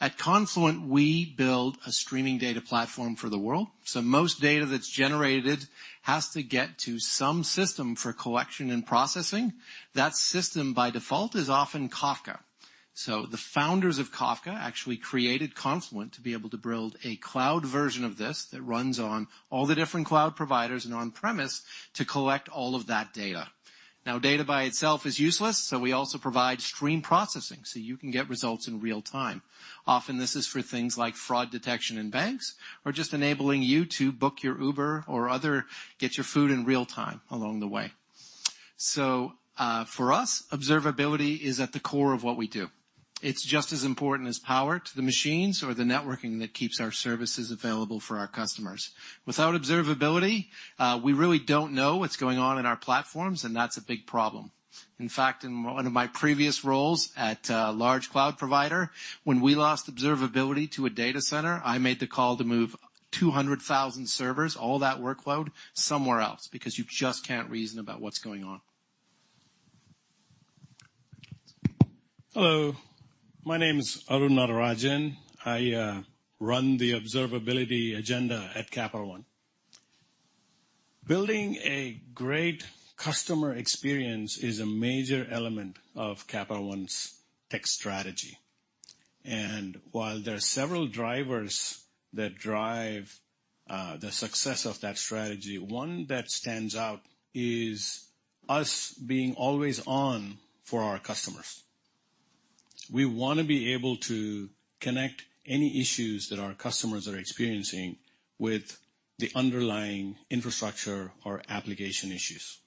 At Confluent, we build a streaming data platform for the world. Most data that's generated has to get to some system for collection and processing. That system, by default, is often Kafka. The founders of Kafka actually created Confluent to be able to build a cloud version of this that runs on all the different cloud providers and on-premise to collect all of that data. Data by itself is useless, so we also provide stream processing so you can get results in real time. Often this is for things like fraud detection in banks or just enabling you to book your Uber or get your food in real time along the way. For us, observability is at the core of what we do. It's just as important as power to the machines or the networking that keeps our services available for our customers. Without observability, we really don't know what's going on in our platforms, and that's a big problem. In fact, in one of my previous roles at a large cloud provider, when we lost observability to a data center, I made the call to move 200,000 servers, all that workload, somewhere else, because you just can't reason about what's going on. Hello, my name is Arun Natarajan. I run the observability agenda at Capital One. Building a great customer experience is a major element of Capital One's tech strategy. While there are several drivers that drive the success of that strategy, one that stands out is us being always on for our customers. We want to be able to connect any issues that our customers are experiencing with the underlying infrastructure or application issues.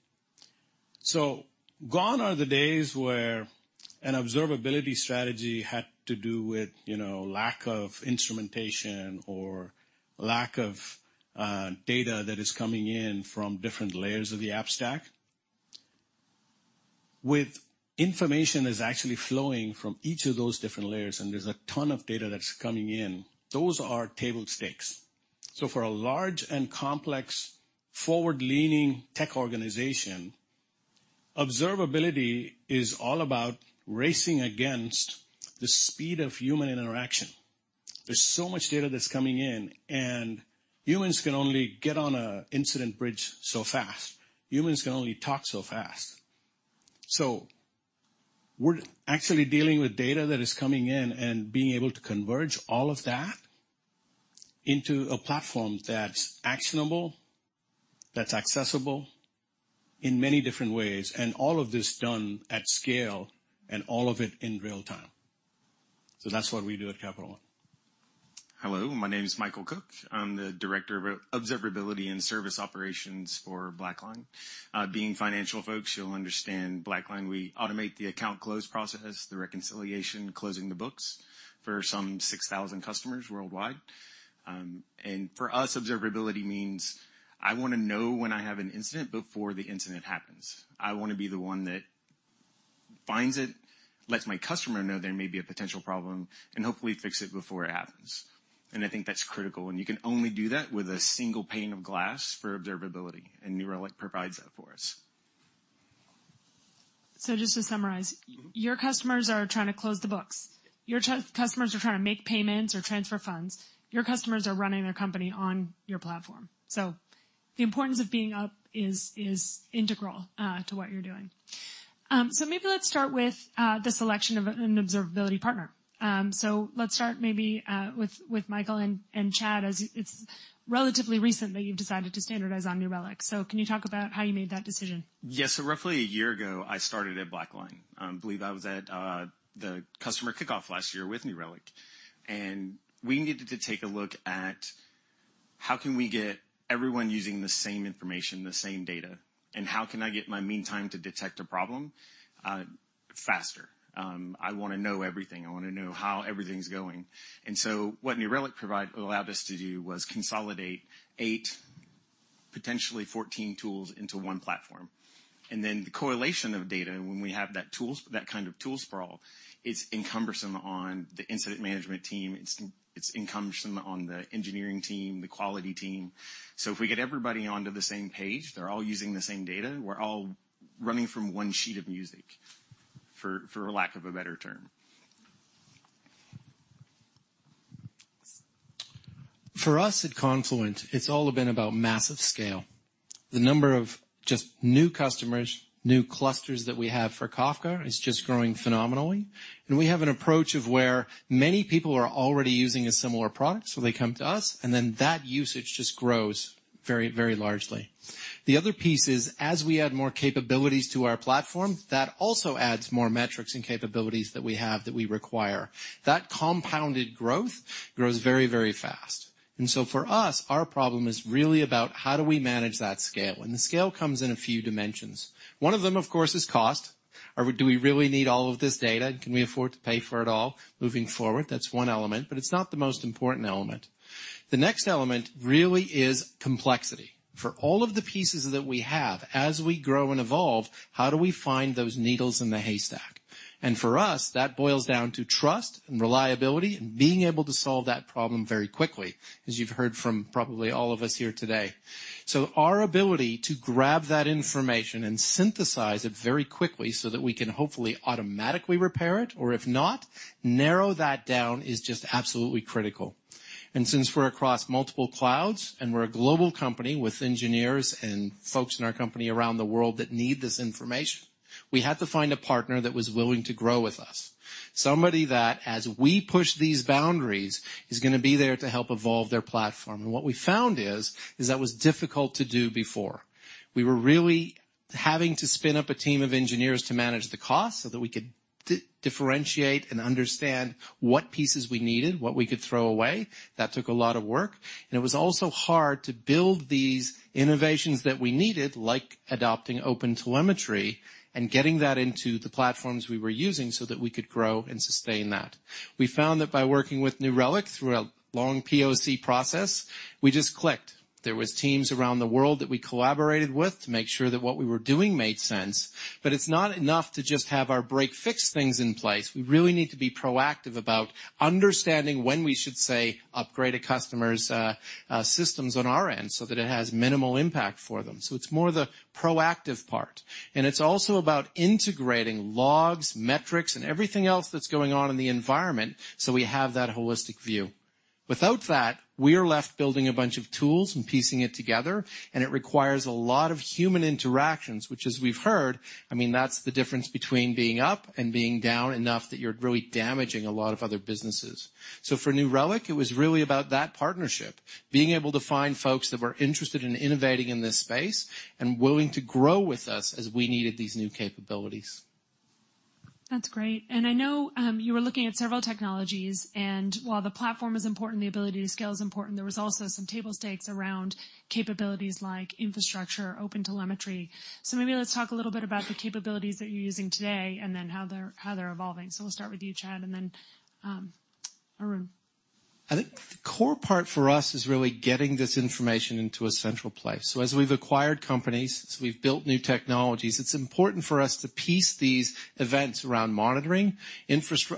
Gone are the days where an observability strategy had to do with, you know, lack of instrumentation or lack of data that is coming in from different layers of the app stack. With information is actually flowing from each of those different layers, and there's a ton of data that's coming in, those are table stakes. For a large and complex, forward-leaning tech organization, observability is all about racing against the speed of human interaction. There's so much data that's coming in, and humans can only get on an incident bridge so fast. Humans can only talk so fast. We're actually dealing with data that is coming in and being able to converge all of that into a platform that's actionable, that's accessible in many different ways, and all of this done at scale and all of it in real time. That's what we do at Capital One. Hello, my name is Michael Cook. I'm the Director of Observability and Service Operations for BlackLine. Being financial folks, you'll understand BlackLine. We automate the account close process, the reconciliation, closing the books for some 6,000 customers worldwide. For us, observability means I want to know when I have an incident before the incident happens. I want to be the one that finds it, lets my customer know there may be a potential problem, and hopefully fix it before it happens. I think that's critical, and you can only do that with a single pane of glass for observability, and New Relic provides that for us. Just to summarize, your customers are trying to close the books, your customers are trying to make payments or transfer funds. Your customers are running their company on your platform. The importance of being up is integral to what you're doing. Maybe let's start with the selection of an observability partner. Let's start maybe with Michael and Chad, as it's relatively recent that you've decided to standardize on New Relic. Can you talk about how you made that decision? Yes. Roughly a year ago, I started at BlackLine. I believe I was at the customer kickoff last year with New Relic, and we needed to take a look at how can we get everyone using the same information, the same data, and how can I get my meantime to detect a problem faster? I want to know everything. I want to know how everything's going. What New Relic allowed us to do was consolidate potentially 14 tools into one platform. The correlation of data when we have that tools, that kind of tool sprawl, it's encumbersome on the incident management team, it's encumbersome on the engineering team, the quality team. If we get everybody onto the same page, they're all using the same data, we're all running from one sheet of music, for lack of a better term. For us at Confluent, it's all been about massive scale. The number of just new customers, new clusters that we have for Kafka is just growing phenomenally. We have an approach of where many people are already using a similar product, so they come to us, and then that usage just grows very largely. The other piece is, as we add more capabilities to our platform, that also adds more metrics and capabilities that we have that we require. That compounded growth grows very fast. For us, our problem is really about how do we manage that scale? The scale comes in a few dimensions. One of them, of course, is cost, or do we really need all of this data? Can we afford to pay for it all moving forward? That's one element, but it's not the most important element. The next element really is complexity. For all of the pieces that we have, as we grow and evolve, how do we find those needles in the haystack? For us, that boils down to trust and reliability and being able to solve that problem very quickly, as you've heard from probably all of us here today. Our ability to grab that information and synthesize it very quickly so that we can hopefully automatically repair it, or if not, narrow that down, is just absolutely critical. Since we're across multiple clouds, and we're a global company with engineers and folks in our company around the world that need this information, we had to find a partner that was willing to grow with us. Somebody that, as we push these boundaries, is gonna be there to help evolve their platform. What we found is that was difficult to do before. We were really having to spin up a team of engineers to manage the cost so that we could differentiate and understand what pieces we needed, what we could throw away. That took a lot of work. It was also hard to build these innovations that we needed, like adopting OpenTelemetry and getting that into the platforms we were using so that we could grow and sustain that. We found that by working with New Relic through a long POC process, we just clicked. There was teams around the world that we collaborated with to make sure that what we were doing made sense, but it's not enough to just have our break-fix things in place. We really need to be proactive about understanding when we should, say, upgrade a customer's systems on our end so that it has minimal impact for them. It's more the proactive part, and it's also about integrating logs, metrics, and everything else that's going on in the environment, so we have that holistic view. Without that, we are left building a bunch of tools and piecing it together, and it requires a lot of human interactions, which, as we've heard, I mean, that's the difference between being up and being down enough that you're really damaging a lot of other businesses. For New Relic, it was really about that partnership, being able to find folks that were interested in innovating in this space and willing to grow with us as we needed these new capabilities. That's great. I know, you were looking at several technologies, and while the platform is important, the ability to scale is important, there was also some table stakes around capabilities like infrastructure, OpenTelemetry. Maybe let's talk a little bit about the capabilities that you're using today and then how they're evolving. We'll start with you, Chad, and then, Arun. I think the core part for us is really getting this information into a central place. As we've acquired companies, as we've built new technologies, it's important for us to piece these events around monitoring,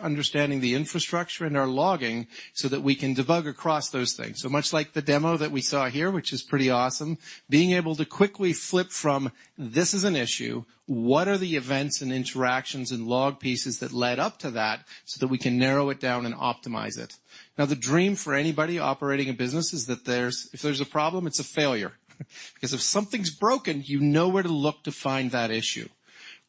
understanding the infrastructure and our logging, so that we can debug across those things. Much like the demo that we saw here, which is pretty awesome, being able to quickly flip from, "This is an issue, what are the events and interactions and log pieces that led up to that?" So that we can narrow it down and optimize it. Now, the dream for anybody operating a business is that if there's a problem, it's a failure. If something's broken, you know where to look to find that issue.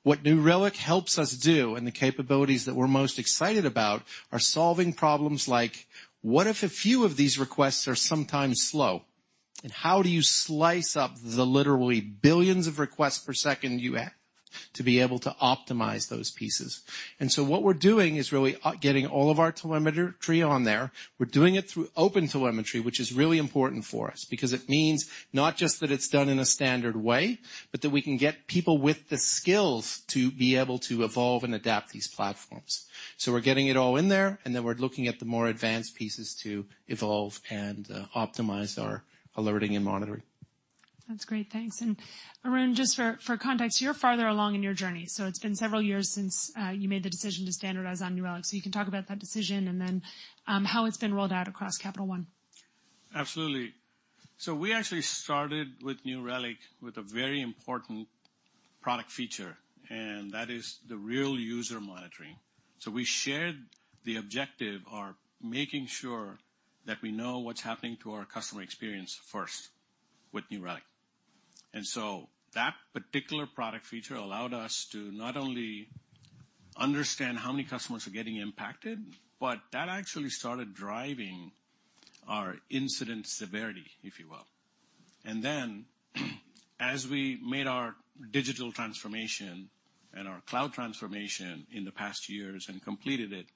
What New Relic helps us do, and the capabilities that we're most excited about, are solving problems like: what if a few of these requests are sometimes slow? How do you slice up the literally billions of requests per second you have to be able to optimize those pieces? What we're doing is really getting all of our telemetry on there. We're doing it through OpenTelemetry, which is really important for us because it means not just that it's done in a standard way, but that we can get people with the skills to be able to evolve and adapt these platforms. We're getting it all in there, and then we're looking at the more advanced pieces to evolve and optimize our alerting and monitoring. That's great. Thanks. Arun, just for context, you're farther along in your journey, so it's been several years since you made the decision to standardize on New Relic. You can talk about that decision and then how it's been rolled out across Capital One. Absolutely. We actually started with New Relic with a very important product feature, and that is the real user monitoring. We shared the objective of making sure that we know what's happening to our customer experience first with New Relic. That particular product feature allowed us to not only understand how many customers are getting impacted, but that actually started driving our incident severity, if you will. Then, as we made our digital transformation and our cloud transformation in the past years and completed it,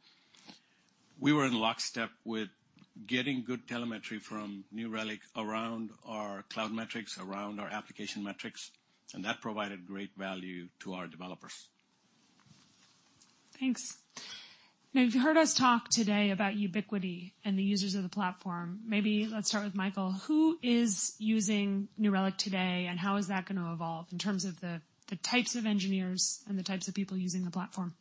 we were in lockstep with getting good telemetry from New Relic around our cloud metrics, around our application metrics, and that provided great value to our developers. Thanks. Now, you've heard us talk today about ubiquity and the users of the platform. Maybe let's start with Michael. Who is using New Relic today, and how is that going to evolve in terms of the types of engineers and the types of people using the platform?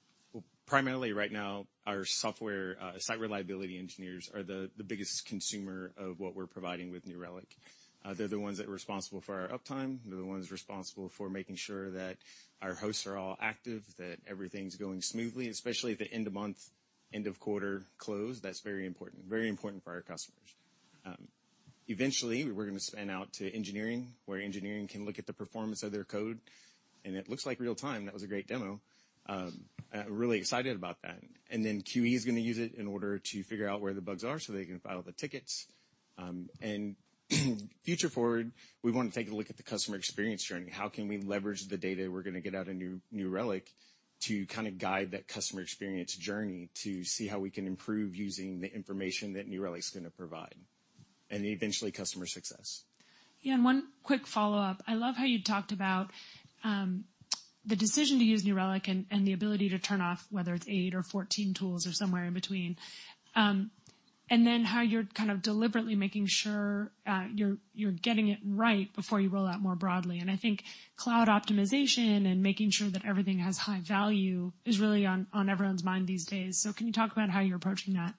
Well, primarily right now, our software, site reliability engineers are the biggest consumer of what we're providing with New Relic. They're the ones that are responsible for our uptime. They're the ones responsible for making sure that our hosts are all active, that everything's going smoothly, especially at the end of month, end of quarter close. That's very important. Very important for our customers. Eventually, we're going to spin out to engineering, where engineering can look at the performance of their code, and it looks like real time. That was a great demo. Really excited about that. QE is going to use it in order to figure out where the bugs are so they can file the tickets. Future forward, we want to take a look at the customer experience journey. How can we leverage the data we're going to get out of New Relic to kind of guide that customer experience journey, to see how we can improve using the information that New Relic's going to provide, and eventually customer success. Yeah, one quick follow-up. I love how you talked about the decision to use New Relic and the ability to turn off whether it's 8 or 14 tools or somewhere in between. How you're kind of deliberately making sure you're getting it right before you roll out more broadly. I think cloud optimization and making sure that everything has high value is really on everyone's mind these days. Can you talk about how you're approaching that?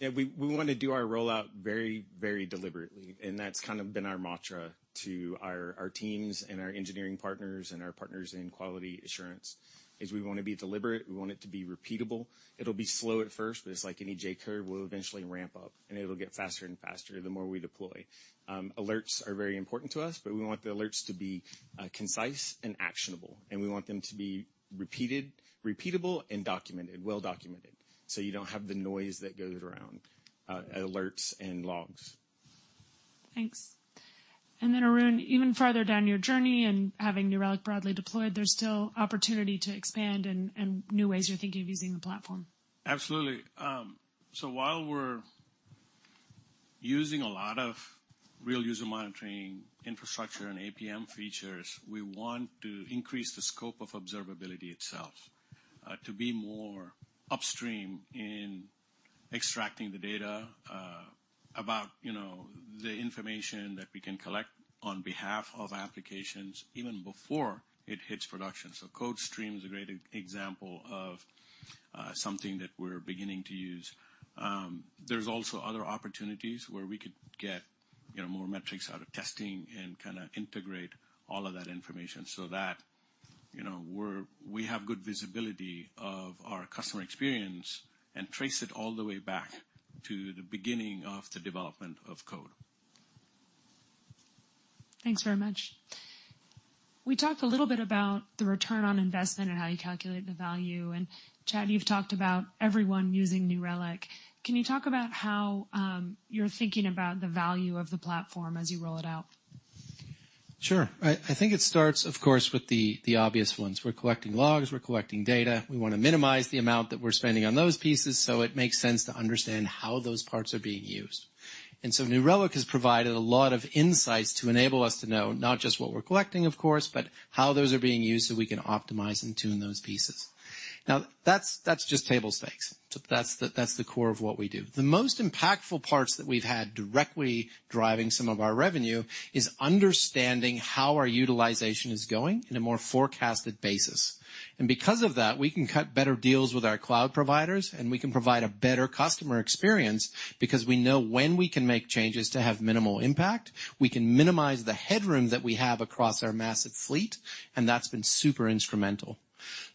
Yeah, we want to do our rollout very deliberately. That's kind of been our mantra to our teams and our engineering partners and our partners in quality assurance, is we want to be deliberate. We want it to be repeatable. It'll be slow at first, but it's like any J-curve, we'll eventually ramp up, and it'll get faster and faster the more we deploy. Alerts are very important to us, but we want the alerts to be concise and actionable, and we want them to be repeatable and documented, well documented, so you don't have the noise that goes around alerts and logs. Thanks. Then, Arun, even farther down your journey and having New Relic broadly deployed, there's still opportunity to expand and new ways you're thinking of using the platform. Absolutely. While we're using a lot of real user monitoring infrastructure and APM features, we want to increase the scope of observability itself to be more upstream in extracting the data about, you know, the information that we can collect on behalf of applications even before it hits production. CodeStream is a great example of something that we're beginning to use. There's also other opportunities where we could get, you know, more metrics out of testing and kind of integrate all of that information so that, you know, we have good visibility of our customer experience and trace it all the way back to the beginning of the development of code. Thanks very much. We talked a little bit about the return on investment and how you calculate the value. Chad, you've talked about everyone using New Relic. Can you talk about how you're thinking about the value of the platform as you roll it out? Sure. I think it starts, of course, with the obvious ones. We're collecting logs, we're collecting data. We want to minimize the amount that we're spending on those pieces, so it makes sense to understand how those parts are being used. New Relic has provided a lot of insights to enable us to know not just what we're collecting, of course, but how those are being used so we can optimize and tune those pieces. Now, that's just table stakes. That's the core of what we do. The most impactful parts that we've had directly driving some of our revenue is understanding how our utilization is going in a more forecasted basis. Because of that, we can cut better deals with our cloud providers, and we can provide a better. Customer experience because we know when we can make changes to have minimal impact, we can minimize the headroom that we have across our massive fleet, and that's been super instrumental.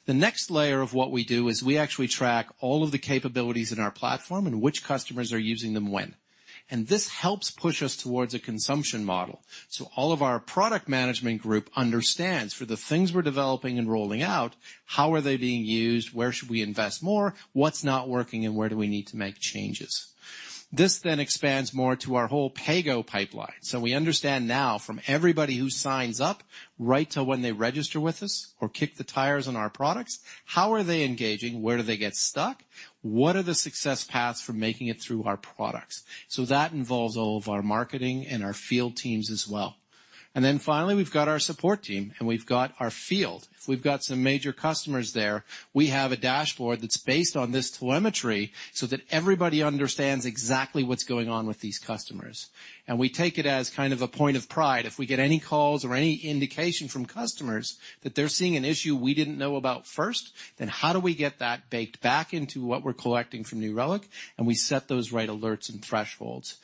The next layer of what we do is we actually track all of the capabilities in our platform and which customers are using them when. This helps push us towards a consumption model. All of our product management group understands, for the things we're developing and rolling out, how are they being used, where should we invest more, what's not working, and where do we need to make changes? This expands more to our whole paygo pipeline. We understand now from everybody who signs up, right to when they register with us or kick the tires on our products, how are they engaging? Where do they get stuck? What are the success paths for making it through our products? That involves all of our marketing and our field teams as well. Finally, we've got our support team, and we've got our field. We've got some major customers there. We have a dashboard that's based on this telemetry so that everybody understands exactly what's going on with these customers. We take it as kind of a point of pride. If we get any calls or any indication from customers that they're seeing an issue we didn't know about first, then how do we get that baked back into what we're collecting from New Relic, and we set those right alerts and thresholds.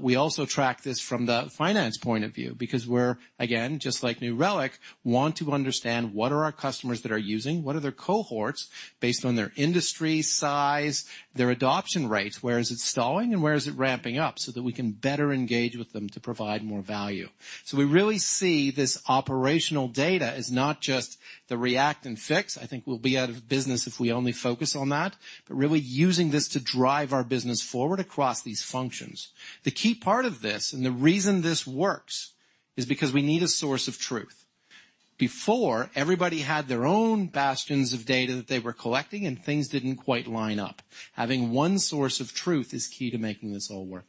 We also track this from the finance point of view, because we're, again, just like New Relic, want to understand what are our customers that are using, what are their cohorts based on their industry size, their adoption rates, where is it stalling and where is it ramping up, so that we can better engage with them to provide more value. We really see this operational data as not just the react and fix, I think we'll be out of business if we only focus on that, but really using this to drive our business forward across these functions. The key part of this, and the reason this works, is because we need a source of truth. Before, everybody had their own bastions of data that they were collecting, and things didn't quite line up. Having one source of truth is key to making this all work.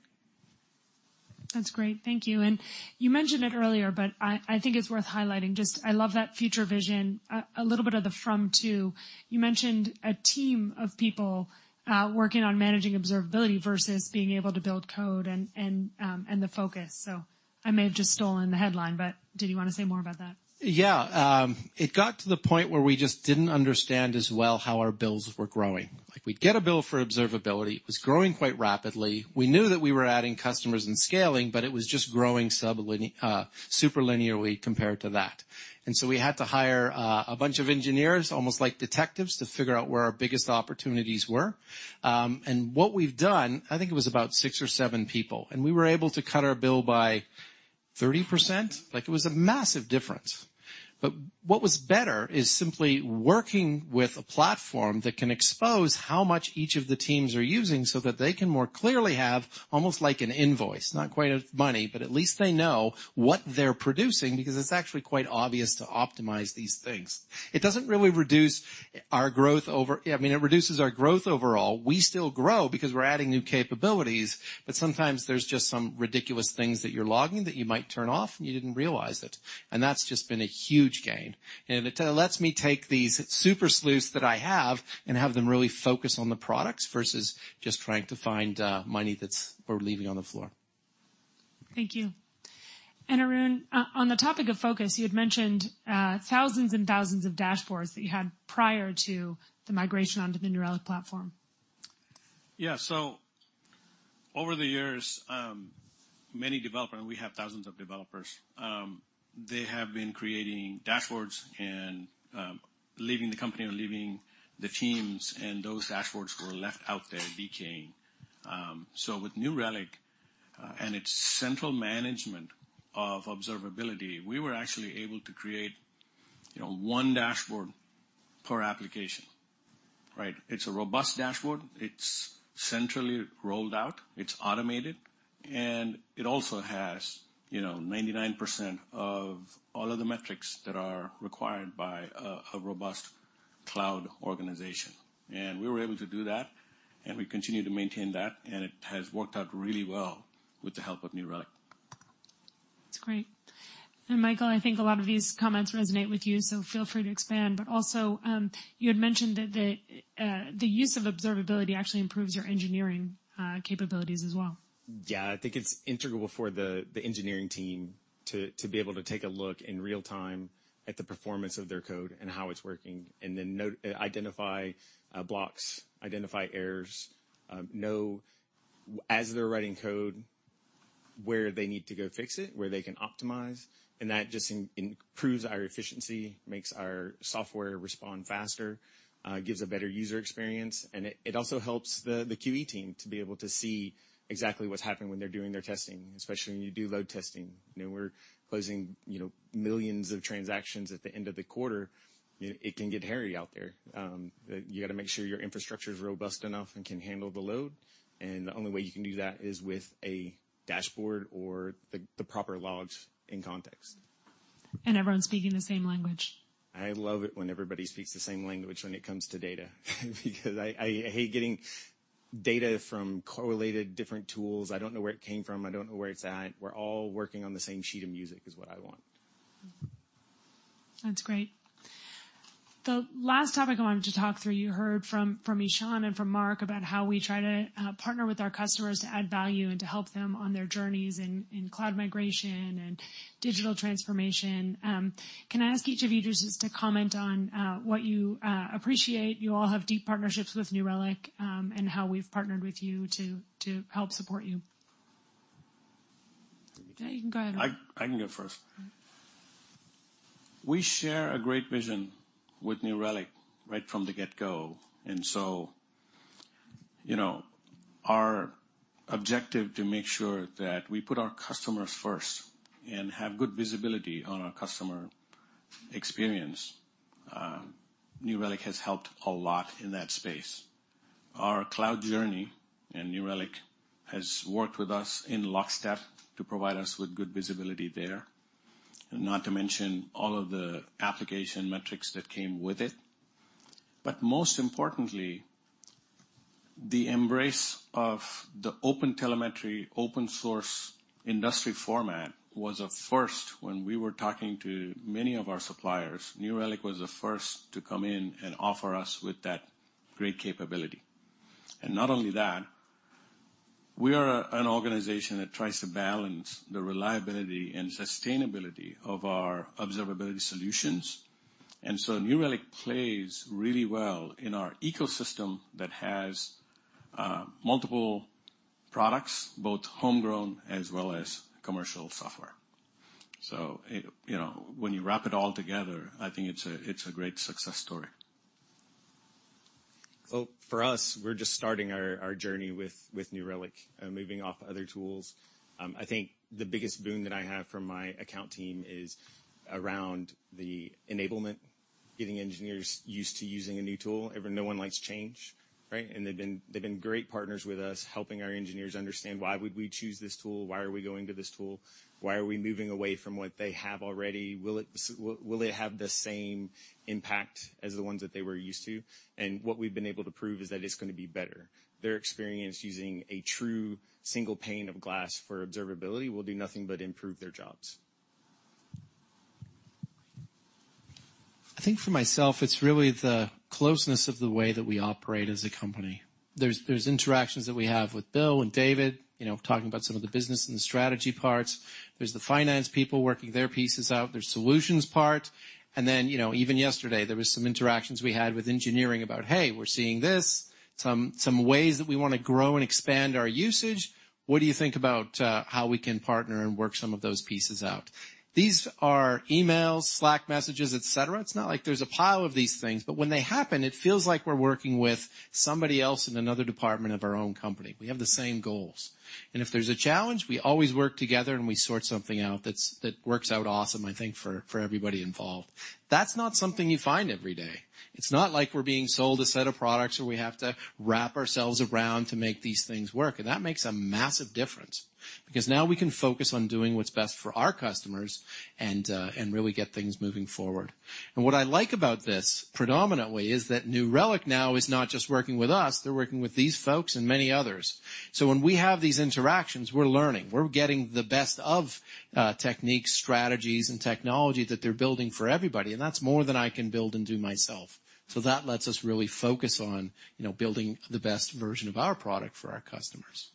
That's great. Thank you. You mentioned it earlier, but I think it's worth highlighting. Just I love that future vision, a little bit of the from to. You mentioned a team of people working on managing observability versus being able to build code and the focus. I may have just stolen the headline, but did you want to say more about that? Yeah. It got to the point where we just didn't understand as well how our bills were growing. Like, we'd get a bill for observability. It was growing quite rapidly. We knew that we were adding customers and scaling, but it was just growing super linearly compared to that. We had to hire a bunch of engineers, almost like detectives, to figure out where our biggest opportunities were. What we've done, I think it was about 6 or 7 people, and we were able to cut our bill by 30%. Like, it was a massive difference. What was better is simply working with a platform that can expose how much each of the teams are using so that they can more clearly have almost like an invoice, not quite as money, but at least they know what they're producing, because it's actually quite obvious to optimize these things. It doesn't really reduce our growth. I mean, it reduces our growth overall. We still grow because we're adding new capabilities, but sometimes there's just some ridiculous things that you're logging that you might turn off, and you didn't realize it, and that's just been a huge gain. It lets me take these super sleuths that I have and have them really focus on the products versus just trying to find money that's we're leaving on the floor. Thank you. Arun, on the topic of focus, you had mentioned, thousands and thousands of dashboards that you had prior to the migration onto the New Relic platform. Yeah. Over the years, many developers, and we have thousands of developers, they have been creating dashboards and leaving the company or leaving the teams, and those dashboards were left out there decaying. With New Relic and its central management of observability, we were actually able to create, you know, one dashboard per application, right? It's a robust dashboard, it's centrally rolled out, it's automated, and it also has, you know, 99% of all of the metrics that are required by a robust cloud organization. We were able to do that, and we continue to maintain that, and it has worked out really well with the help of New Relic. That's great. Michael, I think a lot of these comments resonate with you, so feel free to expand. But also, you had mentioned that the use of observability actually improves your engineering capabilities as well. Yeah, I think it's integral for the engineering team to be able to take a look in real time at the performance of their code and how it's working, and then identify blocks, identify errors, know as they're writing code, where they need to go fix it, where they can optimize. That just improves our efficiency, makes our software respond faster, gives a better user experience, and it also helps the QE team to be able to see exactly what's happening when they're doing their testing, especially when you do load testing. You know, we're closing, you know, millions of transactions at the end of the quarter. It can get hairy out there. You got to make sure your infrastructure is robust enough and can handle the load, and the only way you can do that is with a dashboard or the proper logs in context. Everyone speaking the same language. I love it when everybody speaks the same language when it comes to data, because I hate getting data from correlated different tools. I don't know where it came from. I don't know where it's at. We're all working on the same sheet of music, is what I want. That's great. The last topic I wanted to talk through, you heard from Ishan and from Mark about how we try to partner with our customers to add value and to help them on their journeys in cloud migration and digital transformation. Can I ask each of you just to comment on what you appreciate, you all have deep partnerships with New Relic, and how we've partnered with you to help support you? You can go ahead, Arun. I can go first. We share a great vision with New Relic right from the get-go, you know, our objective to make sure that we put our customers first and have good visibility on our customer experience, New Relic has helped a lot in that space. Our cloud journey, New Relic has worked with us in lockstep to provide us with good visibility there, not to mention all of the application metrics that came with it. Most importantly, the embrace of the OpenTelemetry, open source industry format was a first. When we were talking to many of our suppliers, New Relic was the first to come in and offer us with that great capability. Not only that, we are an organization that tries to balance the reliability and sustainability of our observability solutions. New Relic plays really well in our ecosystem that has multiple products, both homegrown as well as commercial software. You know, when you wrap it all together, I think it's a great success story. Well, for us, we're just starting our journey with New Relic and moving off other tools. I think the biggest boon that I have from my account team is around the enablement, getting engineers used to using a new tool. No one likes change, right? They've been great partners with us, helping our engineers understand why would we choose this tool? Why are we going to this tool? Why are we moving away from what they have already? Will it have the same impact as the ones that they were used to? What we've been able to prove is that it's going to be better. Their experience using a true single pane of glass for observability will do nothing but improve their jobs. I think for myself, it's really the closeness of the way that we operate as a company. There's interactions that we have with Bill and David, you know, talking about some of the business and strategy parts. There's the finance people working their pieces out, their solutions part. You know, even yesterday, there was some interactions we had with engineering about, "Hey, we're seeing this, some ways that we want to grow and expand our usage. What do you think about how we can partner and work some of those pieces out?" These are emails, Slack messages, et cetera. It's not like there's a pile of these things, but when they happen, it feels like we're working with somebody else in another department of our own company. We have the same goals. If there's a challenge, we always work together, and we sort something out that works out awesome, I think, for everybody involved. That's not something you find every day. It's not like we're being sold a set of products, or we have to wrap ourselves around to make these things work. That makes a massive difference because now we can focus on doing what's best for our customers and really get things moving forward. What I like about this, predominantly, is that New Relic now is not just working with us, they're working with these folks and many others. When we have these interactions, we're learning. We're getting the best of techniques, strategies, and technology that they're building for everybody. That's more than I can build and do myself. That lets us really focus on, you know, building the best version of our product for our customers.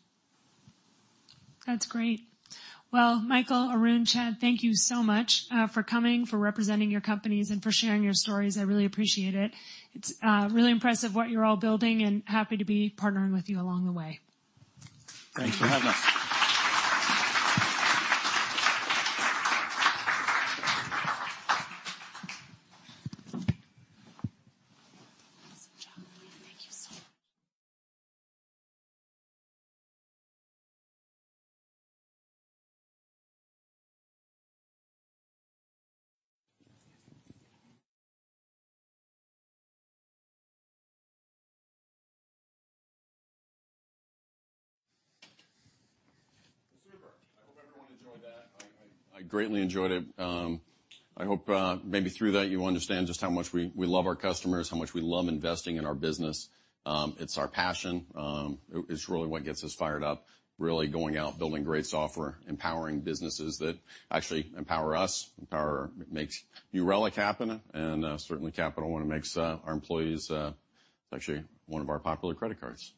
That's great. Well, Michael, Arun, Chad, thank you so much, for coming, for representing your companies, and for sharing your stories. I really appreciate it. It's really impressive what you're all building, and happy to be partnering with you along the way. Thanks for having us. Thank you so much. I hope everyone enjoyed that. I greatly enjoyed it. I hope maybe through that, you understand just how much we love our customers, how much we love investing in our business. It's our passion. It's really what gets us fired up, really going out, building great software, empowering businesses that actually empower us, empower. Makes New Relic happen, and certainly Capital One. It makes our employees actually one of our popular credit cards.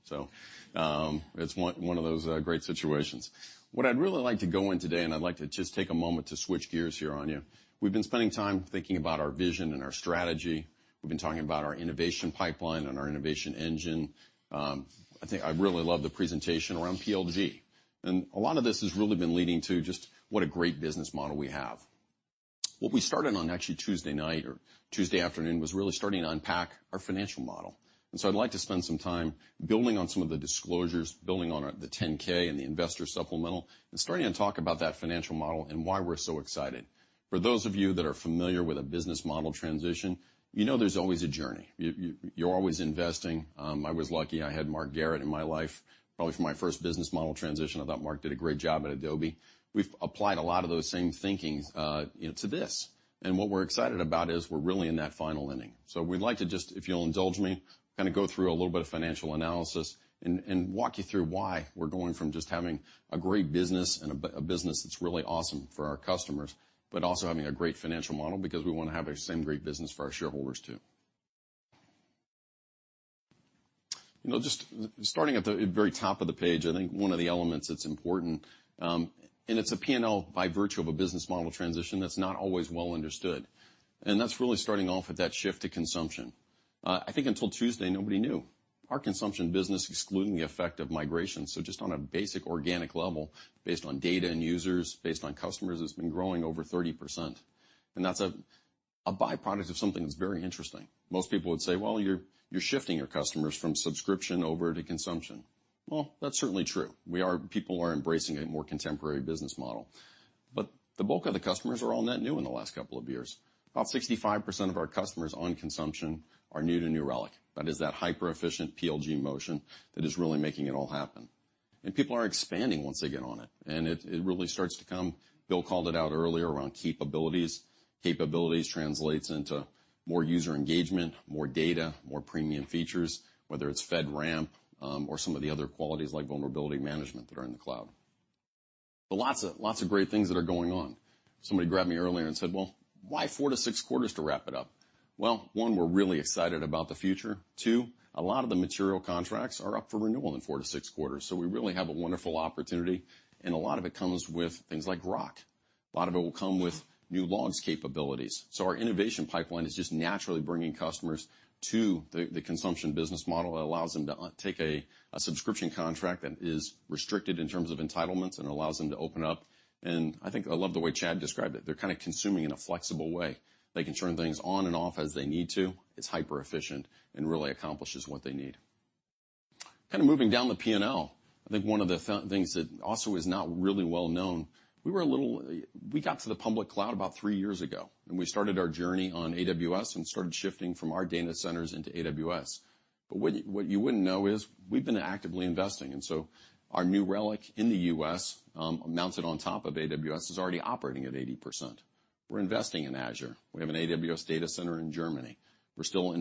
It's one of those great situations. What I'd really like to go in today, and I'd like to just take a moment to switch gears here on you. We've been spending time thinking about our vision and our strategy. We've been talking about our innovation pipeline and our innovation engine. I think I really love the presentation around PLG, a lot of this has really been leading to just what a great business model we have. What we started on, actually, Tuesday night or Tuesday afternoon, was really starting to unpack our financial model. I'd like to spend some time building on some of the disclosures, building on the 10-K and the investor supplemental, and starting to talk about that financial model and why we're so excited. For those of you that are familiar with a business model transition, you know there's always a journey. You're always investing. I was lucky I had Mark Garrett in my life, probably for my first business model transition. I thought Mark did a great job at Adobe. We've applied a lot of those same thinkings, into this. What we're excited about is we're really in that final inning. We'd like to just, if you'll indulge me, kind of go through a little bit of financial analysis and walk you through why we're going from just having a great business and a business that's really awesome for our customers, but also having a great financial model. We want to have the same great business for our shareholders, too. You know, just starting at the very top of the page, I think one of the elements that's important. It's a P&L by virtue of a business model transition that's not always well understood. That's really starting off with that shift to consumption. I think until Tuesday, nobody knew. Our consumption business, excluding the effect of migration, so just on a basic organic level, based on data and users, based on customers, has been growing over 30%, that's a byproduct of something that's very interesting. Most people would say, "Well, you're shifting your customers from subscription over to consumption." Well, that's certainly true. People are embracing a more contemporary business model, the bulk of the customers are all net new in the last couple of years. About 65% of our customers on consumption are new to New Relic. That is that hyper-efficient PLG motion that is really making it all happen. People are expanding once they get on it really starts to come. Bill called it out earlier around capabilities. Capabilities translates into more user engagement, more data, more premium features, whether it's FedRAMP, or some of the other qualities like vulnerability management that are in the cloud. Lots of great things that are going on. Somebody grabbed me earlier and said, "Well, why 4 to 6 quarters to wrap it up?" Well, one, we're really excited about the future. two, a lot of the material contracts are up for renewal in 4 to 6 quarters, we really have a wonderful opportunity, and a lot of it comes with things like Grok. A lot of it will come with new logs capabilities. Our innovation pipeline is just naturally bringing customers to the consumption business model that allows them to take a subscription contract that is restricted in terms of entitlements and allows them to open up. I think I love the way Chad described it. They're kind of consuming in a flexible way. They can turn things on and off as they need to. It's hyper-efficient and really accomplishes what they need. Moving down the P&L, I think one of the things that also is not really well known, we were a little. We got to the public cloud about 3 years ago, and we started our journey on AWS and started shifting from our data centers into AWS. What you wouldn't know is we've been actively investing, and so our New Relic in the U.S., mounted on top of AWS, is already operating at 80%. We're investing in Azure. We have an AWS data center in Germany. We're still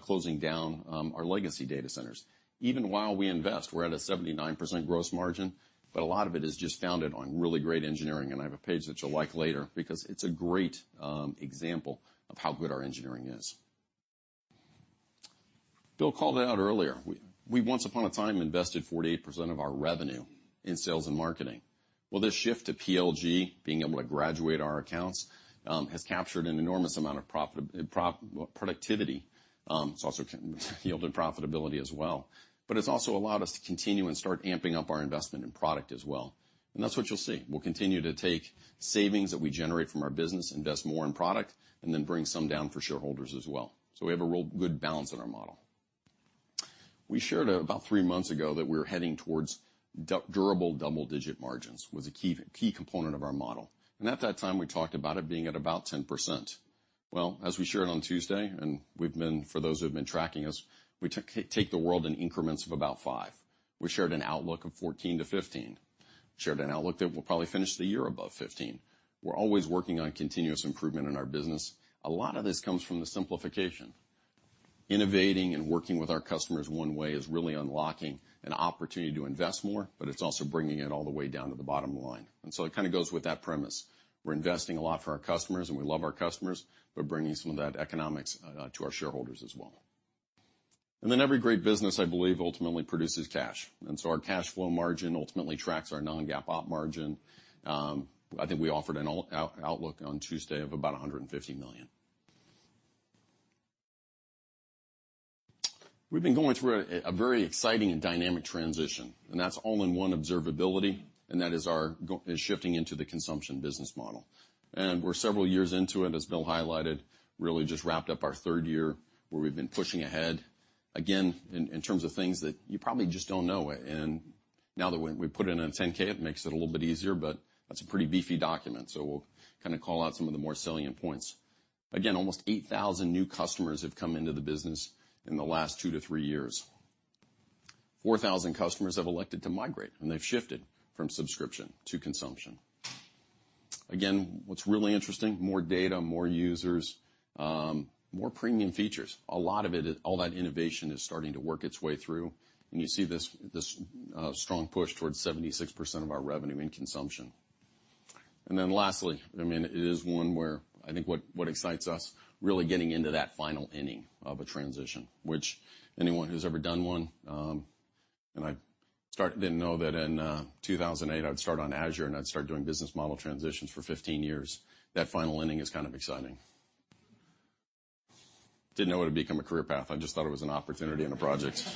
closing down our legacy data centers. Even while we invest, we're at a 79% gross margin. A lot of it is just founded on really great engineering, and I have a page that you'll like later because it's a great example of how good our engineering is. Bill called it out earlier. We once upon a time, invested 48% of our revenue in sales and marketing. This shift to PLG, being able to graduate our accounts, has captured an enormous amount of profit, productivity. It's also yielded profitability as well, but it's also allowed us to continue and start amping up our investment in product as well. That's what you'll see. We'll continue to take savings that we generate from our business, invest more in product, and then bring some down for shareholders as well. We have a real good balance in our model. We shared about 3 months ago that we were heading towards durable double-digit margins, was a key component of our model, and at that time, we talked about it being at about 10%. Well, as we shared on Tuesday, and we've been, for those who have been tracking us, we take the world in increments of about 5. We shared an outlook of 14%-15%. We shared an outlook that we'll probably finish the year above 15%. We're always working on continuous improvement in our business. A lot of this comes from the simplification. Innovating and working with our customers one way is really unlocking an opportunity to invest more, but it's also bringing it all the way down to the bottom line. It kind of goes with that premise. We're investing a lot for our customers, we love our customers, bringing some of that economics to our shareholders as well. Every great business, I believe, ultimately produces cash, our cash flow margin ultimately tracks our non-GAAP op margin. I think we offered an outlook on Tuesday of about $150 million. We've been going through a very exciting and dynamic transition, that's all-in-one observability, shifting into the consumption business model. We're several years into it, as Bill highlighted, really just wrapped up our third year, where we've been pushing ahead. Again, in terms of things that you probably just don't know, and now that we put it in a 10-K, it makes it a little bit easier, but that's a pretty beefy document, so we'll kinda call out some of the more salient points. Again, almost 8,000 new customers have come into the business in the last 2-3 years. 4,000 customers have elected to migrate, and they've shifted from subscription to consumption. Again, what's really interesting, more data, more users, more premium features. A lot of it, all that innovation is starting to work its way through, and you see this strong push towards 76% of our revenue in consumption. Lastly, I mean, it is one where I think what excites us, really getting into that final inning of a transition, which anyone who's ever done one. I didn't know that in 2008, I'd start on Azure, and I'd start doing business model transitions for 15 years. That final inning is kind of exciting. Didn't know it would become a career path. I just thought it was an opportunity and a project.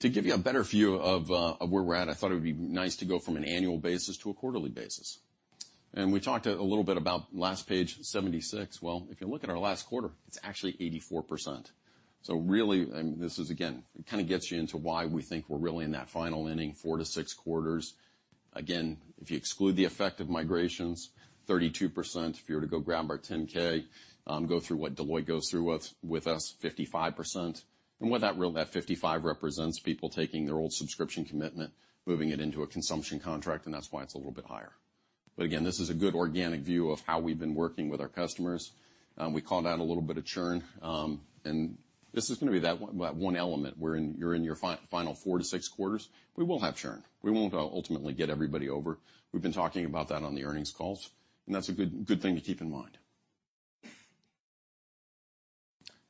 To give you a better view of where we're at, I thought it would be nice to go from an annual basis to a quarterly basis. We talked a little bit about last page, 76. Well, if you look at our last quarter, it's actually 84%. Really, and this is again, it kinda gets you into why we think we're really in that final inning, 4-6 quarters. Again, if you exclude the effect of migrations, 32%. If you were to go grab our 10-K, go through what Deloitte goes through with us, 55%. What that real, that 55% represents people taking their old subscription commitment, moving it into a consumption contract, and that's why it's a little bit higher. Again, this is a good organic view of how we've been working with our customers. We called out a little bit of churn, and this is gonna be that one element, where in, you're in your final 4-6 quarters. We will have churn. We won't ultimately get everybody over. We've been talking about that on the earnings calls. That's a good thing to keep in mind.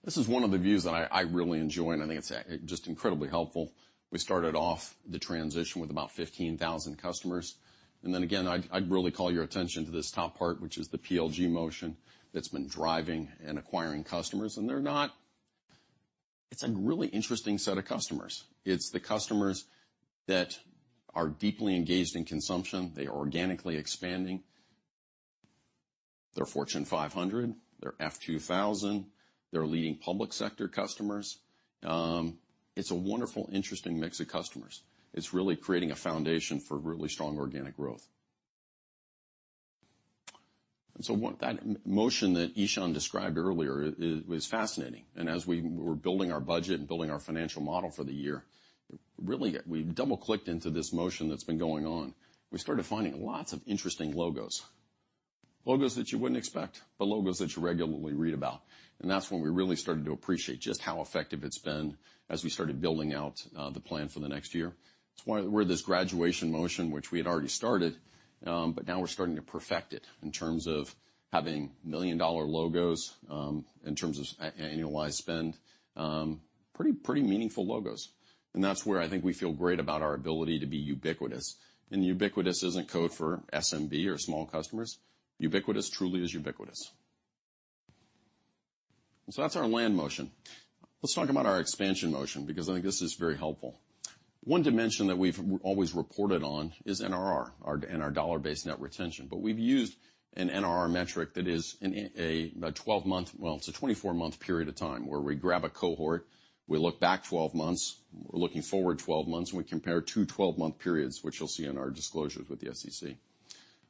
This is one of the views that I really enjoy, and I think it's just incredibly helpful. We started off the transition with about 15,000 customers. Then again, I really call your attention to this top part, which is the PLG motion that's been driving and acquiring customers. It's a really interesting set of customers. It's the customers that are deeply engaged in consumption. They are organically expanding. They're Fortune 500, they're F 2000, they're leading public sector customers. It's a wonderful, interesting mix of customers. It's really creating a foundation for really strong organic growth. What that motion that Ishan described earlier is fascinating, as we were building our budget and building our financial model for the year, really, we double-clicked into this motion that's been going on. We started finding lots of interesting logos that you wouldn't expect, but logos that you regularly read about. That's when we really started to appreciate just how effective it's been as we started building out the plan for the next year. It's why we're this graduation motion, which we had already started, but now we're starting to perfect it in terms of having million-dollar logos, in terms of annualized spend, pretty meaningful logos. That's where I think we feel great about our ability to be ubiquitous. Ubiquitous isn't code for SMB or small customers. Ubiquitous truly is ubiquitous. That's our land motion. Let's talk about our expansion motion, because I think this is very helpful. One dimension that we've always reported on is NRR, and our dollar-based net retention, but we've used an NRR metric that is in a 12-month, well, it's a 24-month period of time, where we grab a cohort, we look back 12 months, we're looking forward 12 months, and we compare two 12-month periods, which you'll see in our disclosures with the SEC.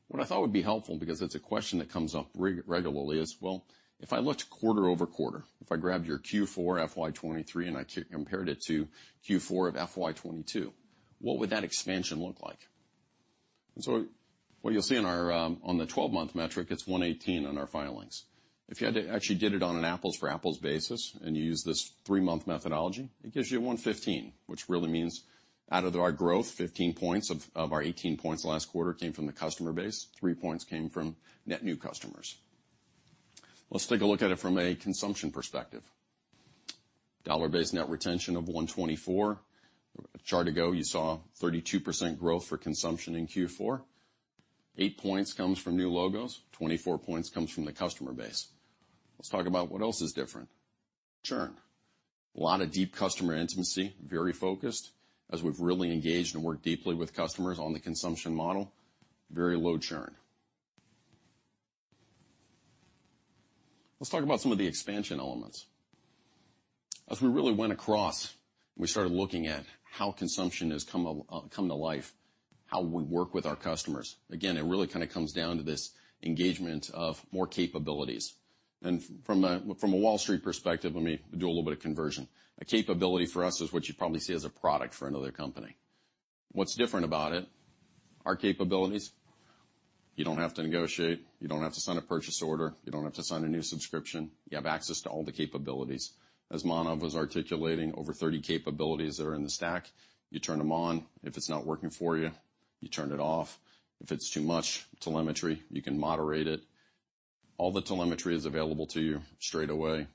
What I thought would be helpful, because it's a question that comes up regularly, is, well, if I looked quarter-over-quarter, if I grabbed your Q4 FY23, and I compared it to Q4 of FY22, what would that expansion look like? What you'll see on the 12-month metric, it's 118 on our filings. If you had to actually did it on an apples-for-apples basis, you use this 3-month methodology, it gives you 115, which really means out of our growth, 15 points of our 18 points last quarter came from the customer base, 3 points came from net new customers. Let's take a look at it from a consumption perspective. Dollar-based net retention of 124. A chart ago, you saw 32% growth for consumption in Q4. 8 points comes from new logos, 24 points comes from the customer base. Let's talk about what else is different. Churn. A lot of deep customer intimacy, very focused, as we've really engaged and worked deeply with customers on the consumption model. Very low churn. Let's talk about some of the expansion elements. As we really went across, and we started looking at how consumption has come to life, how we work with our customers, again, it really kinda comes down to this engagement of more capabilities. From a, from a Wall Street perspective, let me do a little bit of conversion. A capability for us is what you'd probably see as a product for another company. What's different about it, our capabilities, you don't have to negotiate, you don't have to sign a purchase order, you don't have to sign a new subscription. You have access to all the capabilities. As Manav was articulating, over 30 capabilities that are in the stack, you turn them on. If it's not working for you turn it off. If it's too much telemetry, you can moderate it. All the telemetry is available to you straight away,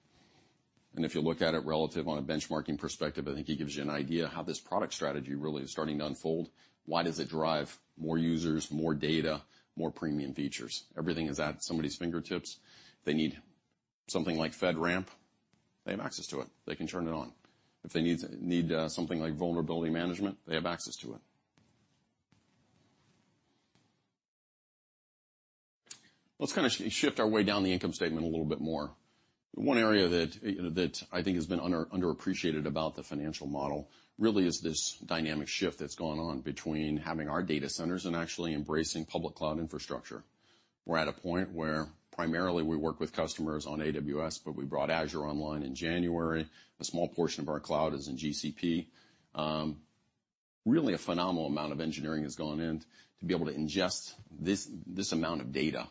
if you look at it relative on a benchmarking perspective, I think it gives you an idea of how this product strategy really is starting to unfold. Why does it drive more users, more data, more premium features? Everything is at somebody's fingertips. They need something like FedRAMP, they have access to it. They can turn it on. If they need something like vulnerability management, they have access to it. Let's kinda shift our way down the income statement a little bit more. One area that, you know, that I think has been underappreciated about the financial model, really is this dynamic shift that's gone on between having our data centers and actually embracing public cloud infrastructure. We're at a point where primarily we work with customers on AWS, but we brought Azure online in January. A small portion of our cloud is in GCP. Really, a phenomenal amount of engineering has gone in to be able to ingest this amount of data,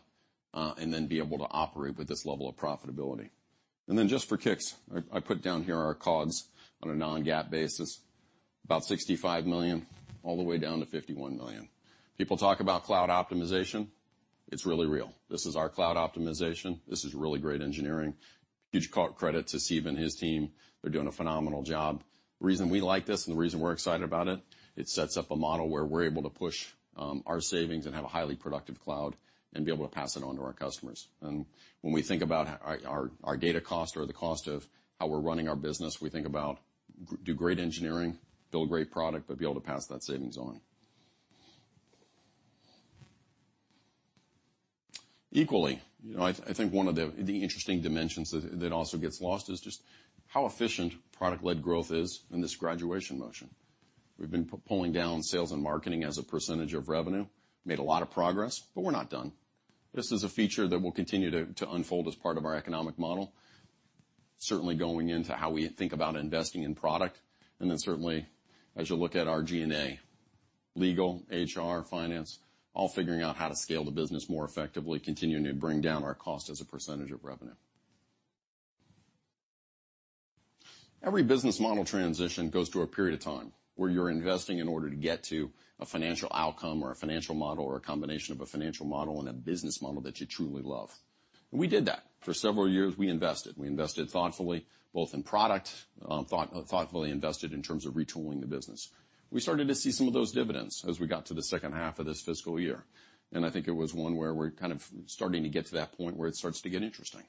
and then be able to operate with this level of profitability. Just for kicks, I put down here our costs on a non-GAAP basis, about $65 million, all the way down to $51 million. People talk about cloud optimization. It's really real. This is our cloud optimization. This is really great engineering. Huge credit to Steve and his team. They're doing a phenomenal job. The reason we like this, and the reason we're excited about it sets up a model where we're able to push our savings and have a highly productive cloud and be able to pass it on to our customers. When we think about our data cost or the cost of how we're running our business, we think about do great engineering, build a great product, but be able to pass that savings on. Equally, you know, I think one of the interesting dimensions that also gets lost is just how efficient product-led growth is in this graduation motion. We've been pulling down sales and marketing as a percentage of revenue, made a lot of progress, but we're not done. This is a feature that will continue to unfold as part of our economic model, certainly going into how we think about investing in product, and then certainly as you look at our G&A. Legal, HR, finance, all figuring out how to scale the business more effectively, continuing to bring down our cost as a percentage of revenue. Every business model transition goes through a period of time where you're investing in order to get to a financial outcome, or a financial model, or a combination of a financial model and a business model that you truly love. We did that. For several years, we invested. We invested thoughtfully, both in product, thoughtfully invested in terms of retooling the business. We started to see some of those dividends as we got to the second half of this fiscal year, and I think it was one where we're kind of starting to get to that point where it starts to get interesting.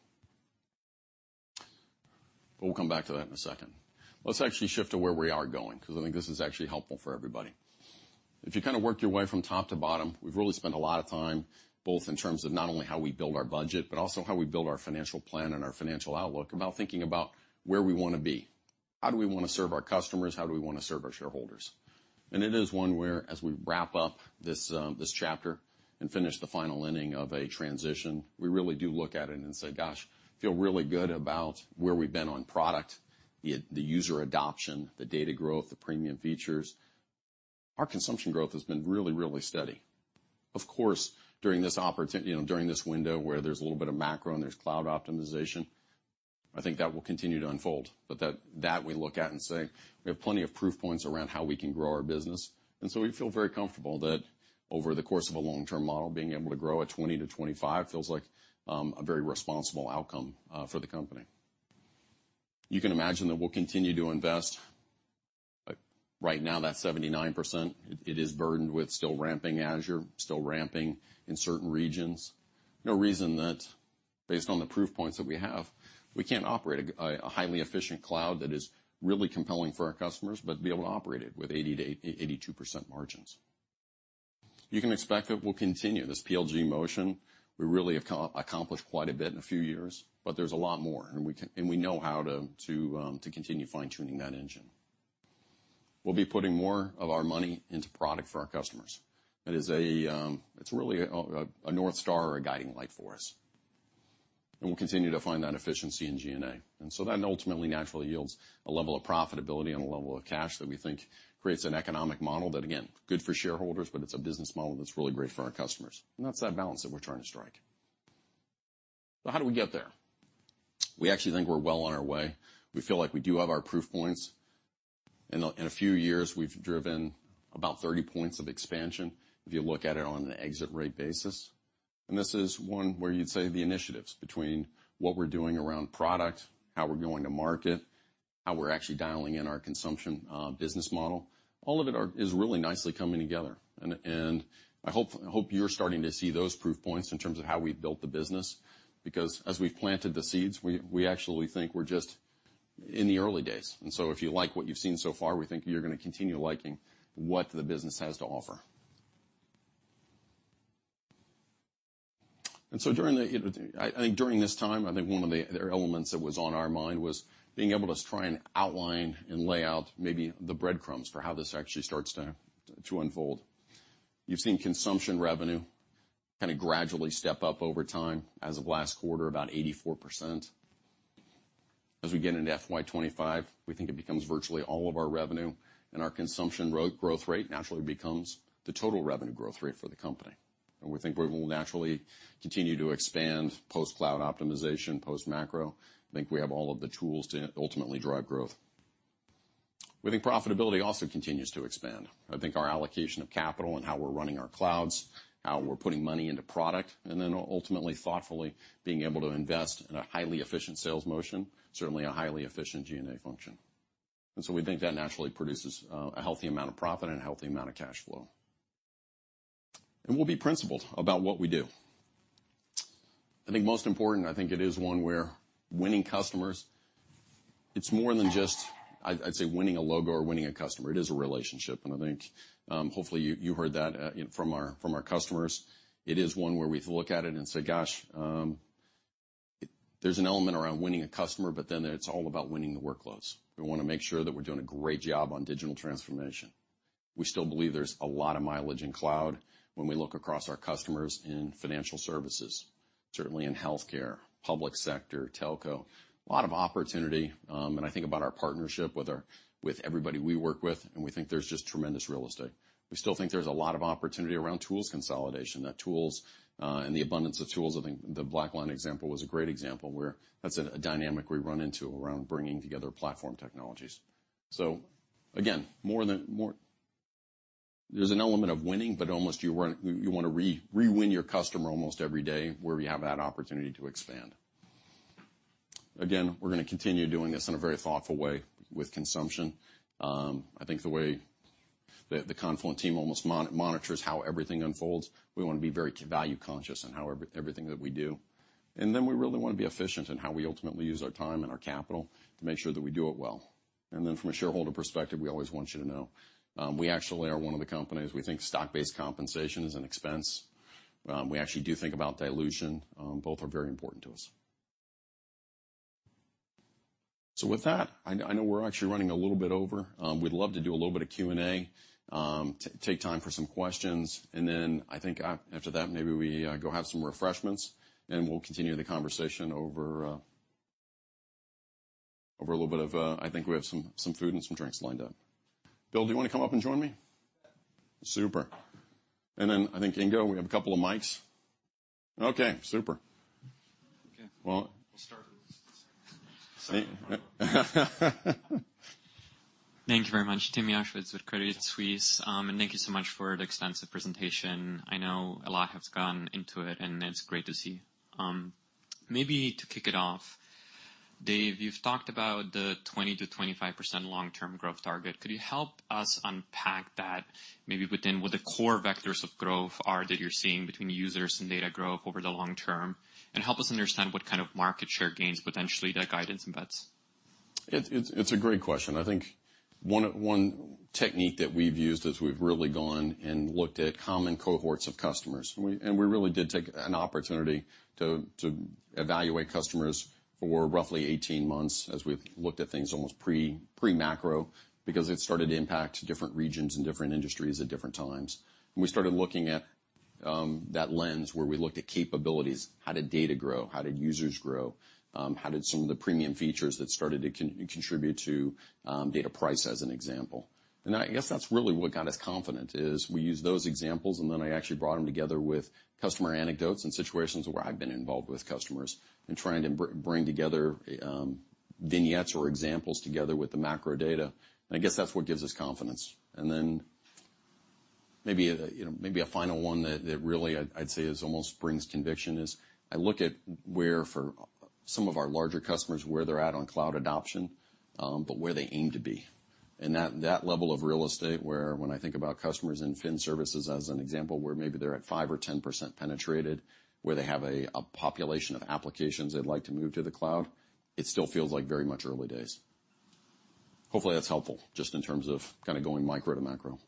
We'll come back to that in a second. Let's actually shift to where we are going, 'cause I think this is actually helpful for everybody. If you kind of work your way from top to bottom, we've really spent a lot of time, both in terms of not only how we build our budget, but also how we build our financial plan and our financial outlook, about thinking about where we wanna be. How do we wanna serve our customers? How do we wanna serve our shareholders? It is one where, as we wrap up this chapter and finish the final inning of a transition, we really do look at it and say, gosh, feel really good about where we've been on product, the user adoption, the data growth, the premium features. Our consumption growth has been really steady. Of course, during this opportunity. You know, during this window, where there's a little bit of macro and there's cloud optimization, I think that will continue to unfold, but that we look at and say, "We have plenty of proof points around how we can grow our business." We feel very comfortable that over the course of a long-term model, being able to grow at 20%-25% feels like a very responsible outcome for the company. You can imagine that we'll continue to invest, right now, that 79% it is burdened with still ramping Azure, still ramping in certain regions. No reason that, based on the proof points that we have, we can't operate a highly efficient cloud that is really compelling for our customers, but be able to operate it with 80%-82% margins. You can expect that we'll continue this PLG motion. We really have accomplished quite a bit in a few years, but there's a lot more, and we know how to continue fine-tuning that engine. We'll be putting more of our money into product for our customers. It's really a North Star or a guiding light for us, and we'll continue to find that efficiency in G&A. That ultimately naturally yields a level of profitability and a level of cash that we think creates an economic model that, again, good for shareholders, but it's a business model that's really great for our customers, and that's that balance that we're trying to strike. How do we get there? We actually think we're well on our way. We feel like we do have our proof points. In a few years, we've driven about 30 points of expansion, if you look at it on an exit rate basis. This is one where you'd say the initiatives between what we're doing around product, how we're going to market, how we're actually dialing in our consumption business model, all of it is really nicely coming together. I hope you're starting to see those proof points in terms of how we've built the business, because as we've planted the seeds, we actually think we're just in the early days. So if you like what you've seen so far, we think you're gonna continue liking what the business has to offer. During the, I think during this time, I think one of the elements that was on our mind was being able to try and outline and lay out maybe the breadcrumbs for how this actually starts to unfold. You've seen consumption revenue kind of gradually step up over time, as of last quarter, about 84%. As we get into FY25, we think it becomes virtually all of our revenue, and our consumption growth rate naturally becomes the total revenue growth rate for the company. We think we will naturally continue to expand post-cloud optimization, post-macro. I think we have all of the tools to ultimately drive growth. We think profitability also continues to expand. I think our allocation of capital and how we're running our clouds, how we're putting money into product, and then ultimately thoughtfully being able to invest in a highly efficient sales motion, certainly a highly efficient G&A function. We think that naturally produces a healthy amount of profit and a healthy amount of cash flow. We'll be principled about what we do. I think most important, I think it is one where winning customers, it's more than just, I'd say, winning a logo or winning a customer. It is a relationship, and I think, hopefully you heard that from our customers. It is one where we look at it and say, Gosh, there's an element around winning a customer. It's all about winning the workloads. We wanna make sure that we're doing a great job on digital transformation. We still believe there's a lot of mileage in cloud when we look across our customers in financial services, certainly in healthcare, public sector, telco. A lot of opportunity, and I think about our partnership with everybody we work with, and we think there's just tremendous real estate. We still think there's a lot of opportunity around tools consolidation, that tools, and the abundance of tools, I think the BlackLine example was a great example, where that's a dynamic we run into around bringing together platform technologies. Again, more than more There's an element of winning, but almost you want, you wanna rewin your customer almost every day where you have that opportunity to expand. Again, we're gonna continue doing this in a very thoughtful way with consumption. I think the way that the Confluent team almost monitors how everything unfolds, we wanna be very value conscious in how everything that we do. We really wanna be efficient in how we ultimately use our time and our capital to make sure that we do it well. From a shareholder perspective, we always want you to know, we actually are one of the companies, we think stock-based compensation is an expense. We actually do think about dilution. Both are very important to us. With that, I know we're actually running a little bit over. We'd love to do a little bit of Q&A, take time for some questions, and then I think after that, maybe we go have some refreshments, and we'll continue the conversation over a little bit of. I think we have some food and some drinks lined up. Bill, do you want to come up and join me? Super. Then I think, Ingo, we have a couple of mics. Okay, super. Okay, well, we'll start with this. Thank you very much. Tim Jeznach with Credit Suisse. Thank you so much for the extensive presentation. I know a lot has gone into it, and it's great to see. Maybe to kick it off, Dave, you've talked about the 20%-25% long-term growth target. Could you help us unpack that, maybe within what the core vectors of growth are that you're seeing between users and data growth over the long term? Help us understand what kind of market share gains, potentially, that guidance embeds. It's a great question. I think one technique that we've used is we've really gone and looked at common cohorts of customers. We really did take an opportunity to evaluate customers for roughly 18 months as we've looked at things almost pre-macro, because it started to impact different regions and different industries at different times. We started looking at that lens, where we looked at capabilities. How did data grow? How did users grow? How did some of the premium features that started to contribute to data price, as an example? I guess that's really what got us confident, is we used those examples, and then I actually brought them together with customer anecdotes and situations where I've been involved with customers and trying to bring together vignettes or examples together with the macro data. I guess that's what gives us confidence. Maybe, you know, maybe a final one that really I'd say is almost brings conviction is I look at where, for some of our larger customers, where they're at on cloud adoption, but where they aim to be. That level of real estate, where when I think about customers in fin services, as an example, where maybe they're at 5% or 10% penetrated, where they have a population of applications they'd like to move to the cloud, it still feels like very much early days. Hopefully, that's helpful, just in terms of kinda going micro to macro.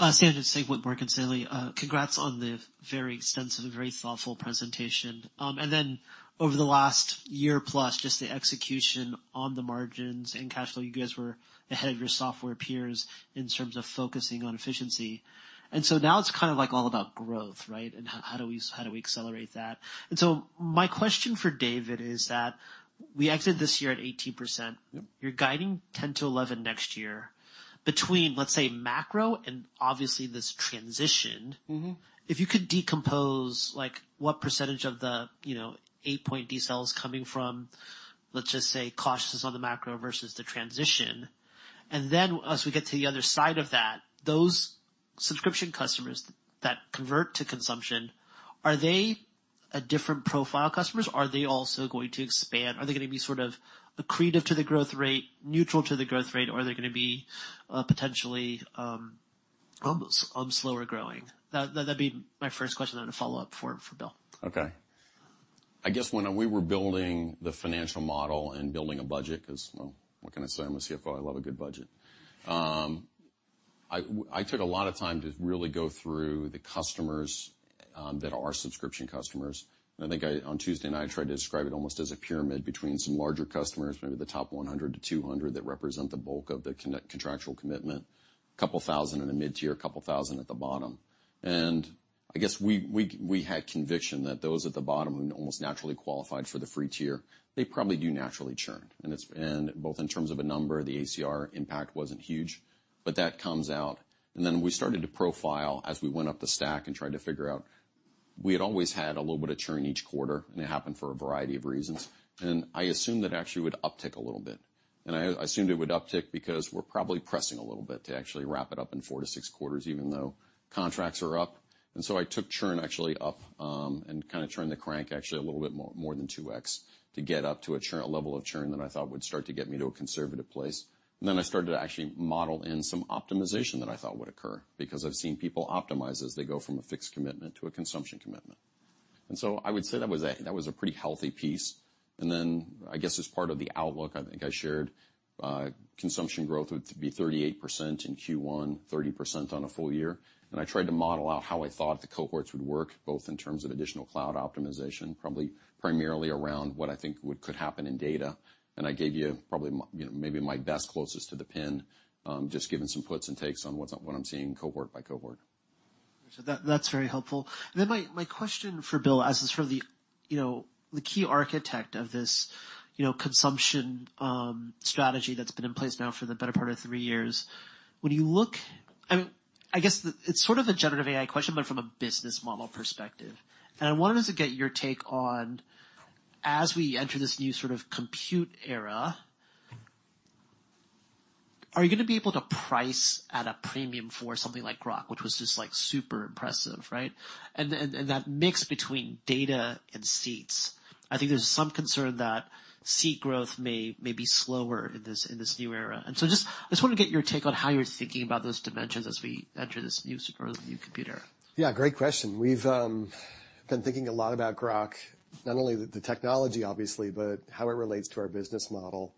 Sanjit Singh with Morgan Stanley. Congrats on the very extensive and very thoughtful presentation. Over the last year, plus just the execution on the margins and cash flow, you guys were ahead of your software peers in terms of focusing on efficiency. Now it's kind of like all about growth, right? How do we accelerate that? My question for David is that we exited this year at 18%. Yes. You're guiding 10-11 next year. Between, let's say, macro and obviously this transition. Mm-hmm. if you could decompose, like, what % of the, you know, 8-point decel is coming from, let's just say, cautious on the macro versus the transition. As we get to the other side of that, those subscription customers that convert to consumption, are they a different profile customers? Are they also going to expand? Are they gonna be sort of accretive to the growth rate, neutral to the growth rate, or are they gonna be, potentially slower growing? That'd be my first question, then a follow-up for Bill. Okay. I guess when we were building the financial model and building a budget, 'cause, well, what can I say? I'm a CFO, I love a good budget. I took a lot of time to really go through the customers that are subscription customers. I think I, on Tuesday night, I tried to describe it almost as a pyramid between some larger customers, maybe the top 100-200, that represent the bulk of the contractual commitment, a couple thousand in the mid-tier, a couple thousand at the bottom. I guess we had conviction that those at the bottom, who almost naturally qualified for the free tier, they probably do naturally churn. Both in terms of a number, the ACR impact wasn't huge, but that comes out. We started to profile as we went up the stack and tried to figure out. We had always had a little bit of churn each quarter, and it happened for a variety of reasons, I assumed that actually would uptick a little bit. I assumed it would uptick because we're probably pressing a little bit to actually wrap it up in 4 to 6 quarters, even though contracts are up. I took churn actually up, and kinda turned the crank actually a little bit more than 2x, to get up to a level of churn that I thought would start to get me to a conservative place. I started to actually model in some optimization that I thought would occur, because I've seen people optimize as they go from a fixed commitment to a consumption commitment. I would say that was a pretty healthy piece. Then, I guess as part of the outlook, I think I shared consumption growth would be 38% in Q1, 30% on a full year. I tried to model out how I thought the cohorts would work, both in terms of additional cloud optimization, probably primarily around what I think could happen in data. I gave you probably my, you know, maybe my best, closest to the pin, just giving some puts and takes on what's, what I'm seeing cohort by cohort. That's very helpful. My question for Bill, as is for the, you know, the key architect of this, you know, consumption strategy that's been in place now for the better part of 3 years. When you look, I mean, I guess it's sort of a generative AI question, but from a business model perspective, I wanted to get your take on, as we enter this new sort of compute era, are you gonna be able to price at a premium for something like Grok, which was just, like, super impressive, right? That mix between data and seats. I think there's some concern that seat growth may be slower in this new era. I just wanna get your take on how you're thinking about those dimensions as we enter this new, super new compute era. Yeah, great question. We've been thinking a lot about Grok, not only the technology, obviously, but how it relates to our business model.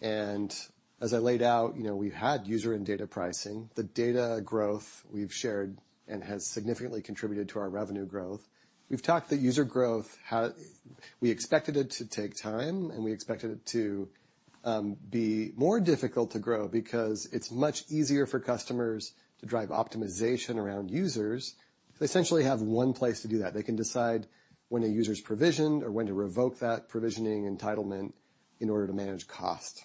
As I laid out, you know, we've had user and data pricing. The data growth we've shared and has significantly contributed to our revenue growth. We've talked that user growth, how we expected it to take time, and we expected it to be more difficult to grow because it's much easier for customers to drive optimization around users. They essentially have one place to do that. They can decide when a user's provisioned or when to revoke that provisioning entitlement in order to manage cost.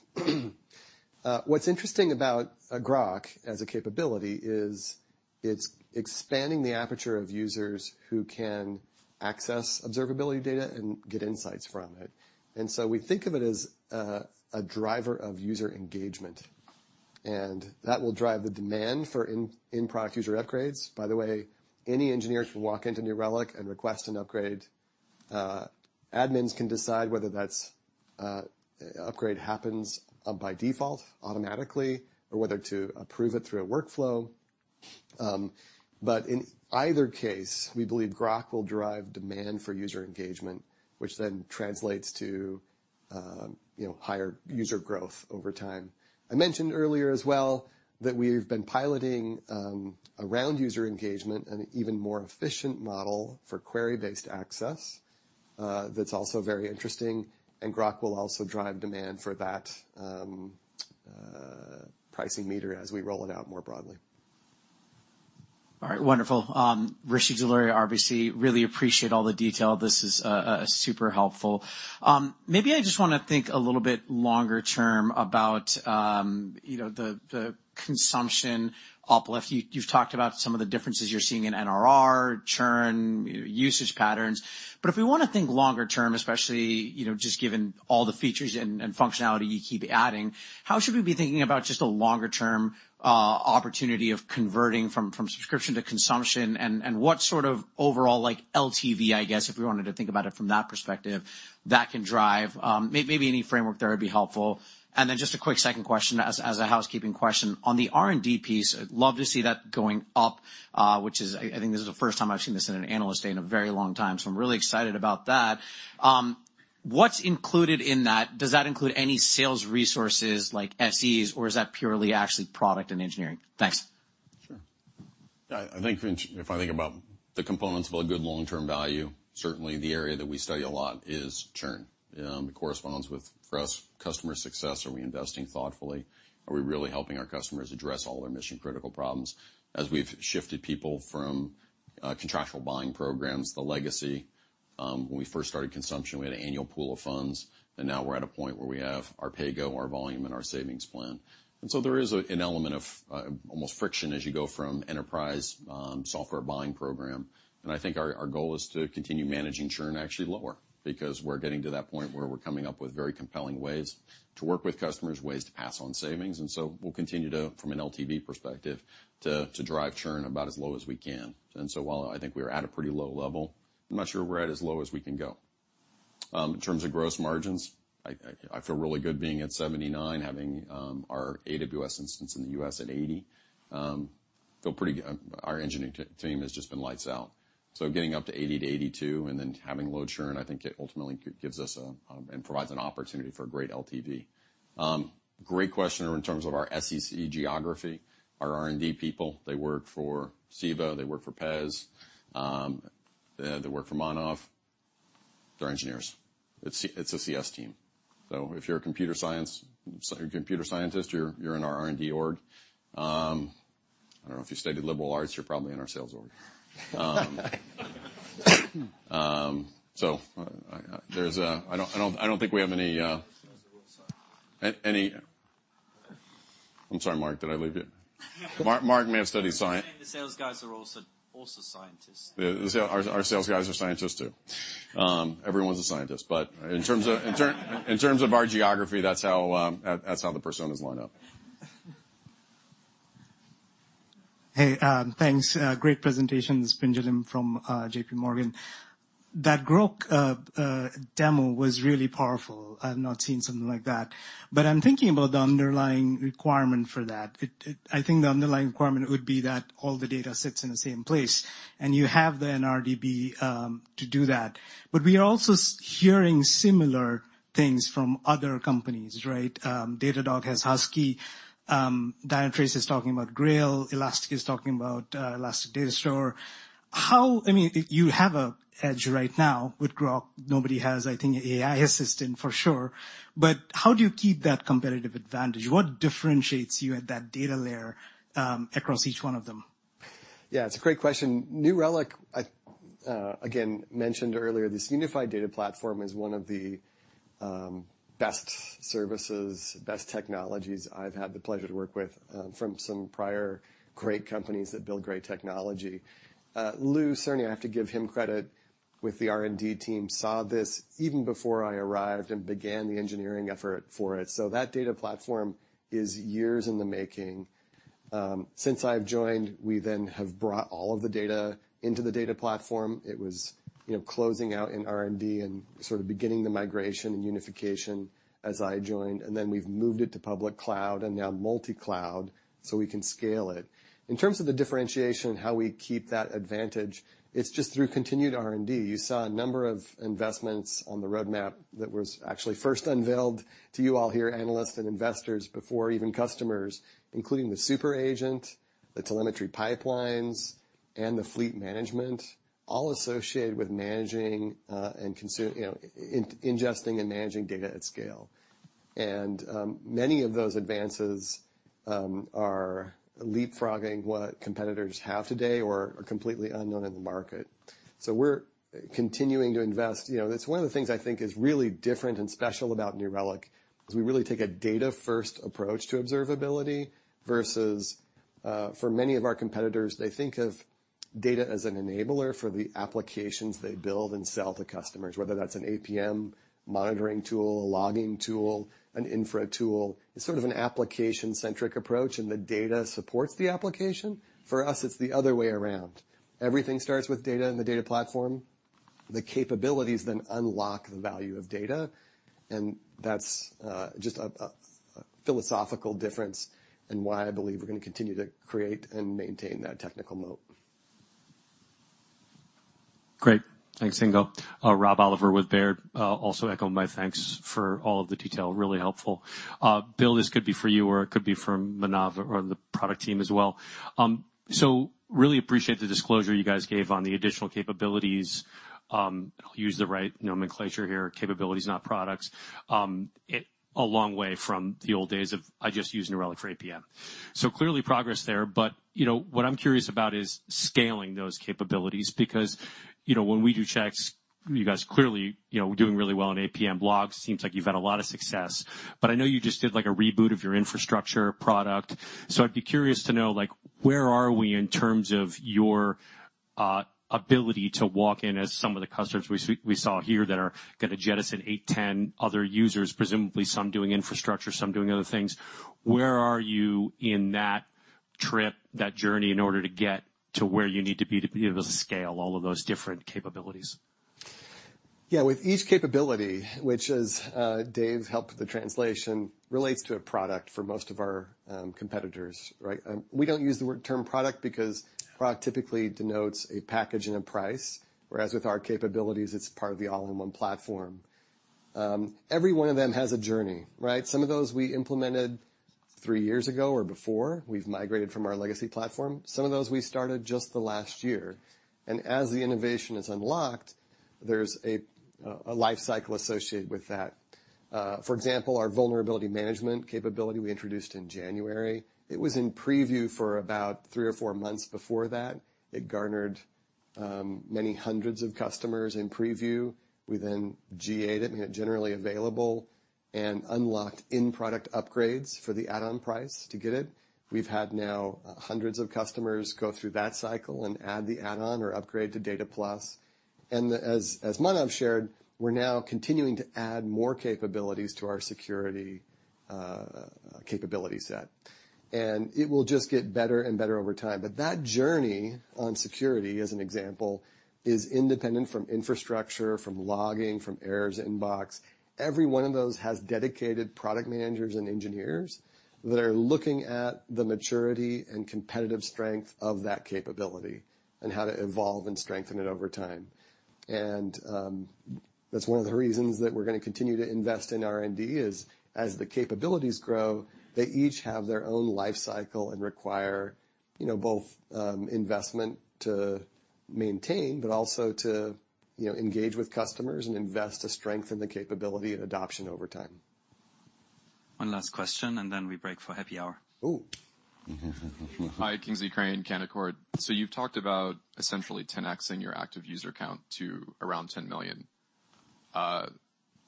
What's interesting about a Grok, as a capability, is it's expanding the aperture of users who can access observability data and get insights from it. We think of it as a driver of user engagement, and that will drive the demand for in-product user upgrades. By the way, any engineer can walk into New Relic and request an upgrade. Admins can decide whether that upgrade happens by default, automatically, or whether to approve it through a workflow. In either case, we believe Grok will drive demand for user engagement, which then translates to, you know, higher user growth over time. I mentioned earlier as well, that we've been piloting around user engagement, an even more efficient model for query-based access, that's also very interesting, and Grok will also drive demand for that pricing meter as we roll it out more broadly. All right. Wonderful. Rishi Jaluria, RBC. Really appreciate all the detail. This is super helpful. Maybe I just wanna think a little bit longer term about, you know, the consumption uplift. You, you've talked about some of the differences you're seeing in NRR, churn, usage patterns. If we wanna think longer term, especially, you know, just given all the features and functionality you keep adding, how should we be thinking about just a longer term opportunity of converting from subscription to consumption? What sort of overall, like, LTV, I guess, if we wanted to think about it from that perspective, that can drive? Maybe any framework there would be helpful. Then just a quick second question, as a housekeeping question. On the R&D piece, I'd love to see that going up, I think this is the first time I've seen this in an analyst day in a very long time. I'm really excited about that. What's included in that? Does that include any sales resources like SEs, is that purely actually product and engineering? Thanks. Sure. I think if I think about the components of a good long-term value, certainly the area that we study a lot is churn. It corresponds with, for us, customer success. Are we investing thoughtfully? Are we really helping our customers address all of their mission-critical problems? As we've shifted people from contractual buying programs, the legacy, when we first started consumption, we had an annual pool of funds, and now we're at a point where we have our pay go, our volume, and our savings plan. There is an element of almost friction as you go from enterprise software buying program. I think our goal is to continue managing churn actually lower, because we're getting to that point where we're coming up with very compelling ways to work with customers, ways to pass on savings. We'll continue to, from an LTV perspective, to drive churn about as low as we can. While I think we are at a pretty low level, I'm not sure we're at as low as we can go. In terms of gross margins, I feel really good being at 79, having our AWS instance in the U.S. at 80. Feel pretty good. Our engineering team has just been lights out. Getting up to 80%-82%, and then having low churn, I think it ultimately gives us and provides an opportunity for a great LTV. Great question in terms of our SEC geography. Our R&D people, they work for Cebo, they work for Pez, they work for Manav. They're engineers. It's a CS team. If you're a computer scientist, you're in our R&D org. I don't know, if you studied liberal arts, you're probably in our sales org. I don't think we have any. I'm sorry, Mark, did I leave you? Mark may have studied science. The sales guys are also scientists. Our sales guys are scientists, too. Everyone's a scientist, but in terms of our geography, that's how the personas line up. Hey, thanks. Great presentations. Pinjalim from JPMorgan. That Grok demo was really powerful. I've not seen something like that. I'm thinking about the underlying requirement for that. I think the underlying requirement would be that all the data sits in the same place, and you have the NRDB to do that. We are also hearing similar things from other companies, right? Datadog has Husky, Dynatrace is talking about Grail, Elastic is talking about Elastic Data Store. I mean, you have a edge right now with Grok. Nobody has, I think, AI assistant, for sure. How do you keep that competitive advantage? What differentiates you at that data layer across each one of them? Yeah, it's a great question. New Relic, again, mentioned earlier, this unified data platform is one of the best services, best technologies I've had the pleasure to work with, from some prior great companies that build great technology. Lou, certainly, I have to give him credit, with the R&D team, saw this even before I arrived and began the engineering effort for it. That data platform is years in the making. Since I've joined, we then have brought all of the data into the data platform. It was, you know, closing out in R&D and sort of beginning the migration and unification as I joined, and then we've moved it to public cloud and now multi-cloud, so we can scale it. In terms of the differentiation, how we keep that advantage, it's just through continued R&D. You saw a number of investments on the roadmap that was actually first unveiled to you all here, analysts and investors, before even customers, including the SuperAgent, the telemetry pipelines, and the Fleet Control, all associated with managing, you know, ingesting and managing data at scale. Many of those advances are leapfrogging what competitors have today or are completely unknown in the market. We're continuing to invest. You know, that's one of the things I think is really different and special about New Relic, is we really take a data-first approach to observability versus for many of our competitors, they think of data as an enabler for the applications they build and sell to customers, whether that's an APM monitoring tool, a logging tool, an infra tool. It's sort of an application-centric approach, and the data supports the application. For us, it's the other way around. Everything starts with data and the data platform. The capabilities then unlock the value of data. That's just a philosophical difference in why I believe we're going to continue to create and maintain that technical moat. Great. Thanks, Ingo. Rob Oliver with Baird. Also echo my thanks for all of the detail. Really helpful. Bill, this could be for you, or it could be for Manav or the product team as well. Really appreciate the disclosure you guys gave on the additional capabilities. I'll use the right nomenclature here, capabilities, not products. A long way from the old days of, "I just use New Relic for APM." Clearly progress there, but, you know, what I'm curious about is scaling those capabilities, because, you know, when we do checks, you guys clearly, you know, doing really well on APM blogs. Seems like you've had a lot of success, but I know you just did, like, a reboot of your infrastructure product. I'd be curious to know, like, where are we in terms of your ability to walk in as some of the customers we saw here that are gonna jettison 8, 10 other users, presumably some doing infrastructure, some doing other things. Where are you in that trip, that journey, in order to get to where you need to be to be able to scale all of those different capabilities? With each capability, which as Dave helped with the translation, relates to a product for most of our competitors, right? We don't use the term product because product typically denotes a package and a price, whereas with our capabilities, it's part of the all-in-one platform. Every one of them has a journey, right? Some of those we implemented three years ago or before. We've migrated from our legacy platform. Some of those, we started just the last year, and as the innovation is unlocked, there's a life cycle associated with that. For example, our vulnerability management capability we introduced in January, it was in preview for about three or four months before that. It garnered many hundreds of customers in preview. We GA'd it, made it generally available, and unlocked in-product upgrades for the add-on price to get it. We've had now hundreds of customers go through that cycle and add the add-on or upgrade to Data Plus. As Manav shared, we're now continuing to add more capabilities to our security capability set. It will just get better and better over time. That journey on security, as an example, is independent from infrastructure, from logging, from errors inbox. Every one of those has dedicated product managers and engineers that are looking at the maturity and competitive strength of that capability and how to evolve and strengthen it over time. That's one of the reasons that we're gonna continue to invest in R&D, is as the capabilities grow, they each have their own life cycle and require, you know, both investment to maintain, but also to, you know, engage with customers and invest to strengthen the capability and adoption over time. One last question, and then we break for happy hour. Oh! Hi, Kingsley Crane, Canaccord Genuity. You've talked about essentially 10X-ing your active user count to around 10 million.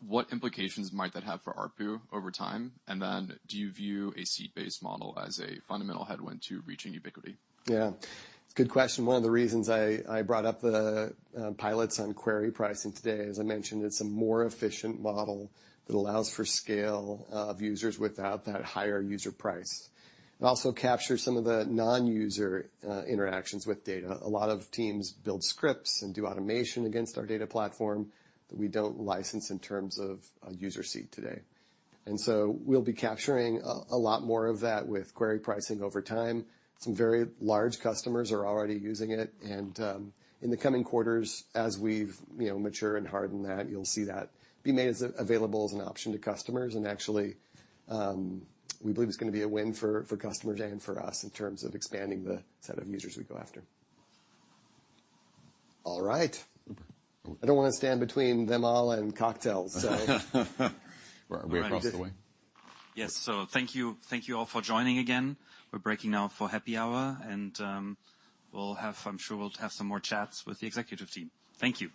What implications might that have for ARPU over time? Do you view a seat-based model as a fundamental headwind to reaching ubiquity? Yeah. Good question. One of the reasons I brought up the pilots on query pricing today, as I mentioned, it's a more efficient model that allows for scale of users without that higher user price, and also captures some of the non-user interactions with data. A lot of teams build scripts and do automation against our data platform that we don't license in terms of a user seat today. We'll be capturing a lot more of that with query pricing over time. Some very large customers are already using it, and, in the coming quarters, as we've, you know, mature and harden that, you'll see that be made available as an option to customers. Actually, we believe it's gonna be a win for customers and for us, in terms of expanding the set of users we go after. All right. I don't wanna stand between them all and cocktails, so- Are we across the way? Thank you, thank you all for joining again. We're breaking now for happy hour. I'm sure we'll have some more chats with the executive team. Thank you.